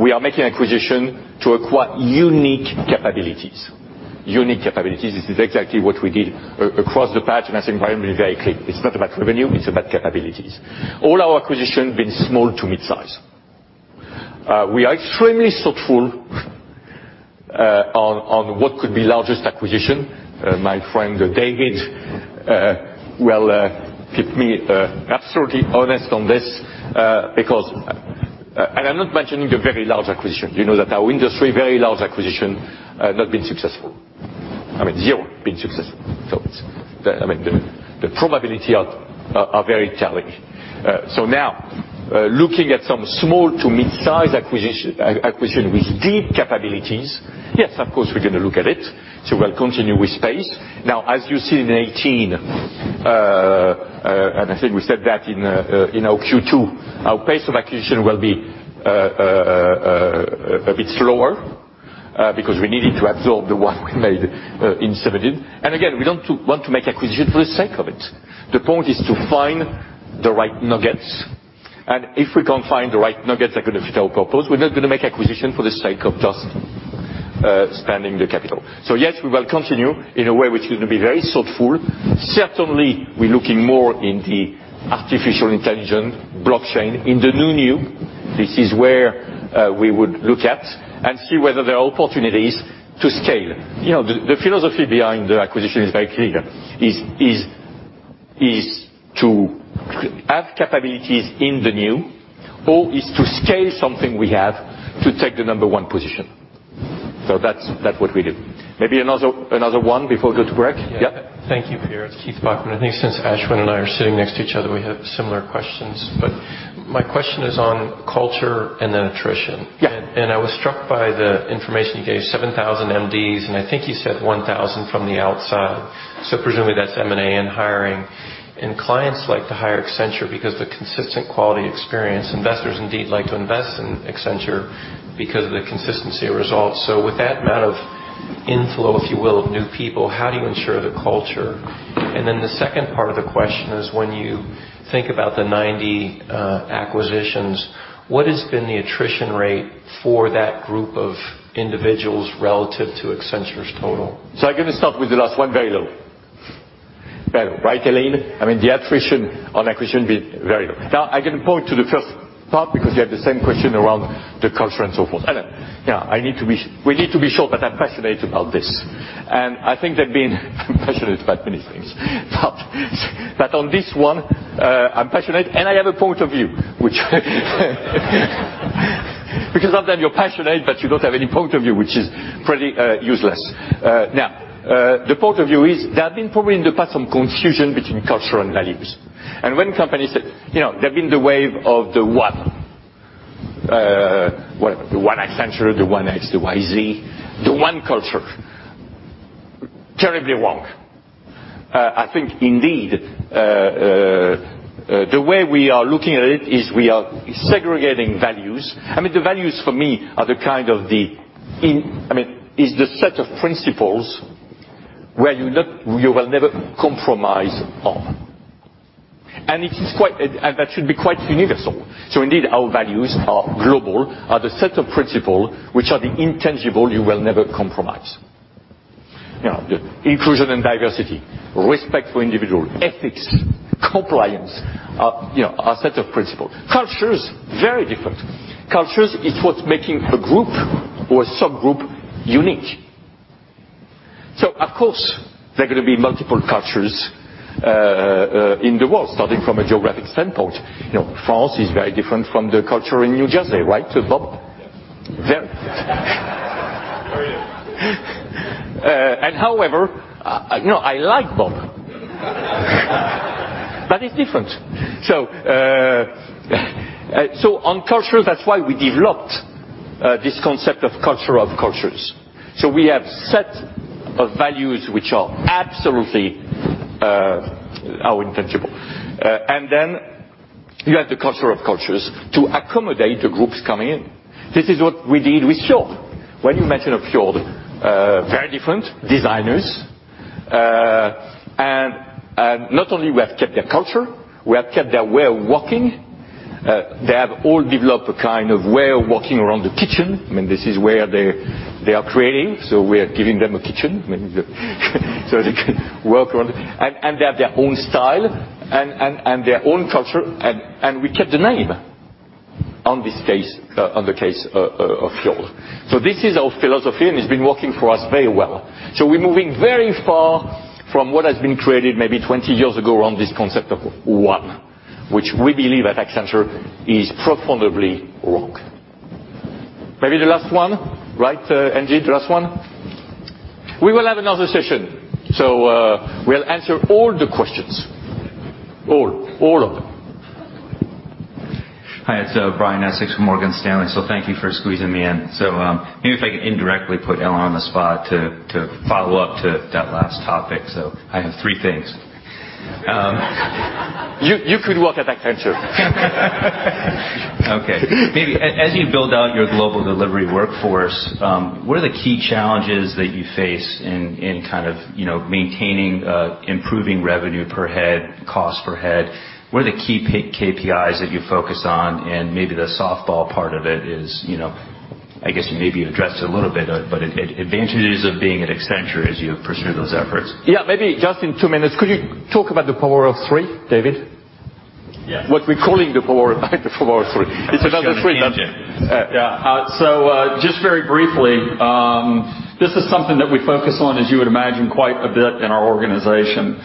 We are making acquisition to acquire unique capabilities. Unique capabilities. This is exactly what we did across the patch, and I think we're being very clear. It's not about revenue, it's about capabilities. All our acquisition been small to mid-size. We are extremely thoughtful on what could be largest acquisition. My friend, David, will keep me absolutely honest on this. I'm not mentioning the very large acquisition. You know that our industry, very large acquisition, not been successful. Zero been successful. I mean, the probability are very challenging. Now, looking at some small to mid-size acquisition with deep capabilities, yes, of course, we're going to look at it. We'll continue with pace. As you see in 2018, and I think we said that in our Q2, our pace of acquisition will be a bit slower, because we needed to absorb the one we made in [Security]. Again, we don't want to make acquisition for the sake of it. The point is to find the right nuggets. If we can't find the right nuggets that could fit our purpose, we're not going to make acquisition for the sake of just spending the capital. Yes, we will continue in a way which is going to be very thoughtful. Certainly, we're looking more in the artificial intelligence, blockchain, in the new new. This is where we would look at and see whether there are opportunities to scale. The philosophy behind the acquisition is very clear, is to have capabilities in the new, or is to scale something we have to take the number one position. That's what we do. Maybe another one before we go to break. Yeah. Thank you, Pierre. It's Keith Bachman. I think since Ashwin and I are sitting next to each other, we have similar questions. My question is on culture and then attrition. Yeah. I was struck by the information you gave, 7,000 MDs, and I think you said 1,000 from the outside. Presumably that's M&A and hiring. Clients like to hire Accenture because the consistent quality experience. Investors indeed like to invest in Accenture because of the consistency of results. With that amount of inflow, if you will, of new people, how do you ensure the culture? The second part of the question is, when you think about the 90 acquisitions, what has been the attrition rate for that group of individuals relative to Accenture's total? I'm going to start with the last one. Very low. Very low. Right, Ellyn? I mean, the attrition on acquisition been very low. I can point to the first part because you have the same question around the culture and so forth. We need to be sure that I'm passionate about this. I think that being passionate about many things. On this one, I'm passionate, and I have a point of view, which Because sometimes you're passionate, but you don't have any point of view, which is pretty useless. The point of view is there have been probably in the past some confusion between culture and values. When companies said, there have been the wave of the one. The one Accenture, the one X, the Y, Z, the one culture. Terribly wrong. I think indeed, the way we are looking at it is we are segregating values. The values for me is the set of principles where you will never compromise on. That should be quite universal. Indeed, our values are global, are the set of principles which are the intangible you will never compromise. Inclusion and diversity, respect for individual, ethics, compliance, are a set of principles. Cultures, very different. Cultures is what's making a group or a subgroup unique. Of course, there are going to be multiple cultures in the world, starting from a geographic standpoint. France is very different from the culture in New Jersey, right, Bob? Yes. There. How are you? However, I like Bob. It's different. On culture, that's why we developed this concept of culture of cultures. We have set of values which are absolutely intangible. Then you have the culture of cultures to accommodate the groups coming in. This is what we did with Fjord. When you mention of Fjord, very different designers. Not only we have kept their culture, we have kept their way of working. They have all developed a kind of way of working around the kitchen. This is where they are creating. We are giving them a kitchen, so they can work around. They have their own style and their own culture, and we kept the name on the case of Fjord. This is our philosophy, and it's been working for us very well. We're moving very far from what has been created maybe 20 years ago around this concept of one, which we believe at Accenture is profoundly wrong. Maybe the last one? Right, Angie, the last one? We will have another session. We'll answer all the questions. All of them. Hi, it's Brian Essex from Morgan Stanley. Thank you for squeezing me in. Maybe if I can indirectly put Ellyn on the spot to follow up to that last topic. I have three things. You could work at Accenture. Okay. Maybe as you build out your global delivery workforce, what are the key challenges that you face in maintaining, improving revenue per head, cost per head? What are the key KPIs that you focus on? Maybe the softball part of it is, I guess maybe you addressed it a little bit, but advantages of being at Accenture as you pursue those efforts. Yeah, maybe just in two minutes, could you talk about the power of three, David? Yeah. What we're calling the power of three. It's another three. I'll share with Angie. Yeah. Just very briefly, this is something that we focus on, as you would imagine, quite a bit in our organization.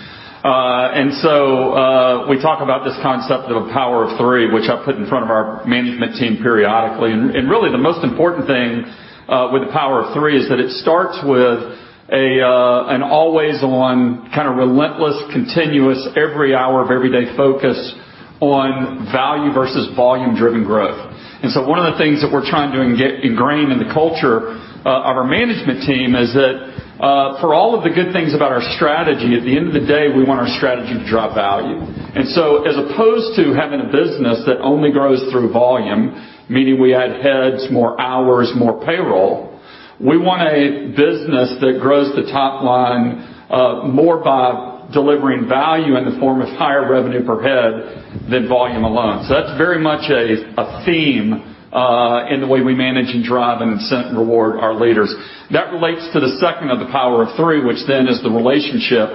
We talk about this concept of a power of three, which I put in front of our management team periodically. Really the most important thing, with the power of three, is that it starts with an always on, kind of relentless, continuous, every hour of every day focus on value versus volume-driven growth. One of the things that we're trying to ingrain in the culture of our management team is that, for all of the good things about our strategy, at the end of the day, we want our strategy to drive value. As opposed to having a business that only grows through volume, meaning we add heads, more hours, more payroll, we want a business that grows the top line, more by delivering value in the form of higher revenue per head than volume alone. That's very much a theme in the way we manage and drive and incent and reward our leaders. That relates to the second of the power of three, which is the relationship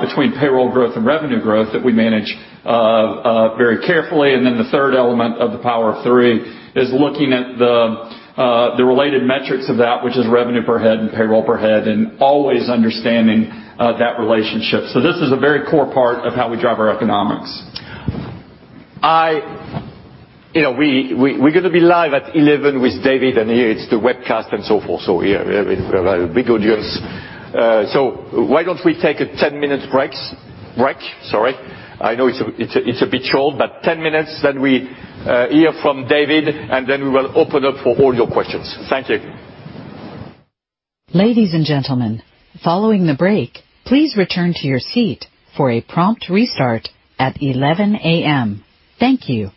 between payroll growth and revenue growth that we manage very carefully. The third element of the power of three is looking at the related metrics of that, which is revenue per head and payroll per head, and always understanding that relationship. This is a very core part of how we drive our economics. We're going to be live at 11 with David, here it's the webcast and so forth. We have a big audience. Why don't we take a 10-minute break? I know it's a bit short, but 10 minutes, we hear from David, we will open up for all your questions. Thank you. Ladies and gentlemen, following the break, please return to your seat for a prompt restart at 11:00 A.M. Thank you.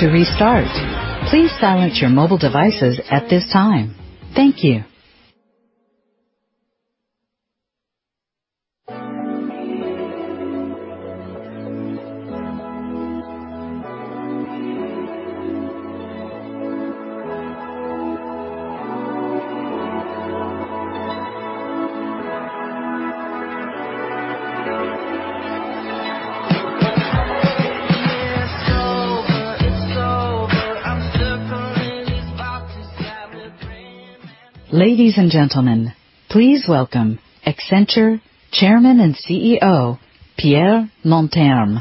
About to restart. Please silence your mobile devices at this time. Thank you. Ladies and gentlemen, please welcome Accenture Chairman and CEO, Pierre Nanterme.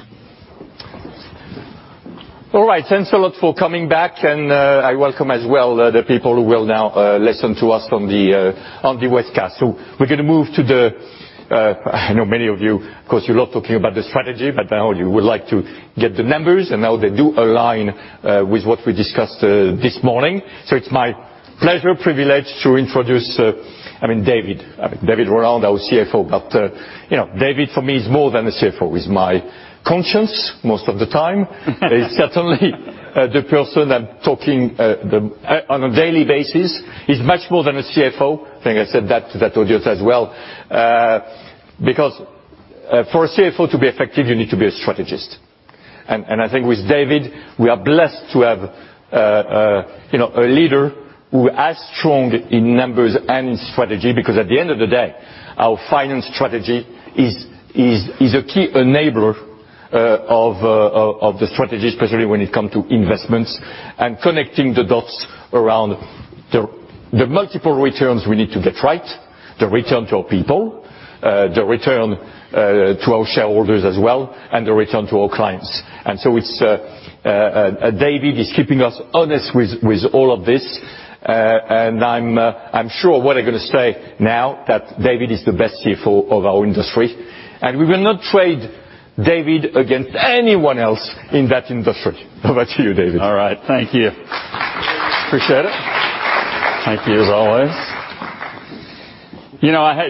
All right. Thanks a lot for coming back. I welcome as well the people who will now listen to us on the webcast. We're going to move to. I know many of you, of course, you love talking about the strategy, but now you would like to get the numbers, and how they do align with what we discussed this morning. It's my pleasure, privilege, to introduce, I mean, David Rowland, our CFO. David, for me, is more than a CFO. He's certainly the person I'm talking on a daily basis. He's much more than a CFO. I think I said that to that audience as well. Because for a CFO to be effective, you need to be a strategist. I think with David, we are blessed to have a leader who is as strong in numbers and in strategy because at the end of the day, our finance strategy is a key enabler of the strategy, especially when it comes to investments and connecting the dots around the multiple returns we need to get right, the return to our people, the return to our shareholders as well, and the return to our clients. David is keeping us honest with all of this. I'm sure what I'm going to say now that David is the best CFO of our industry, and we will not trade David against anyone else in that industry. Over to you, David. All right. Thank you. Appreciate it. Thank you as always.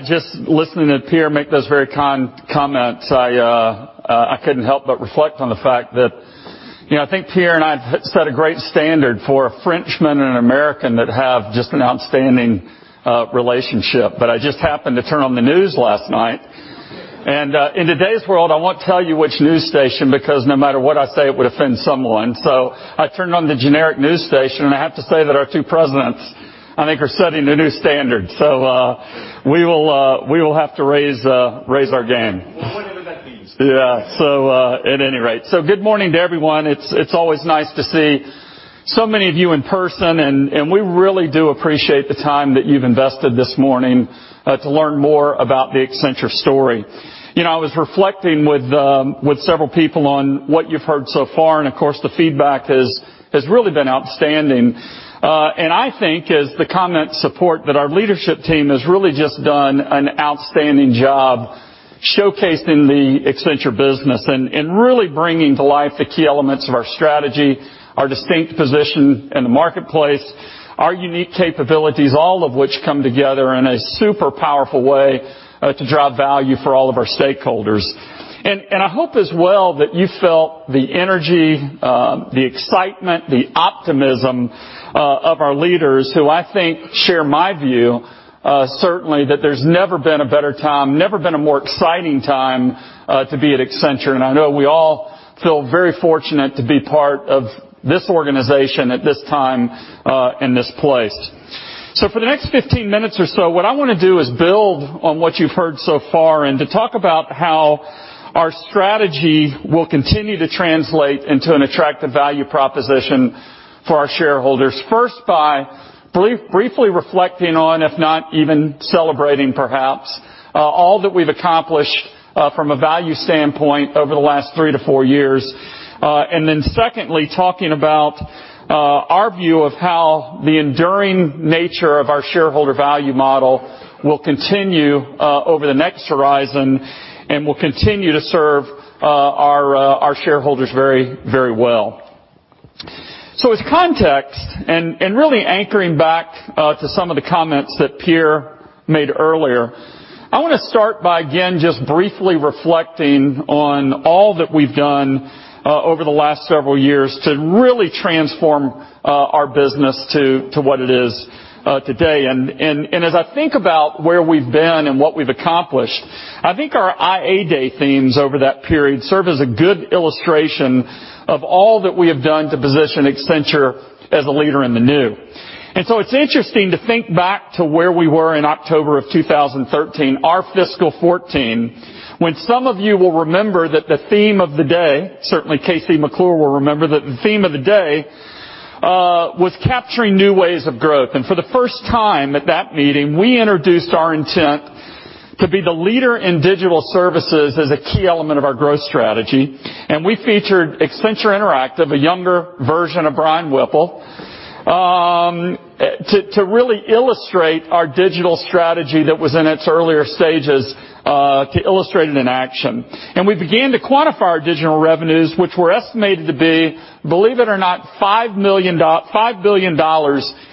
Just listening to Pierre make those very kind comments, I couldn't help but reflect on the fact that I think Pierre and I have set a great standard for a Frenchman and an American that have just an outstanding relationship. I just happened to turn on the news last night, and in today's world, I won't tell you which news station, because no matter what I say, it would offend someone. I turned on the generic news station, and I have to say that our two presidents, I think, are setting a new standard. We will have to raise our game. Whatever that means. At any rate. Good morning to everyone. It's always nice to see so many of you in person, and we really do appreciate the time that you've invested this morning to learn more about the Accenture story. I was reflecting with several people on what you've heard so far. Of course, the feedback has really been outstanding. I think as the comments support that our leadership team has really just done an outstanding job showcasing the Accenture business and really bringing to life the key elements of our strategy, our distinct position in the marketplace, our unique capabilities, all of which come together in a super powerful way to drive value for all of our stakeholders. I hope as well that you felt the energy, the excitement, the optimism of our leaders, who I think share my view certainly that there's never been a better time, never been a more exciting time to be at Accenture. I know we all feel very fortunate to be part of this organization at this time and this place. For the next 15 minutes or so, what I want to do is build on what you've heard so far and to talk about how our strategy will continue to translate into an attractive value proposition for our shareholders. First, by briefly reflecting on, if not even celebrating perhaps, all that we've accomplished from a value standpoint over the last three to four years. Secondly, talking about our view of how the enduring nature of our shareholder value model will continue over the next horizon and will continue to serve our shareholders very well. As context, and really anchoring back to some of the comments that Pierre made earlier, I want to start by again, just briefly reflecting on all that we have done over the last several years to really transform our business to what it is today. As I think about where we've been and what we've accomplished, I think our I&A Day themes over that period serve as a good illustration of all that we have done to position Accenture as a leader in the new. It's interesting to think back to where we were in October of 2013, our fiscal 2014, when some of you will remember that the theme of the day, certainly KC McClure will remember, that the theme of the day was capturing new ways of growth. For the first time at that meeting, we introduced our intent to be the leader in digital services as a key element of our growth strategy. We featured Accenture Interactive, a younger version of Brian Whipple, to really illustrate our digital strategy that was in its earlier stages to illustrate it in action. We began to quantify our digital revenues, which were estimated to be, believe it or not, $5 billion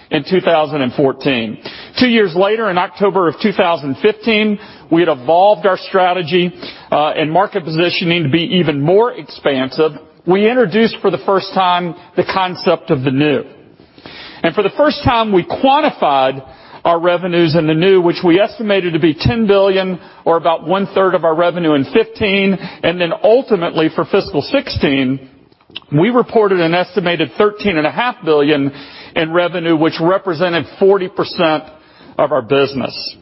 in 2014. Two years later, in October of 2015, we had evolved our strategy and market positioning to be even more expansive. We introduced for the first time the concept of the new. For the first time, we quantified our revenues in the new, which we estimated to be $10 billion or about one-third of our revenue in 2015. Ultimately for fiscal 2016, we reported an estimated $13.5 billion in revenue, which represented 40% of our business.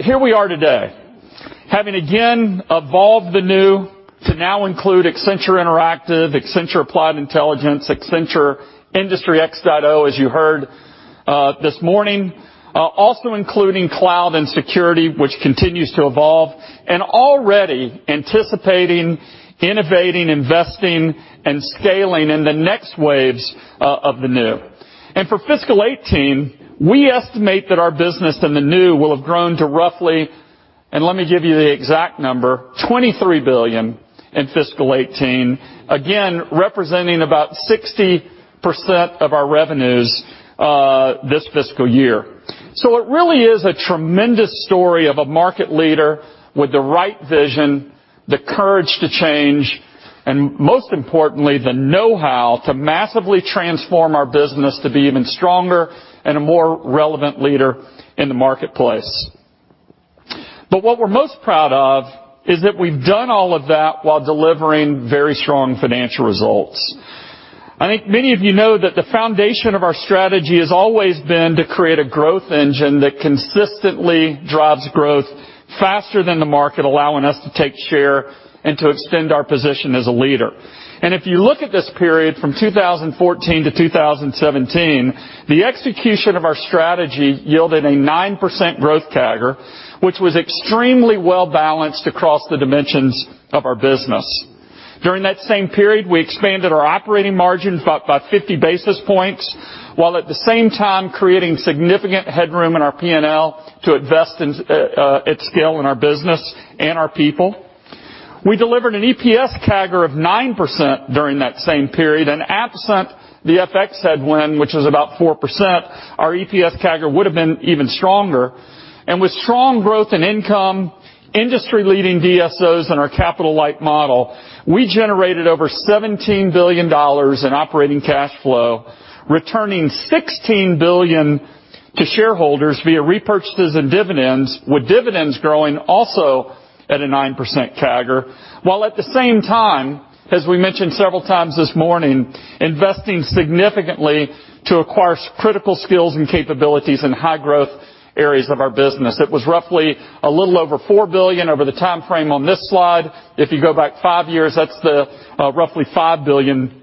Here we are today, having again evolved the new to now include Accenture Interactive, Accenture Applied Intelligence, Accenture Industry X.0, as you heard this morning, also including cloud and security, which continues to evolve and already anticipating, innovating, investing, and scaling in the next waves of the new. For fiscal 2018, we estimate that our business in the new will have grown to roughly, and let me give you the exact number, $23 billion in fiscal 2018, again, representing about 60% of our revenues this fiscal year. It really is a tremendous story of a market leader with the right vision, the courage to change, and most importantly, the know-how to massively transform our business to be even stronger and a more relevant leader in the marketplace. What we're most proud of is that we've done all of that while delivering very strong financial results. I think many of you know that the foundation of our strategy has always been to create a growth engine that consistently drives growth faster than the market, allowing us to take share and to extend our position as a leader. If you look at this period from 2014-2017, the execution of our strategy yielded a 9% growth CAGR, which was extremely well-balanced across the dimensions of our business. During that same period, we expanded our operating margins up by 50 basis points, while at the same time creating significant headroom in our P&L to invest at scale in our business and our people. We delivered an EPS CAGR of 9% during that same period, absent the FX headwind, which is about 4%, our EPS CAGR would have been even stronger. With strong growth in income, industry-leading DSOs and our capital-light model, we generated over $17 billion in operating cash flow, returning $16 billion to shareholders via repurchases and dividends, with dividends growing also at a 9% CAGR. While at the same time, as we mentioned several times this morning, investing significantly to acquire critical skills and capabilities in high-growth areas of our business. It was roughly a little over $4 billion over the timeframe on this slide. If you go back five years, that's the roughly $5 billion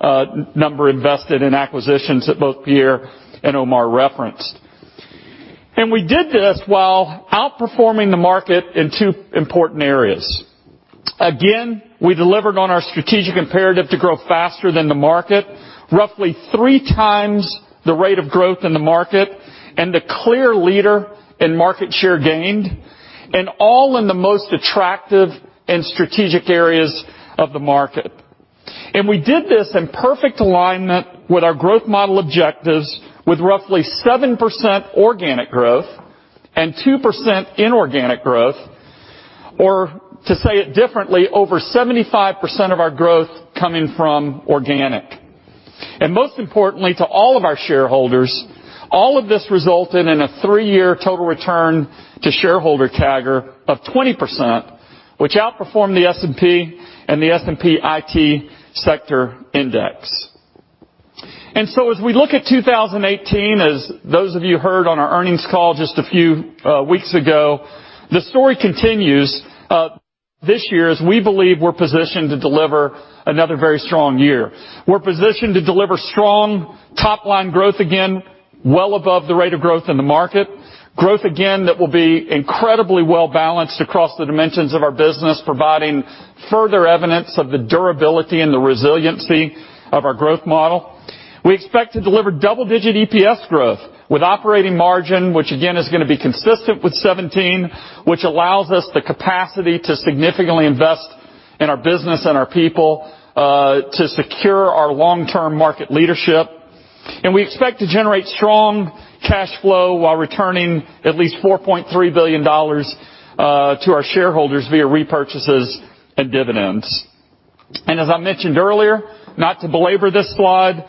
number invested in acquisitions that both Pierre and Omar referenced. We did this while outperforming the market in two important areas. Again, we delivered on our strategic imperative to grow faster than the market, roughly three times the rate of growth in the market, and the clear leader in market share gained, and all in the most attractive and strategic areas of the market. We did this in perfect alignment with our growth model objectives with roughly 7% organic growth and 2% inorganic growth. Or to say it differently, over 75% of our growth coming from organic. Most importantly, to all of our shareholders, all of this resulted in a three-year total return to shareholder CAGR of 20%, which outperformed the S&P and the S&P IT sector index. As we look at 2018, as those of you heard on our earnings call just a few weeks ago, the story continues. This year, as we believe we're positioned to deliver another very strong year. We're positioned to deliver strong top-line growth again, well above the rate of growth in the market. Growth again, that will be incredibly well-balanced across the dimensions of our business, providing further evidence of the durability and the resiliency of our growth model. We expect to deliver double-digit EPS growth with operating margin, which again, is going to be consistent with fiscal 2017, which allows us the capacity to significantly invest in our business and our people, to secure our long-term market leadership. We expect to generate strong cash flow while returning at least $4.3 billion to our shareholders via repurchases and dividends. As I mentioned earlier, not to belabor this slide,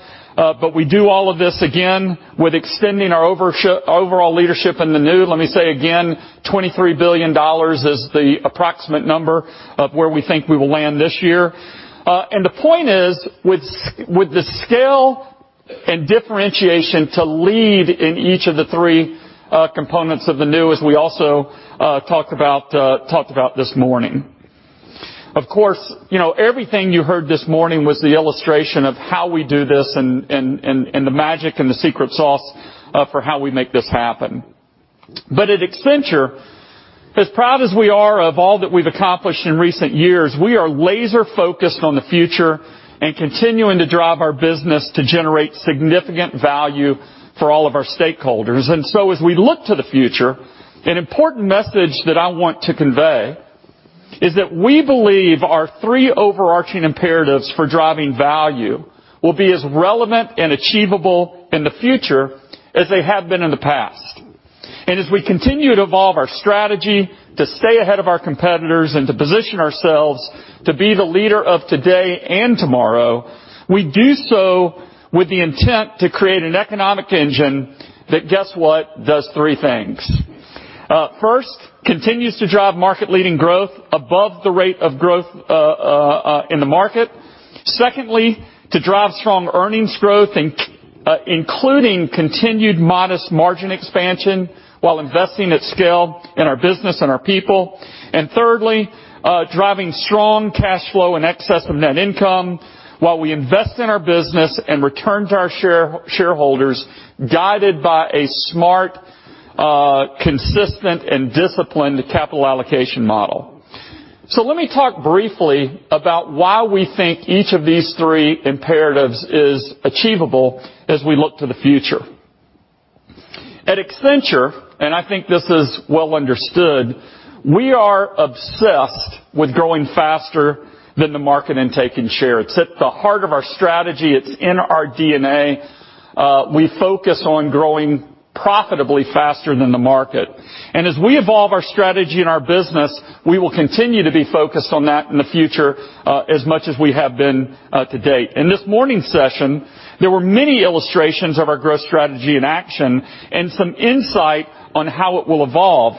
we do all of this again with extending our overall leadership in the new. Let me say again, $23 billion is the approximate number of where we think we will land this year. The point is with the scale and differentiation to lead in each of the three components of the new, as we also talked about this morning. Of course, everything you heard this morning was the illustration of how we do this and the magic and the secret sauce for how we make this happen. At Accenture, as proud as we are of all that we've accomplished in recent years, we are laser-focused on the future and continuing to drive our business to generate significant value for all of our stakeholders. As we look to the future, an important message that I want to convey is that we believe our three overarching imperatives for driving value will be as relevant and achievable in the future as they have been in the past. As we continue to evolve our strategy to stay ahead of our competitors and to position ourselves to be the leader of today and tomorrow, we do so with the intent to create an economic engine that, guess what, does three things. First, continues to drive market-leading growth above the rate of growth in the market. Secondly, to drive strong earnings growth, including continued modest margin expansion while investing at scale in our business and our people. Thirdly, driving strong cash flow in excess of net income while we invest in our business and return to our shareholders, guided by a smart, consistent, and disciplined capital allocation model. Let me talk briefly about why we think each of these three imperatives is achievable as we look to the future. At Accenture, and I think this is well understood, we are obsessed with growing faster than the market and taking shares. It's at the heart of our strategy. It's in our DNA. We focus on growing profitably faster than the market. As we evolve our strategy and our business, we will continue to be focused on that in the future as much as we have been to date. In this morning's session, there were many illustrations of our growth strategy in action and some insight on how it will evolve.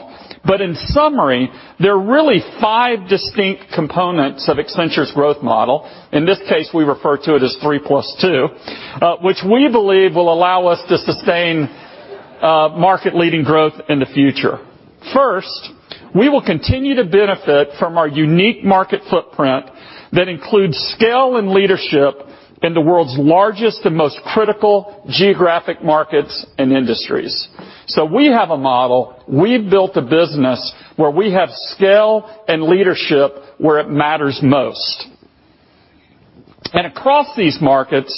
In summary, there are really five distinct components of Accenture's growth model, in this case, we refer to it as three plus two, which we believe will allow us to sustain market-leading growth in the future. First, we will continue to benefit from our unique market footprint that includes scale and leadership in the world's largest and most critical geographic markets and industries. We have a model, we've built a business where we have scale and leadership where it matters most. Across these markets,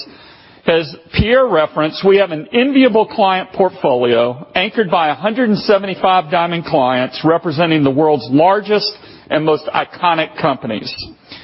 as Pierre referenced, we have an enviable client portfolio anchored by 175 Diamond clients representing the world's largest and most iconic companies.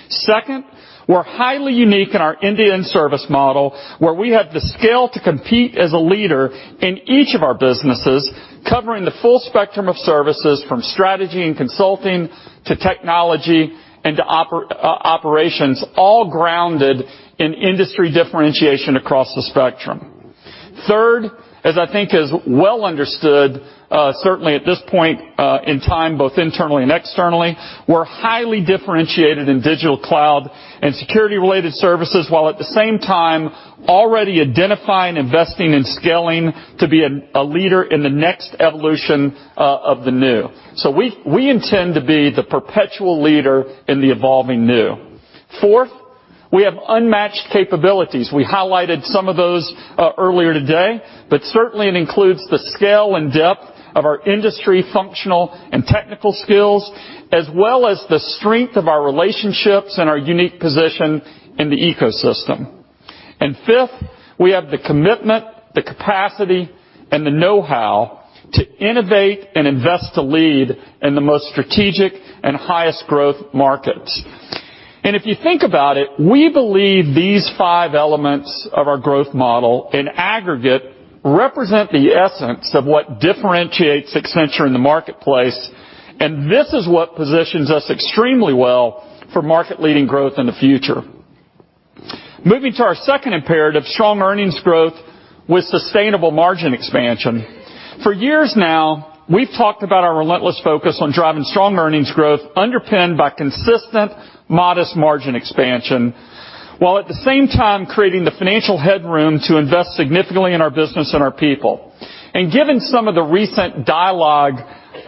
Second, we're highly unique in our end-to-end service model, where we have the scale to compete as a leader in each of our businesses, covering the full spectrum of services from strategy and consulting to technology and to operations, all grounded in industry differentiation across the spectrum. Third, as I think is well understood, certainly at this point in time, both internally and externally, we're highly differentiated in digital cloud and security-related services, while at the same time already identifying, investing, and scaling to be a leader in the next evolution of the new. We intend to be the perpetual leader in the evolving new. Fourth, we have unmatched capabilities. We highlighted some of those earlier today, but certainly, it includes the scale and depth of our industry functional and technical skills, as well as the strength of our relationships and our unique position in the ecosystem. Fifth, we have the commitment, the capacity, and the know-how to innovate and invest to lead in the most strategic and highest growth markets. If you think about it, we believe these five elements of our growth model in aggregate represent the essence of what differentiates Accenture in the marketplace, and this is what positions us extremely well for market-leading growth in the future. Moving to our second imperative, strong earnings growth with sustainable margin expansion. For years now, we've talked about our relentless focus on driving strong earnings growth underpinned by consistent modest margin expansion, while at the same time creating the financial headroom to invest significantly in our business and our people. Given some of the recent dialogue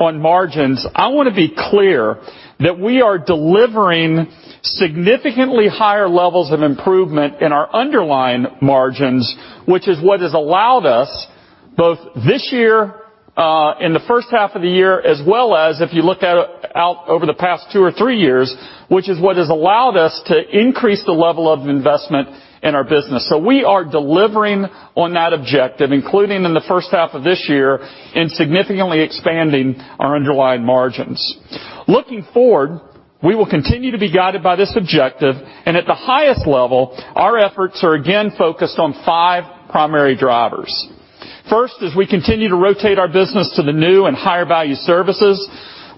on margins, I want to be clear that we are delivering significantly higher levels of improvement in our underlying margins, which is what has allowed us, both this year in the first half of the year, as well as if you look out over the past two or three years, which is what has allowed us to increase the level of investment in our business. We are delivering on that objective, including in the first half of this year in significantly expanding our underlying margins. Looking forward, we will continue to be guided by this objective, and at the highest level, our efforts are again focused on five primary drivers. First, as we continue to rotate our business to the new and higher-value services,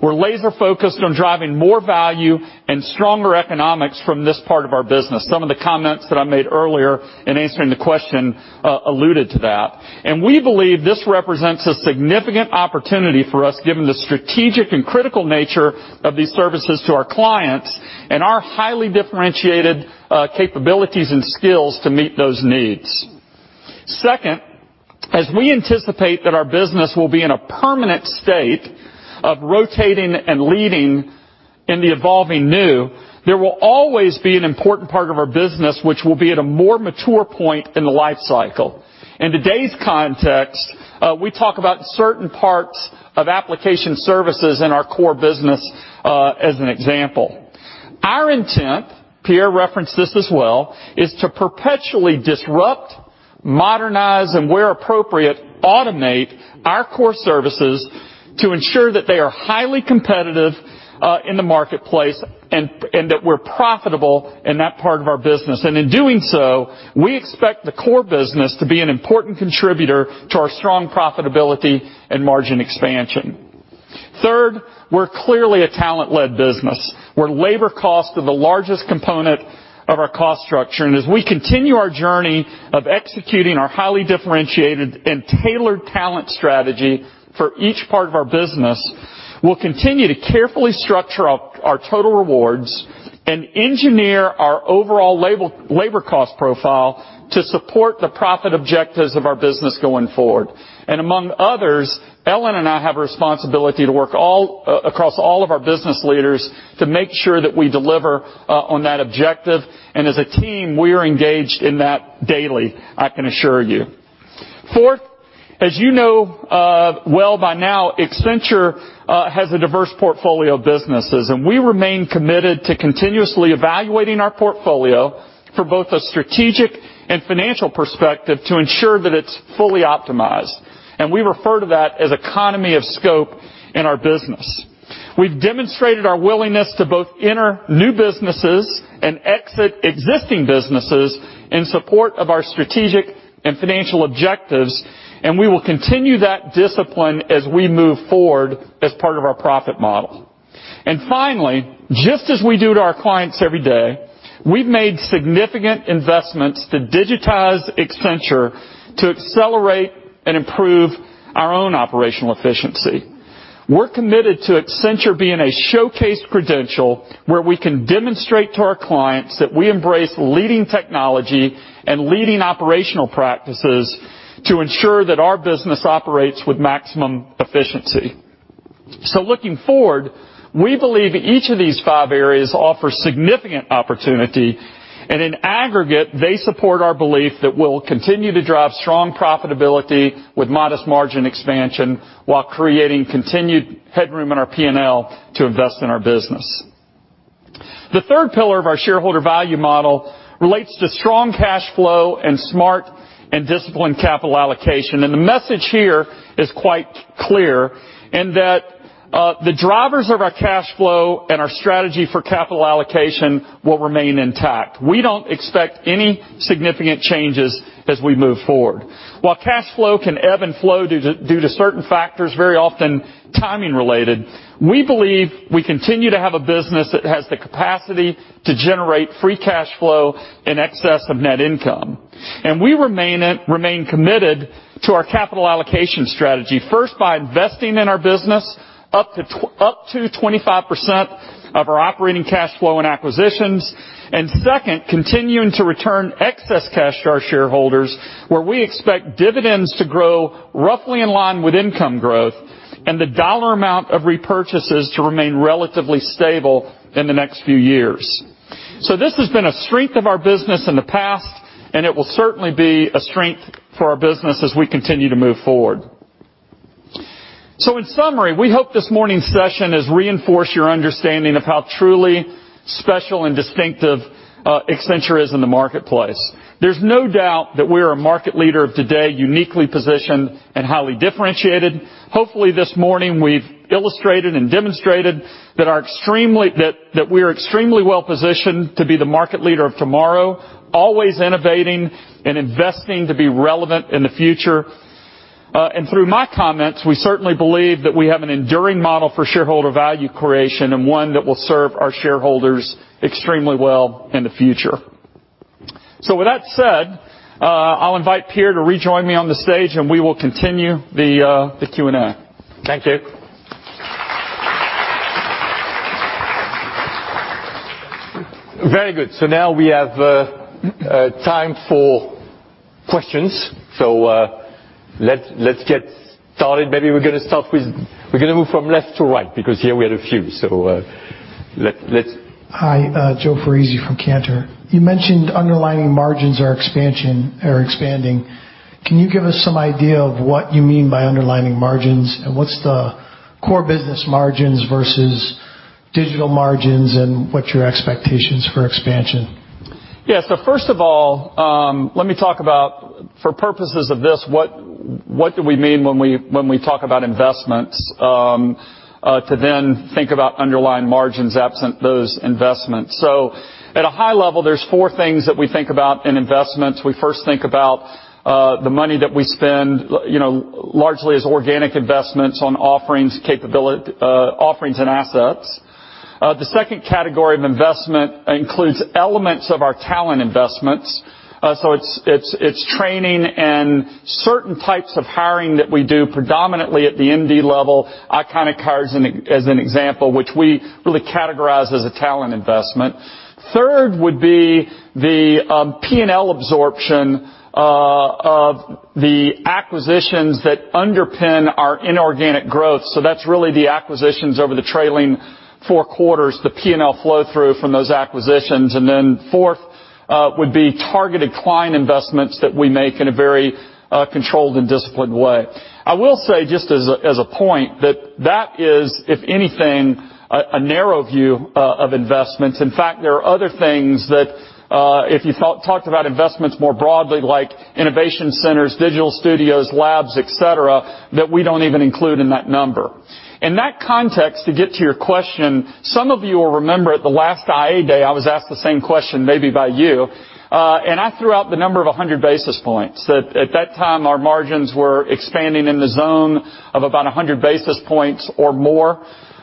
we're laser-focused on driving more value and stronger economics from this part of our business. Some of the comments that I made earlier in answering the question alluded to that. We believe this represents a significant opportunity for us, given the strategic and critical nature of these services to our clients and our highly differentiated capabilities and skills to meet those needs. Second, as we anticipate that our business will be in a permanent state of rotating and leading in the evolving new, there will always be an important part of our business which will be at a more mature point in the life cycle. In today's context, we talk about certain parts of application services in our core business as an example. Our intent, Pierre referenced this as well, is to perpetually disrupt, modernize, and where appropriate, automate our core services to ensure that they are highly competitive in the marketplace and that we're profitable in that part of our business. In doing so, we expect the core business to be an important contributor to our strong profitability and margin expansion. Third, we're clearly a talent-led business, where labor costs are the largest component of our cost structure. As we continue our journey of executing our highly differentiated and tailored talent strategy for each part of our business, we'll continue to carefully structure our total rewards and engineer our overall labor cost profile to support the profit objectives of our business going forward. Among others, Ellyn and I have a responsibility to work across all of our business leaders to make sure that we deliver on that objective. As a team, we are engaged in that daily, I can assure you. Fourth, as you know well by now, Accenture has a diverse portfolio of businesses, we remain committed to continuously evaluating our portfolio for both a strategic and financial perspective to ensure that it's fully optimized. We refer to that as economy of scope in our business. We've demonstrated our willingness to both enter new businesses and exit existing businesses in support of our strategic and financial objectives, we will continue that discipline as we move forward as part of our profit model. Finally, just as we do to our clients every day, we've made significant investments to digitize Accenture to accelerate and improve our own operational efficiency. We're committed to Accenture being a showcase credential where we can demonstrate to our clients that we embrace leading technology and leading operational practices to ensure that our business operates with maximum efficiency. Looking forward, we believe each of these five areas offers significant opportunity, in aggregate, they support our belief that we'll continue to drive strong profitability with modest margin expansion while creating continued headroom in our P&L to invest in our business. The third pillar of our shareholder value model relates to strong cash flow and smart and disciplined capital allocation. The message here is quite clear in that the drivers of our cash flow and our strategy for capital allocation will remain intact. We don't expect any significant changes as we move forward. While cash flow can ebb and flow due to certain factors, very often timing related, we believe we continue to have a business that has the capacity to generate free cash flow in excess of net income. We remain committed to our capital allocation strategy, first by investing in our business up to 25% of our operating cash flow and acquisitions. Second, continuing to return excess cash to our shareholders, where we expect dividends to grow roughly in line with income growth and the dollar amount of repurchases to remain relatively stable in the next few years. This has been a strength of our business in the past, and it will certainly be a strength for our business as we continue to move forward. In summary, we hope this morning's session has reinforced your understanding of how truly special and distinctive Accenture is in the marketplace. There's no doubt that we are a market leader of today, uniquely positioned and highly differentiated. Hopefully, this morning, we've illustrated and demonstrated that we are extremely well-positioned to be the market leader of tomorrow, always innovating and investing to be relevant in the future. Through my comments, we certainly believe that we have an enduring model for shareholder value creation and one that will serve our shareholders extremely well in the future. With that said, I'll invite Pierre to rejoin me on the stage and we will continue the Q&A. Thank you. Very good. Now we have time for questions. Let's get started. Maybe we're going to move from left to right, because here we have a few. Let's- Hi, Joe Foresi from Cantor. You mentioned underlying margins are expanding. Can you give us some idea of what you mean by underlying margins, and what's the core business margins versus digital margins, and what's your expectations for expansion? First of all, let me talk about, for purposes of this, what do we mean when we talk about investments to then think about underlying margins absent those investments. At a high level, there's four things that we think about in investments. We first think about the money that we spend largely as organic investments on offerings and assets. The second category of investment includes elements of our talent investments. It's training and certain types of hiring that we do predominantly at the MD level. Iconic hires as an example, which we really categorize as a talent investment. Third would be the P&L absorption of the acquisitions that underpin our inorganic growth. That's really the acquisitions over the trailing four quarters, the P&L flow-through from those acquisitions. Fourth would be targeted client investments that we make in a very controlled and disciplined way. I will say, just as a point, that that is, if anything, a narrow view of investments. In fact, there are other things that if you talked about investments more broadly, like innovation centers, digital studios, labs, et cetera, that we don't even include in that number. In that context, to get to your question, some of you will remember at the last I&A Day, I was asked the same question maybe by you. I threw out the number of 100 basis points. At that time, our margins were expanding in the zone of about 100 basis points or more.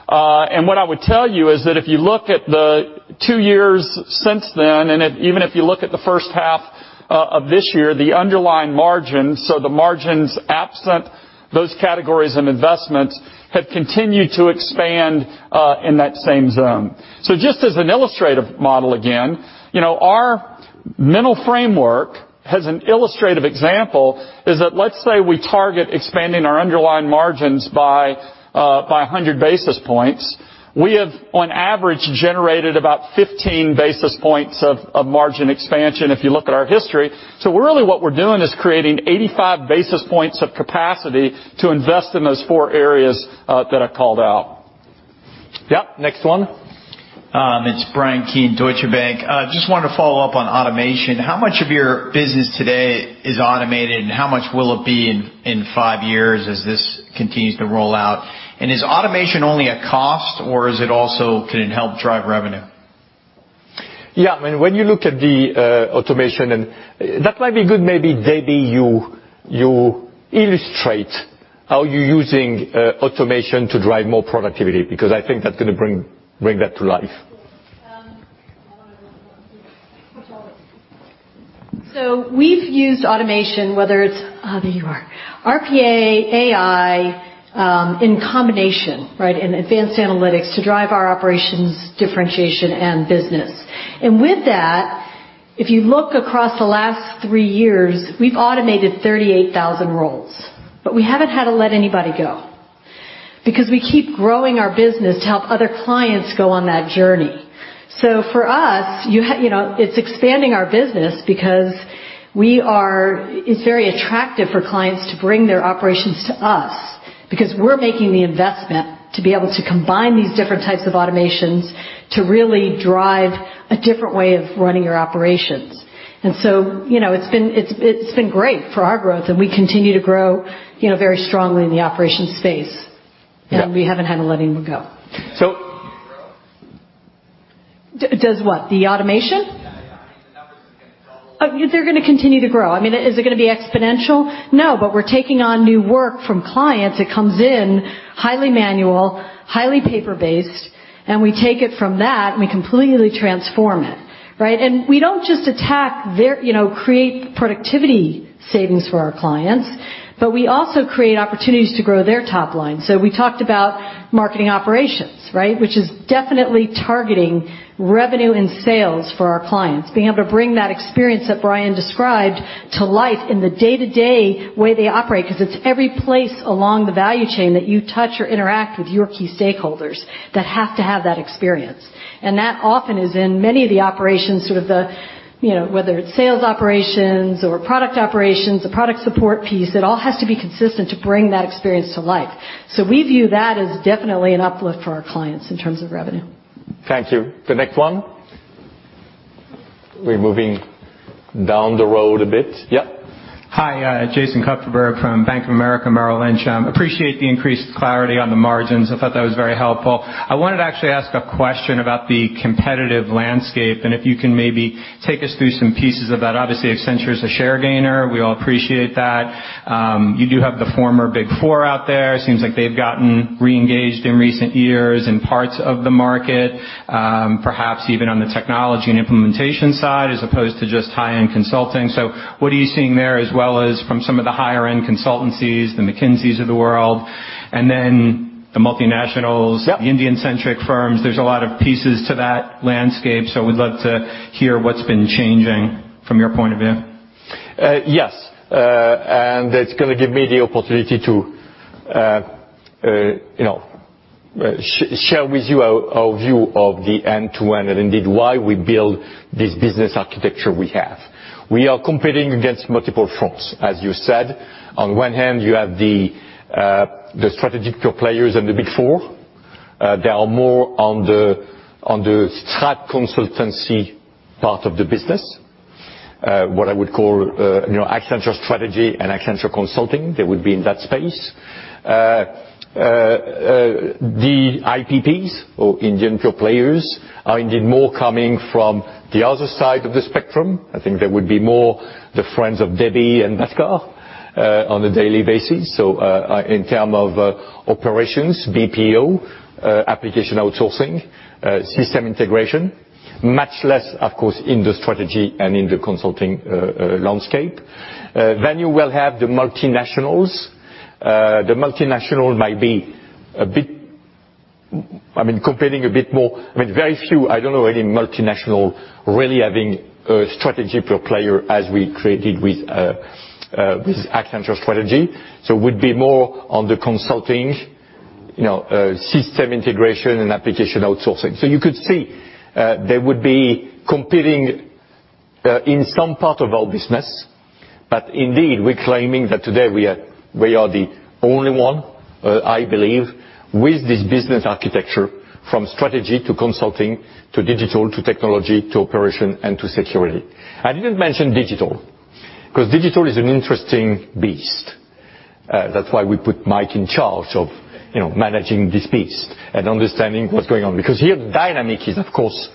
What I would tell you is that if you look at the two years since then, even if you look at the first half of this year, the underlying margins, so the margins absent those categories and investments, have continued to expand in that same zone. Just as an illustrative model again, our mental framework has an illustrative example, is that let's say we target expanding our underlying margins by 100 basis points. We have on average generated about 15 basis points of margin expansion if you look at our history. Really what we're doing is creating 85 basis points of capacity to invest in those four areas that I called out. Yep, next one. It's Bryan Keane, Deutsche Bank. Just wanted to follow up on automation. How much of your business today is automated, and how much will it be in five years as this continues to roll out? Is automation only a cost, or can it also help drive revenue? Yeah. When you look at the automation and that might be good maybe, Debbie, you illustrate how you're using automation to drive more productivity because I think that's going to bring that to life. We've used automation, whether it's RPA, AI, in combination, right, and advanced analytics to drive our operations, differentiation, and business. There you are. With that, if you look across the last three years, we've automated 38,000 roles. We haven't had to let anybody go because we keep growing our business to help other clients go on that journey. For us, it's expanding our business because it's very attractive for clients to bring their operations to us because we're making the investment to be able to combine these different types of automations to really drive a different way of running your operations. It's been great for our growth, and we continue to grow very strongly in the operations space. Yeah. We haven't had to let anyone go. So- Continue to grow? Does what? The automation? Yeah. I mean, the numbers are going to double. They're going to continue to grow. I mean, is it going to be exponential? No. We're taking on new work from clients. It comes in highly manual, highly paper-based, and we take it from that, and we completely transform it. Right? We don't just create productivity savings for our clients, but we also create opportunities to grow their top line. We talked about marketing operations, right, which is definitely targeting revenue and sales for our clients. Being able to bring that experience that Brian described to life in the day-to-day way they operate, because it's every place along the value chain that you touch or interact with your key stakeholders that have to have that experience. That often is in many of the operations, sort of whether it's sales operations or product operations, the product support piece, it all has to be consistent to bring that experience to life. We view that as definitely an uplift for our clients in terms of revenue. Thank you. The next one. We're moving down the road a bit. Yep. Hi. Jason Kupferberg from Bank of America Merrill Lynch. Appreciate the increased clarity on the margins. I thought that was very helpful. I wanted to actually ask a question about the competitive landscape, and if you can maybe take us through some pieces of that. Obviously, Accenture is a share gainer. We all appreciate that. You do have the former Big Four out there. Seems like they've gotten reengaged in recent years in parts of the market. Perhaps even on the technology and implementation side, as opposed to just high-end consulting. What are you seeing there as well as from some of the higher-end consultancies, the McKinsey of the world, and then the multinationals. Yep The Indian-centric firms. We'd love to hear what's been changing from your point of view. Yes. It's going to give me the opportunity to share with you our view of the end-to-end, and indeed, why we build this business architecture we have. We are competing against multiple fronts, as you said. On one hand, you have the strategic pure players and the Big Four. They are more on the strat consultancy part of the business. What I would call Accenture Strategy and Accenture Consulting, they would be in that space. The IPPs or Indian pure players are indeed more coming from the other side of the spectrum. I think they would be more the friends of Debbie and Bhaskar on a daily basis. In term of operations, BPO, application outsourcing, system integration, much less, of course, in the strategy and in the consulting landscape. You will have the multinationals. The multinational might be competing a bit more. I mean, very few, I don't know any multinational really having a strategy pure player as we created with Accenture Strategy. Would be more on the consulting system integration and application outsourcing. You could see they would be competing in some part of our business. Indeed, we're claiming that today we are the only one, I believe, with this business architecture, from strategy to consulting, to digital, to technology, to Operations, and to Security. I didn't mention digital, because digital is an interesting beast. That's why we put Mike in charge of managing this beast and understanding what's going on. Because here, dynamic is, of course,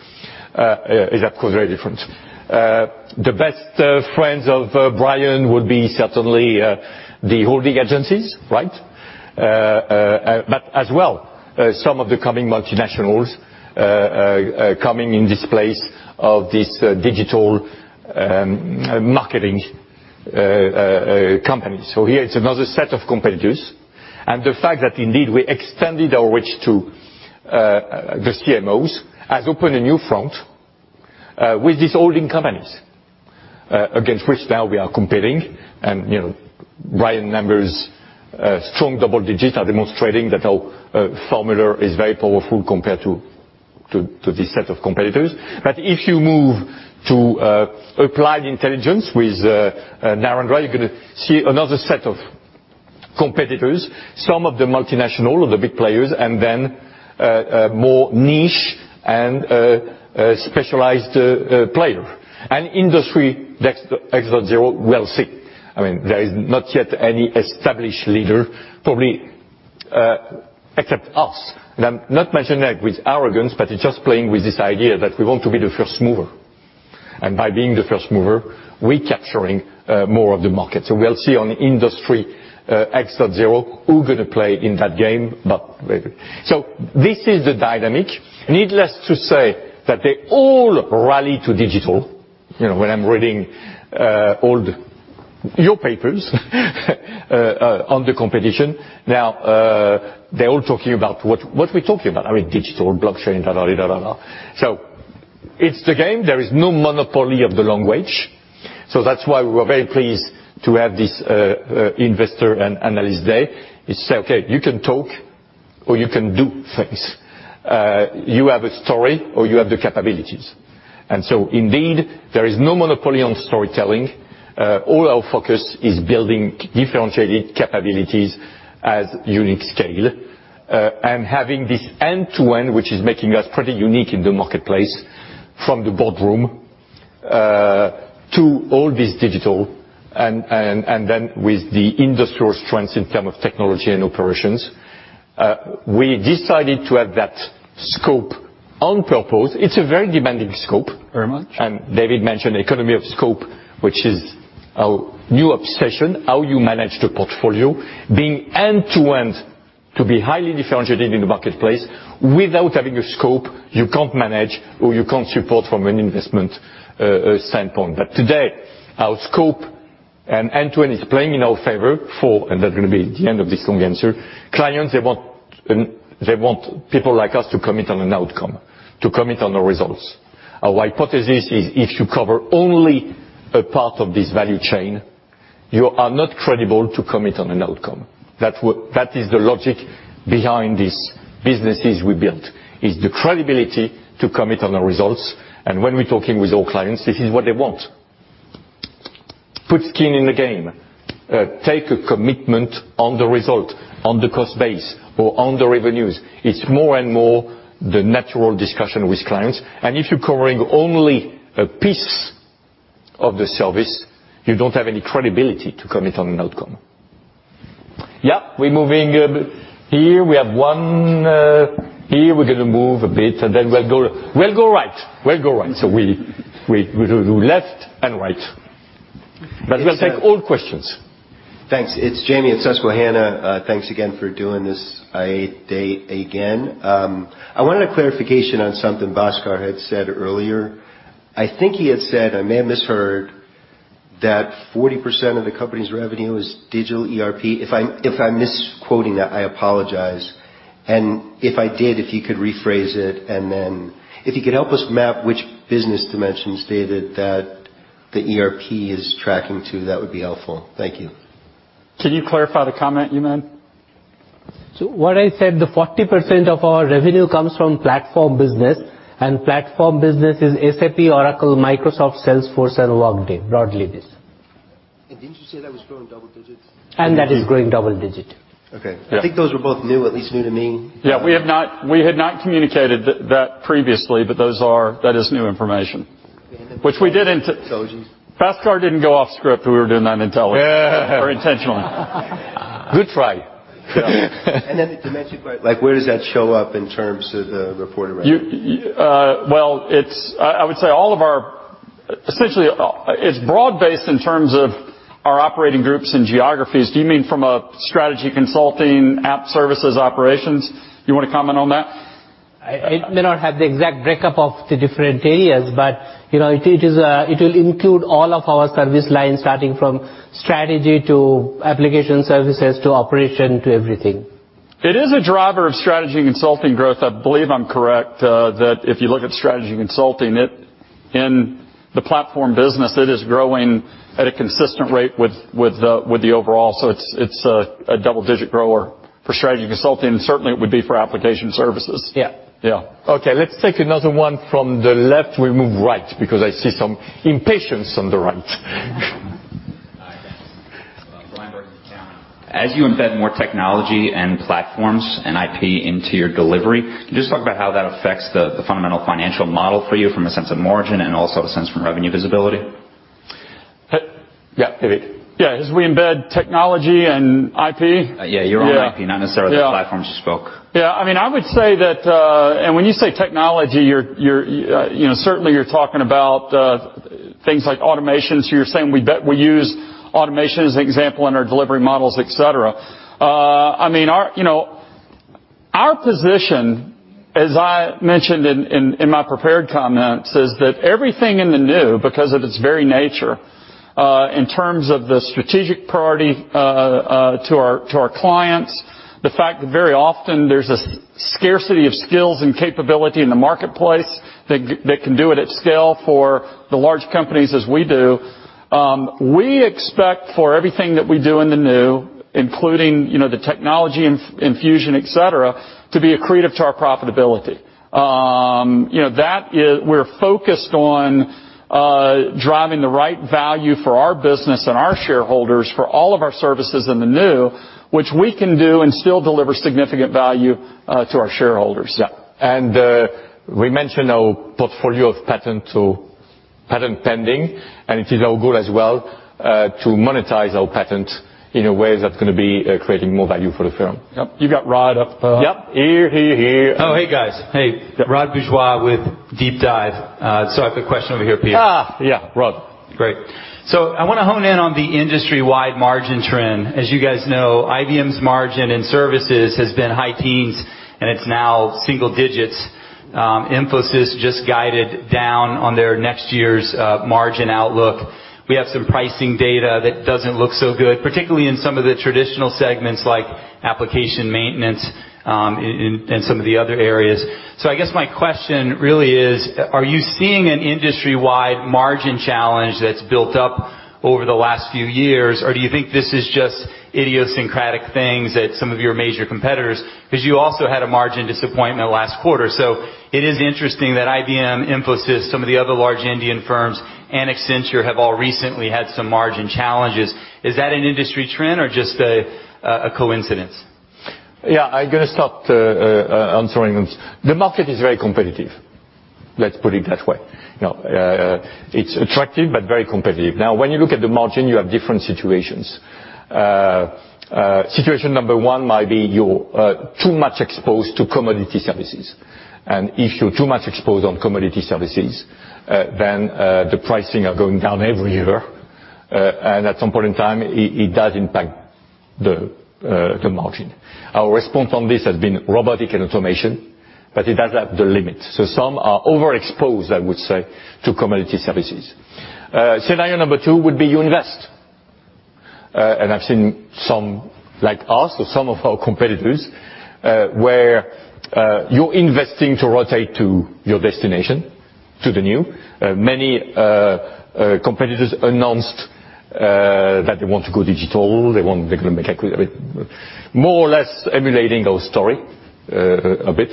very different. The best friends of Brian would be certainly the holding agencies, right? But as well, some of the coming multinationals coming in this place of this digital marketing company. Here, it's another set of competitors. The fact that indeed we extended our reach to the CMOs has opened a new front with these holding companies, against which now we are competing. Brian numbers strong double digits are demonstrating that our formula is very powerful compared to this set of competitors. If you move to Accenture Applied Intelligence with Narendra, you're going to see another set of competitors, some of the multinational or the big players, and then a more niche and specialized player. Industry X.0, we'll see. There is not yet any established leader, probably, except us. I'm not mentioning that with arrogance, but it's just playing with this idea that we want to be the first mover. By being the first mover, we capturing more of the market. We'll see on Industry X.0 who going to play in that game, but maybe. This is the dynamic. Needless to say, that they all rally to digital. When I'm reading all your papers on the competition now, they're all talking about what we talking about. Digital, blockchain, da, da. It's the game. There is no monopoly of the long game. That's why we were very pleased to have this Investor & Analyst Day is say, okay, you can talk or you can do things. You have a story or you have the capabilities. Indeed, there is no monopoly on storytelling. All our focus is building differentiated capabilities as unique scale. Having this end-to-end, which is making us pretty unique in the marketplace, from the boardroom to all this digital, and then with the industrial strengths in term of technology and Operations. We decided to have that scope on purpose. It's a very demanding scope. Very much. David mentioned economy of scope, which is our new obsession, how you manage the portfolio being end-to-end to be highly differentiated in the marketplace. Without having a scope, you can't manage or you can't support from an investment standpoint. Today, our scope and end-to-end is playing in our favor for, and that going to be the end of this long answer. Clients, they want people like us to commit on an outcome, to commit on the results. Our hypothesis is, if you cover only a part of this value chain, you are not credible to commit on an outcome. That is the logic behind these businesses we built, is the credibility to commit on the results. And when we're talking with our clients, this is what they want. Put skin in the game. Take a commitment on the result, on the cost base, or on the revenues. It's more and more the natural discussion with clients. If you're covering only a piece of the service, you don't have any credibility to commit on an outcome. Yeah, we moving. Here, we have one. Here, we're going to move a bit, we'll go right. We do left and right. We'll take all questions. Thanks. It's Jamie at Susquehanna. Thanks again for doing this I&A Day again. I wanted a clarification on something Bhaskar had said earlier. I think he had said, I may have misheard, that 40% of the company's revenue is digital ERP. If I'm misquoting that, I apologize. If I did, if you could rephrase it, if you could help us map which business dimensions stated that the ERP is tracking to, that would be helpful. Thank you. Can you clarify the comment, you meant? What I said, the 40% of our revenue comes from platform business, and platform business is SAP, Oracle, Microsoft, Salesforce, and Workday, broadly this. Didn't you say that was growing double digits? That is growing double digit. Okay. Yeah. I think those were both new, at least new to me. Yeah, we had not communicated that previously, that is new information. And then- Which we did in- intelligence? Bhaskar didn't go off script when we were doing that intelligence. Yeah. intentionally. Good try. Then the dimension part, where does that show up in terms of the reported revenue? Well, I would say all of our Essentially, it's broad-based in terms of our operating groups and geographies. Do you mean from a strategy consulting app services operations? You want to comment on that? I may not have the exact breakup of the different areas, but it will include all of our service lines, starting from Strategy to Application Services, to Operations, to everything. It is a driver of Strategy and Consulting growth. I believe I'm correct, that if you look at Strategy and Consulting. In the platform business, it is growing at a consistent rate with the overall. It's a double-digit grower for Strategy and Consulting, and certainly, it would be for Application Services. Yeah. Yeah. Okay, let's take another one from the left. We move right, because I see some impatience on the right. Hi. Thanks. Bryan Bergin. As you embed more technology and platforms and IP into your delivery, can you just talk about how that affects the fundamental financial model for you from a sense of margin and also a sense from revenue visibility? Yeah, pivot. Yeah. As we embed technology and IP? Yeah, your own IP. Yeah not necessarily the platforms you spoke. Yeah. I would say that, when you say technology, certainly you're talking about things like automation. You're saying we use automation as an example in our delivery models, et cetera. Our position, as I mentioned in my prepared comments, is that everything in the New, because of its very nature, in terms of the strategic priority to our clients, the fact that very often there's a scarcity of skills and capability in the marketplace that can do it at scale for the large companies as we do. We expect for everything that we do in the New, including the technology infusion, et cetera, to be accretive to our profitability. We're focused on driving the right value for our business and our shareholders for all of our services in the New, which we can do and still deliver significant value to our shareholders. Yeah. We mentioned our portfolio of patent to patent pending, it is our goal as well to monetize our patent in a way that's going to be creating more value for the firm. Yep. You got Rod. Yep here. Hey, guys. Hey. Rod Bourgeois with DeepDive. I have a question over here, Pierre. Yeah. Rod. Great. I want to hone in on the industry-wide margin trend. As you guys know, IBM's margin in services has been high teens, and it's now single digits. Infosys just guided down on their next year's margin outlook. We have some pricing data that doesn't look so good, particularly in some of the traditional segments like application maintenance, and some of the other areas. I guess my question really is, are you seeing an industry-wide margin challenge that's built up over the last few years, or do you think this is just idiosyncratic things at some of your major competitors? Because you also had a margin disappointment last quarter. It is interesting that IBM, Infosys, some of the other large Indian firms, and Accenture have all recently had some margin challenges. Is that an industry trend or just a coincidence? Yeah. I'm going to start answering this. The market is very competitive. Let's put it that way. It's attractive, but very competitive. Now, when you look at the margin, you have different situations. Situation number 1 might be you're too much exposed to commodity services. If you're too much exposed on commodity services, the pricing are going down every year. At some point in time, it does impact the margin. Our response on this has been robotic and automation, but it does have the limits. Some are overexposed, I would say, to commodity services. Scenario number 2 would be you invest. I've seen some like us or some of our competitors, where you're investing to rotate to your destination, to the new. Many competitors announced that they want to go digital. They're going to make, more or less emulating our story a bit.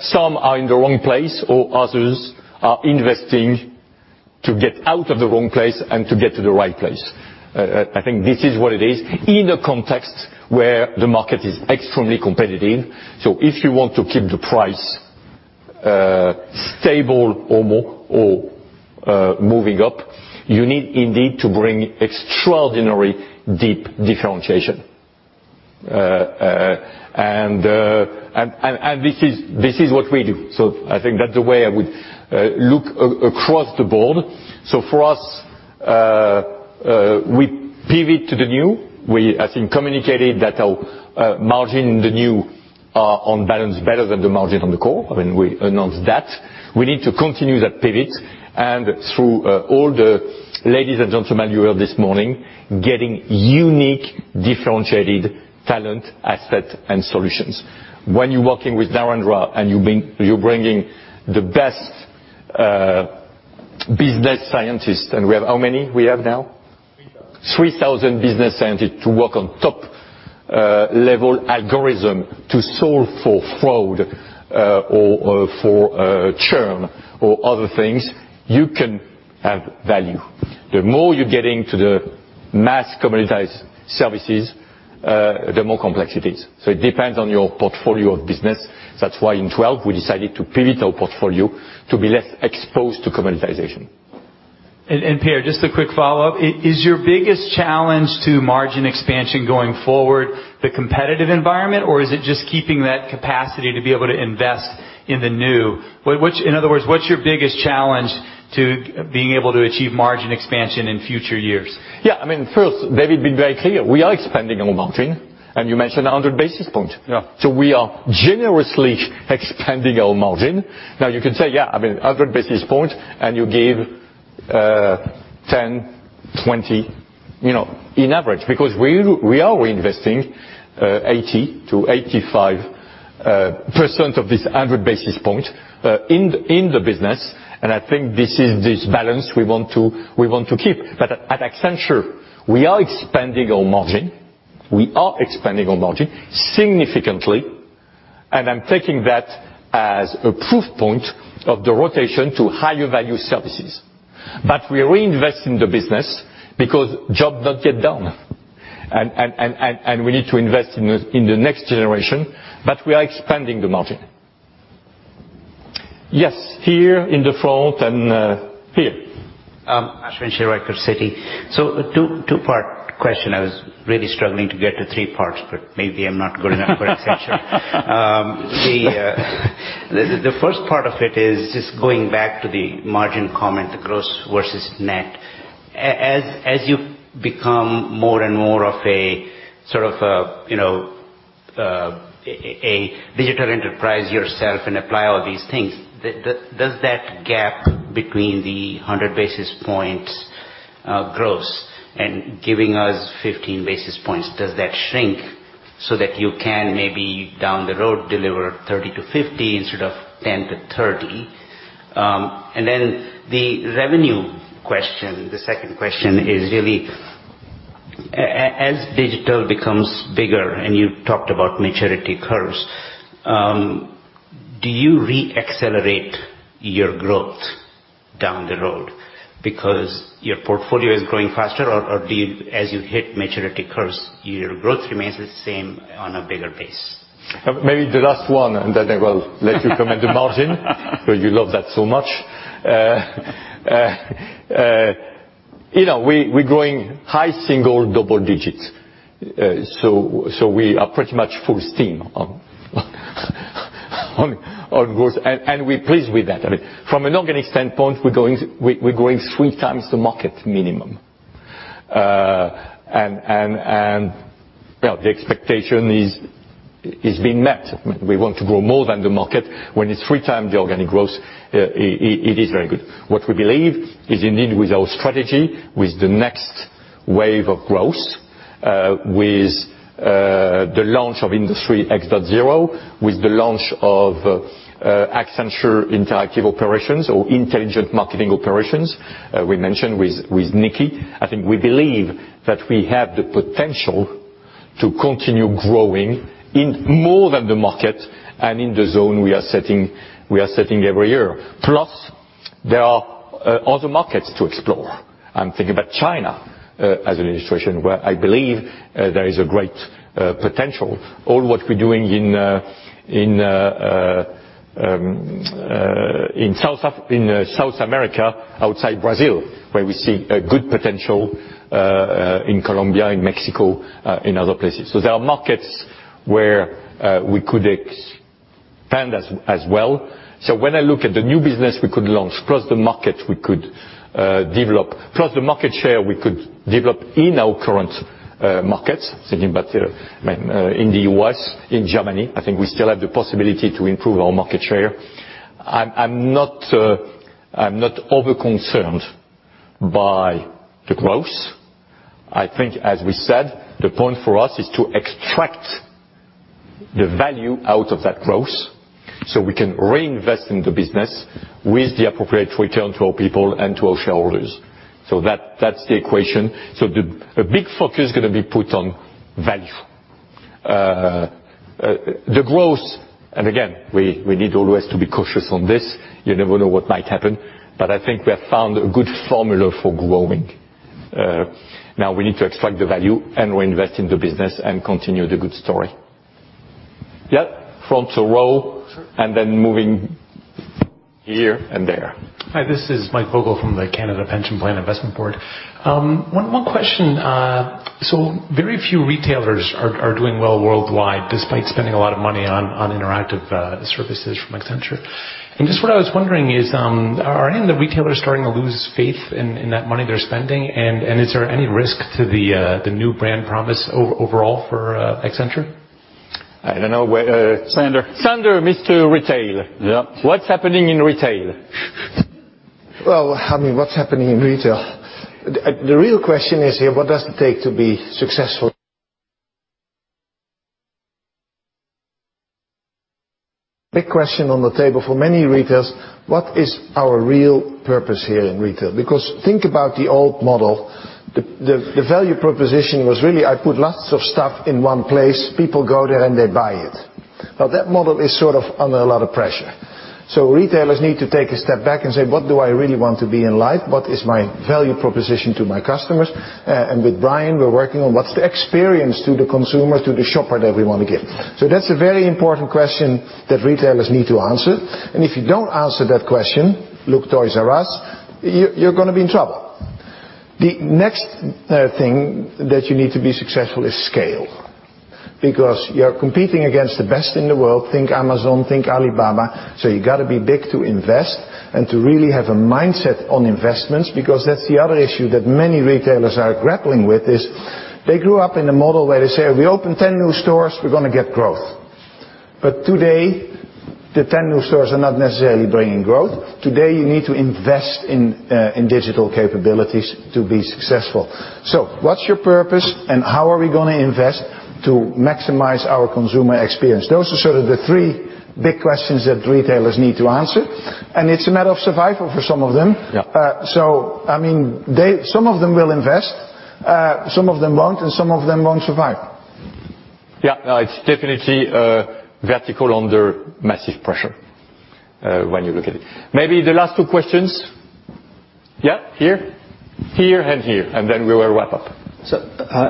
Some are in the wrong place or others are investing to get out of the wrong place and to get to the right place. I think this is what it is in a context where the market is extremely competitive. If you want to keep the price stable or more or moving up, you need indeed to bring extraordinarily deep differentiation. This is what we do. I think that's the way I would look across the board. For us, we pivot to the new. We, I think, communicated that our margin in the new are on balance better than the margin on the core. We announced that. We need to continue that pivot and through all the ladies and gentlemen you heard this morning, getting unique, differentiated talent, asset, and solutions. When you're working with Narendra and you're bringing the best business scientists, and we have how many we have now? 3,000. 3,000 business scientists to work on top-level algorithm to solve for fraud or for churn or other things, you can have value. The more you're getting to the mass commoditized services, the more complex it is. It depends on your portfolio of business. That's why in 2012, we decided to pivot our portfolio to be less exposed to commoditization. Pierre, just a quick follow-up. Is your biggest challenge to margin expansion going forward the competitive environment, or is it just keeping that capacity to be able to invest in the new? In other words, what's your biggest challenge to being able to achieve margin expansion in future years? First, David, been very clear. We are expanding our margin, and you mentioned 100 basis points. Yeah. We are generously expanding our margin. Now, you can say, 100 basis points, and you give 10-20 in average, because we are reinvesting 80%-85% of this 100 basis points in the business. I think this is this balance we want to keep. At Accenture, we are expanding our margin. We are expanding our margin significantly, and I'm taking that as a proof point of the rotation to higher value services. We reinvest in the business because job not get done, and we need to invest in the next generation, but we are expanding the margin. Yes. Here in the front and here. Ashwin Shirvaikar, Citi. Two-part question. I was really struggling to get to three parts, but maybe I'm not good enough for Accenture. The first part of it is just going back to the margin comment, the gross versus net. As you become more and more of a digital enterprise yourself and apply all these things, does that gap between the 100 basis points gross and giving us 15 basis points, does that shrink so that you can maybe down the road deliver 30-50 instead of 10-30? The revenue question, the second question is really, as digital becomes bigger, and you talked about maturity curves, do you re-accelerate your growth down the road because your portfolio is growing faster? Or do you, as you hit maturity curves, your growth remains the same on a bigger base? Maybe the last one, then I will let you comment the margin, because you love that so much. We're growing high single double digits. We are pretty much full steam on growth, and we're pleased with that. From an organic standpoint, we're growing three times the market minimum. The expectation is being met. We want to grow more than the market. When it's three times the organic growth, it is very good. What we believe is indeed with our strategy, with the next wave of growth, with the launch of Industry X.0, with the launch of Accenture Interactive Operations or Intelligent Marketing Operations, we mentioned with Nikki. I think we believe that we have the potential to continue growing in more than the market and in the zone we are setting every year. Plus, there are other markets to explore. I'm thinking about China as an illustration, where I believe there is a great potential. All what we're doing in South America, outside Brazil, where we see a good potential in Colombia, in Mexico, in other places. There are markets where we could expand as well. When I look at the new business we could launch, plus the market we could develop, plus the market share we could develop in our current markets, thinking about in the U.S., in Germany, I think we still have the possibility to improve our market share. I'm not over-concerned by the growth. I think as we said, the point for us is to extract the value out of that growth so we can reinvest in the business with the appropriate return to our people and to our shareholders. That's the equation. The big focus is going to be put on value. The growth, and again, we need always to be cautious on this. You never know what might happen, but I think we have found a good formula for growing. Now we need to extract the value and reinvest in the business and continue the good story. Yeah. Frontal row, and then moving here and there. Hi, this is Michael Vogel from the Canada Pension Plan Investment Board. One more question. Very few retailers are doing well worldwide despite spending a lot of money on interactive services from Accenture. Just what I was wondering is, are any of the retailers starting to lose faith in that money they're spending? Is there any risk to the new brand promise overall for Accenture? I don't know where- Sander. Sander, Mr. Retail. Yeah. What's happening in retail? Well, I mean, what's happening in retail? The real question is here, what does it take to be successful? Big question on the table for many retailers, what is our real purpose here in retail? Because think about the old model. The value proposition was really I put lots of stuff in one place, people go there and they buy it. Well, that model is sort of under a lot of pressure. Retailers need to take a step back and say, "What do I really want to be in life? What is my value proposition to my customers?" With Brian, we're working on what's the experience to the consumer, to the shopper that we want to give. That's a very important question that retailers need to answer. If you don't answer that question, look Toys 'R' Us, you're going to be in trouble. The next thing that you need to be successful is scale, because you're competing against the best in the world. Think Amazon, think Alibaba. You got to be big to invest and to really have a mindset on investments, because that's the other issue that many retailers are grappling with is they grew up in a model where they say, "We open 10 new stores, we're going to get growth." Today, the 10 new stores are not necessarily bringing growth. Today, you need to invest in digital capabilities to be successful. What's your purpose, and how are we going to invest to maximize our consumer experience? Those are sort of the three big questions that retailers need to answer, and it's a matter of survival for some of them. Yeah. Some of them will invest, some of them won't, and some of them won't survive. Yeah. It's definitely a vertical under massive pressure when you look at it. Maybe the last two questions. Yeah. Here. Here and here, and then we will wrap up. Mo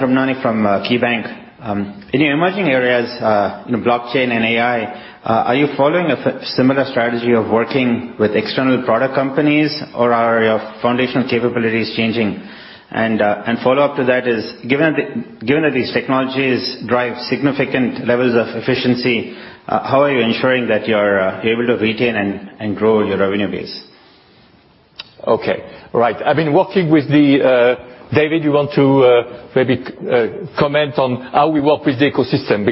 Ramani from KeyBanc. In your emerging areas, blockchain and AI, are you following a similar strategy of working with external product companies, or are your foundational capabilities changing? Follow-up to that is, given that these technologies drive significant levels of efficiency, how are you ensuring that you are able to retain and grow your revenue base? Okay. Right. I've been working with the David, you want to maybe comment on how we work with the ecosystem?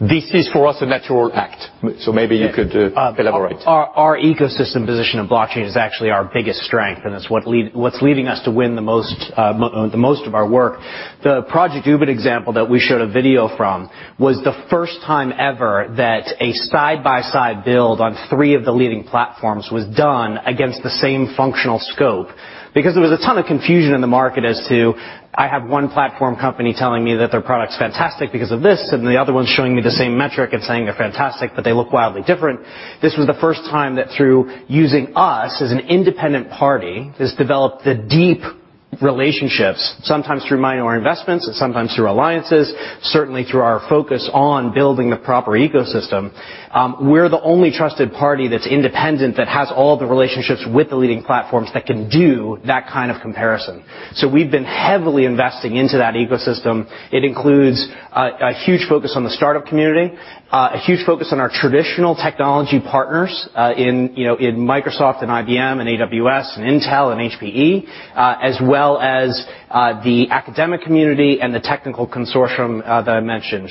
This is, for us, a natural act, so maybe you could elaborate. Our ecosystem position in blockchain is actually our biggest strength. It's what's leading us to win the most of our work. The Project Ubin example that we showed a video from was the first time ever that a side-by-side build on 3 of the leading platforms was done against the same functional scope. There was a ton of confusion in the market as to, I have one platform company telling me that their product's fantastic because of this, and the other one's showing me the same metric and saying they're fantastic, but they look wildly different. This was the first time that through using us as an independent party has developed the deep relationships, sometimes through minor investments and sometimes through alliances, certainly through our focus on building the proper ecosystem. We're the only trusted party that's independent that has all the relationships with the leading platforms that can do that kind of comparison. We've been heavily investing into that ecosystem. It includes a huge focus on the startup community, a huge focus on our traditional technology partners in Microsoft and IBM and AWS and Intel and HPE, as well as the academic community and the technical consortium that I mentioned.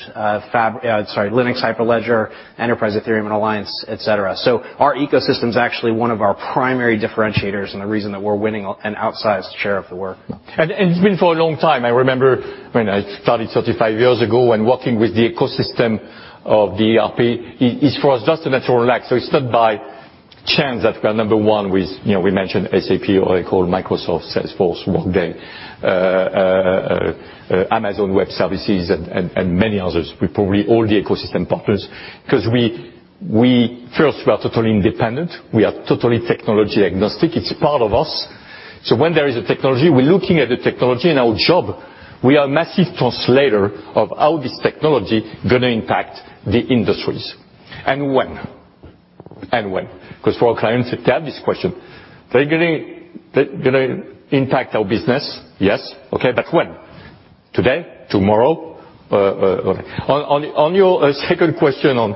Linux, Hyperledger, Enterprise Ethereum Alliance, et cetera. Our ecosystem's actually one of our primary differentiators and the reason that we're winning an outsized share of the work. It's been for a long time. I remember when I started 35 years ago. Working with the ecosystem of the ERP is, for us, just a natural act. It's not by chance that we are number 1 with, we mentioned SAP, Oracle, Microsoft, Salesforce, Workday, Amazon Web Services, and many others. With probably all the ecosystem partners. We are totally independent. We are totally technology agnostic. It's part of us. When there is a technology, we're looking at the technology in our job. We are a massive translator of how this technology going to impact the industries. And when. For our clients, they have this question. They're going to impact our business? Yes. Okay, but when? Today? Tomorrow? On your second question on,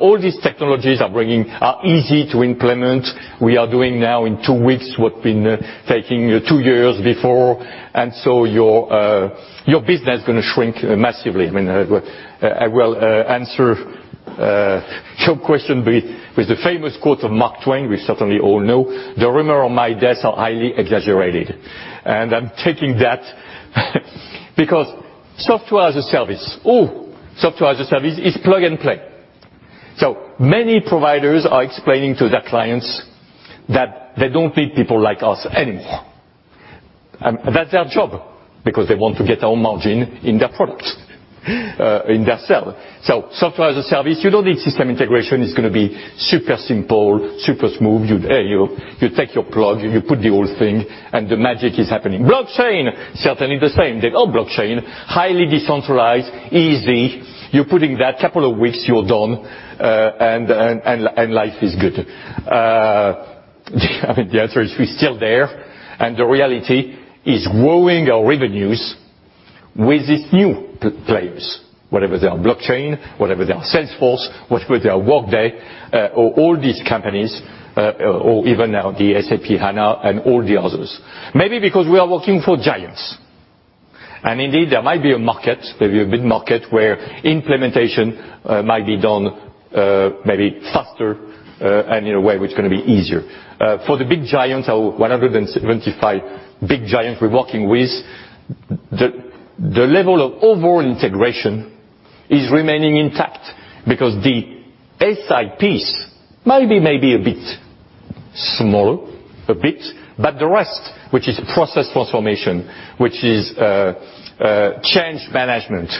all these technologies are easy to implement. We are doing now in two weeks what been taking two years before. Your business going to shrink massively. I will answer your question with the famous quote of Mark Twain, we certainly all know, "The rumor of my death are highly exaggerated." I'm taking that because Software as a Service is plug-and-play. Many providers are explaining to their clients that they don't need people like us anymore. That's their job because they want to get our margin in their product, in their sell. Software as a Service, you don't need system integration. It's going to be super simple, super smooth. You take your plug, you put the whole thing, and the magic is happening. Blockchain, certainly the same. They go, "Oh, blockchain, highly decentralized, easy. You're putting that, couple of weeks, you're done, life is good." The answer is, we're still there, the reality is growing our revenues with these new players, whatever they are, blockchain, whatever they are, Salesforce, whatever they are, Workday, or all these companies, or even now the SAP HANA and all the others. Maybe because we are working for giants. Indeed, there might be a market, maybe a big market, where implementation might be done maybe faster, and in a way, which is going to be easier. For the big giants, our 175 big giants we're working with, the level of overall integration is remaining intact because the SI piece maybe may be a bit small, a bit. The rest, which is process transformation, which is change management,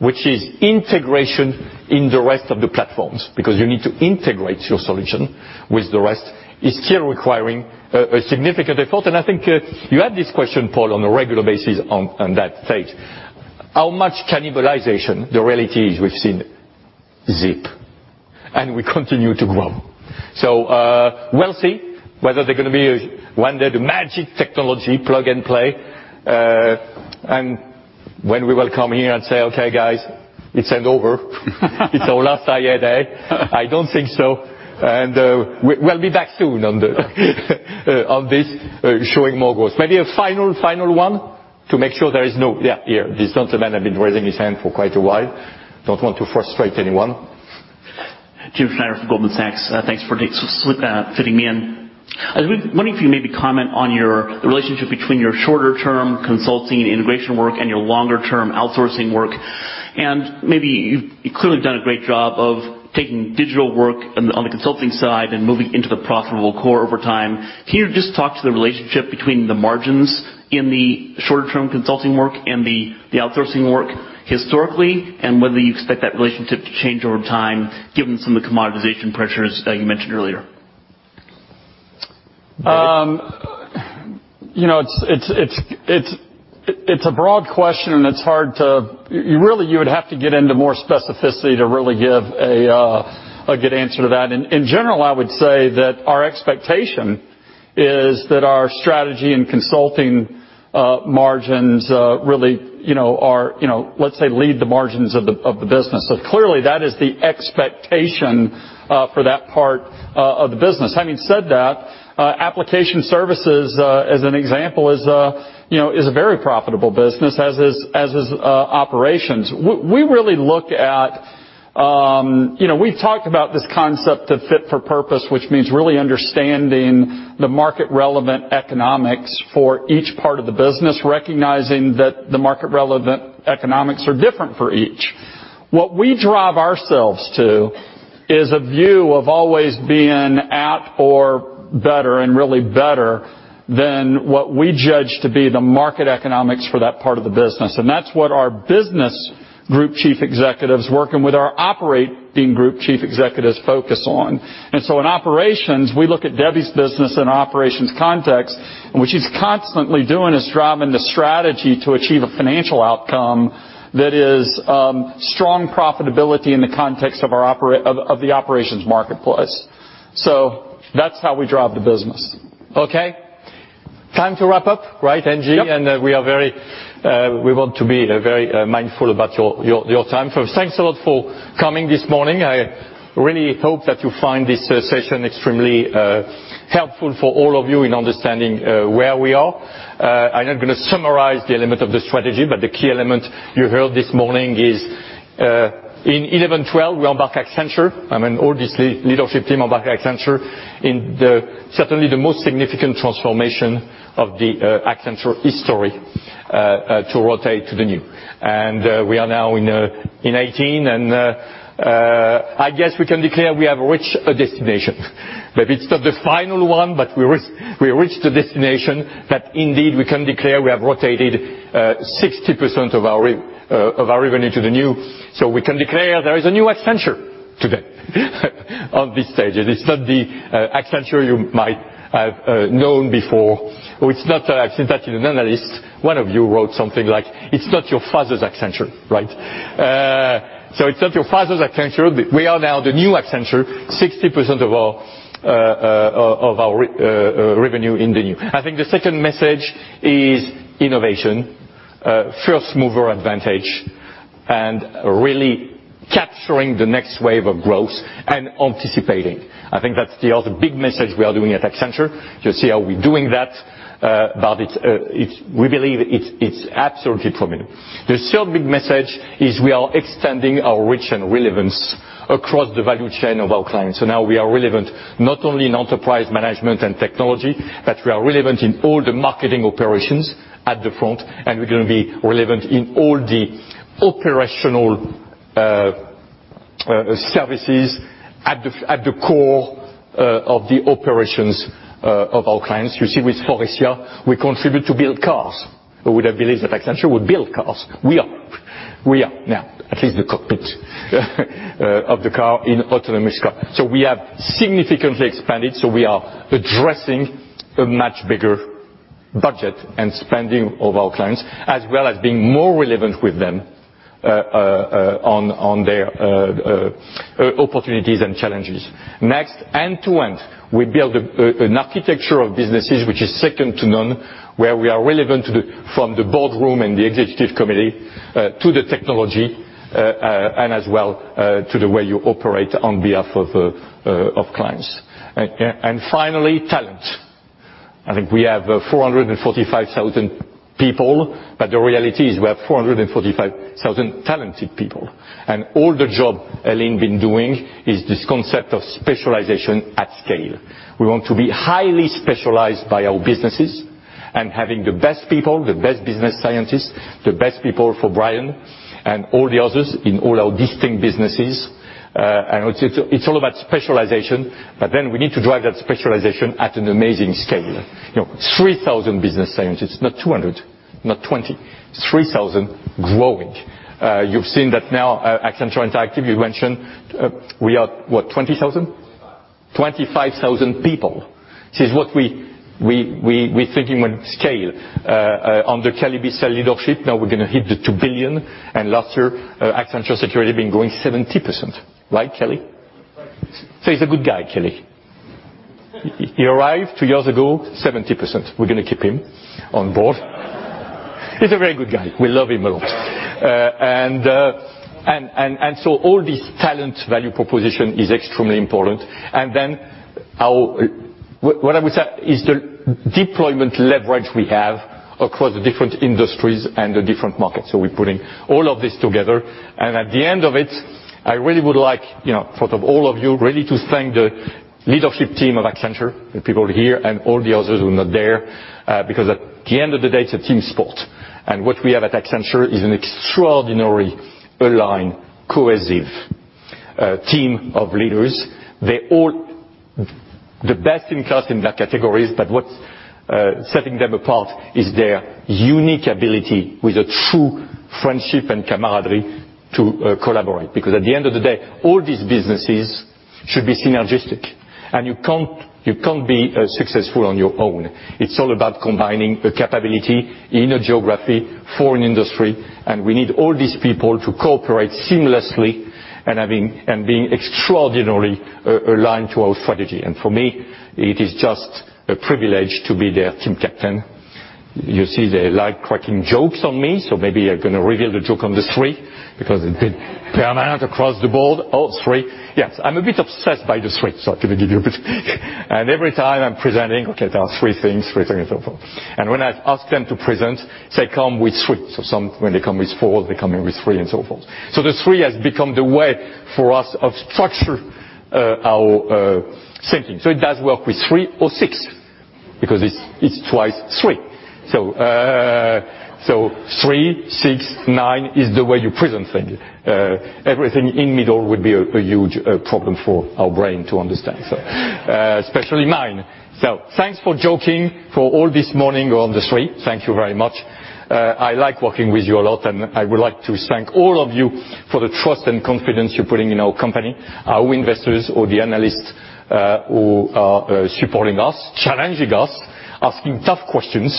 which is integration in the rest of the platforms, because you need to integrate your solution with the rest, is still requiring a significant effort. I think you had this question, Paul, on a regular basis on that fate. How much cannibalization? The reality is we've seen zip, we continue to grow. We'll see whether they're going to be one day the magic technology plug-and-play. When we will come here and say, "Okay, guys, it's end over." "It's our last I&A Day." I don't think so. We'll be back soon on this, showing more growth. Maybe a final one To make sure there is no Yeah, here. This gentleman has been raising his hand for quite a while. Don't want to frustrate anyone. James Schneider from Goldman Sachs. Thanks for fitting me in. I was wondering if you maybe comment on the relationship between your shorter-term consulting integration work and your longer-term outsourcing work. Maybe you've clearly done a great job of taking digital work on the consulting side and moving into the profitable core over time. Can you just talk to the relationship between the margins in the shorter-term consulting work and the outsourcing work historically, and whether you expect that relationship to change over time given some of the commoditization pressures that you mentioned earlier? It's a broad question, it's hard to. Really, you would have to get into more specificity to really give a good answer to that. In general, I would say that our expectation is that our strategy and consulting margins really, let's say, lead the margins of the business. Clearly, that is the expectation for that part of the business. Having said that, application services, as an example, is a very profitable business, as is operations. We really look at. We've talked about this concept of fit for purpose, which means really understanding the market-relevant economics for each part of the business, recognizing that the market-relevant economics are different for each. What we drive ourselves to is a view of always being at or better, really better than what we judge to be the market economics for that part of the business. That's what our business group chief executives, working with our operating group chief executives focus on. In operations, we look at Debbie's business in operations context, and what she's constantly doing is driving the strategy to achieve a financial outcome that is strong profitability in the context of the operations marketplace. That's how we drive the business. Okay. Time to wrap up. Right, NG? Yep. We want to be very mindful about your time. Thanks a lot for coming this morning. I really hope that you find this session extremely helpful for all of you in understanding where we are. I'm not going to summarize the element of the strategy, but the key element you heard this morning is, in 2011, 2012, we embark Accenture. I mean, obviously, leadership team embark Accenture in certainly the most significant transformation of the Accenture history to rotate to the new. We are now in 2018, and I guess we can declare we have reached a destination. Maybe it's not the final one, but we reached the destination that indeed we can declare we have rotated 60% of our revenue to the new. We can declare there is a new Accenture today on this stage. It is not the Accenture you might have known before, or it's not. I've seen that in an analyst. One of you wrote something like, "It's not your father's Accenture," right? It's not your father's Accenture. We are now the new Accenture, 60% of our revenue in the new. I think the second message is innovation, first-mover advantage, and really capturing the next wave of growth and anticipating. I think that's the other big message we are doing at Accenture. You'll see how we're doing that, but we believe it's absolutely prominent. The third big message is we are extending our reach and relevance across the value chain of our clients. Now we are relevant not only in enterprise management and technology, but we are relevant in all the marketing operations at the front, and we're going to be relevant in all the operational services at the core of the operations of our clients. You see with Faurecia, we contribute to build cars. Who would have believed that Accenture would build cars? We are now at least the cockpit of the car in autonomous car. We have significantly expanded. We are addressing a much bigger budget and spending of our clients, as well as being more relevant with them on their opportunities and challenges. Next, end-to-end. We build an architecture of businesses which is second to none, where we are relevant from the boardroom and the executive committee to the technology, and as well to the way you operate on behalf of clients. Finally, talent. I think we have 445,000 people, but the reality is we have 445,000 talented people. All the job Ellyn been doing is this concept of specialization at scale. We want to be highly specialized by our businesses and having the best people, the best business scientists, the best people for Brian, and all the others in all our distinct businesses. It's all about specialization. We need to drive that specialization at an amazing scale. 3,000 business scientists, not 200, not 20. 3,000 growing. You've seen that now Accenture Interactive, you mentioned we are what, 20,000? 25. 25,000 people. This is what we're thinking when scale. Under Kelly Bissell leadership, now we're going to hit the $2 billion, and last year Accenture Security been growing 70%. Right, Kelly? Right. He's a good guy, Kelly. He arrived two years ago, 70%. We're going to keep him on board. He's a very good guy. We love him a lot. All this talent value proposition is extremely important. What I would say is the deployment leverage we have across the different industries and the different markets. We're putting all of this together, and at the end of it, I really would like, in front of all of you, really to thank the leadership team of Accenture, the people here, and all the others who are not there. Because at the end of the day, it's a team sport. What we have at Accenture is an extraordinarily aligned, cohesive team of leaders. They're all the best-in-class in their categories, but what's setting them apart is their unique ability, with a true friendship and camaraderie, to collaborate. Because at the end of the day, all these businesses should be synergistic, and you can't be successful on your own. It's all about combining the capability in a geography for an industry, and we need all these people to cooperate seamlessly and being extraordinarily aligned to our strategy. For me, it is just a privilege to be their team captain. You see they like cracking jokes on me, so maybe I'm going to reveal the joke on the three, because it did pan out across the board, all three. Yes, I'm a bit obsessed by the threes, so I'm going to give you a bit. Every time I'm presenting, okay, there are three things. Three things, and so forth. When I ask them to present, they come with threes. Some, when they come with fours, they come here with three, and so forth. The three has become the way for us of structure our thinking. It does work with three or six, because it's twice three. Three, six, nine is the way you present things. Everything in middle would be a huge problem for our brain to understand. Especially mine. Thanks for joking for all this morning on the three. Thank you very much. I like working with you a lot, and I would like to thank all of you for the trust and confidence you're putting in our company, our investors or the analysts who are supporting us, challenging us, asking tough questions.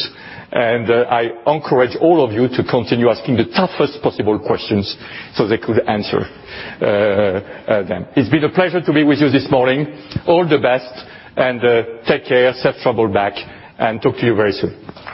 I encourage all of you to continue asking the toughest possible questions so they could answer them. It's been a pleasure to be with you this morning. All the best, and take care. Safe travel back, and talk to you very soon.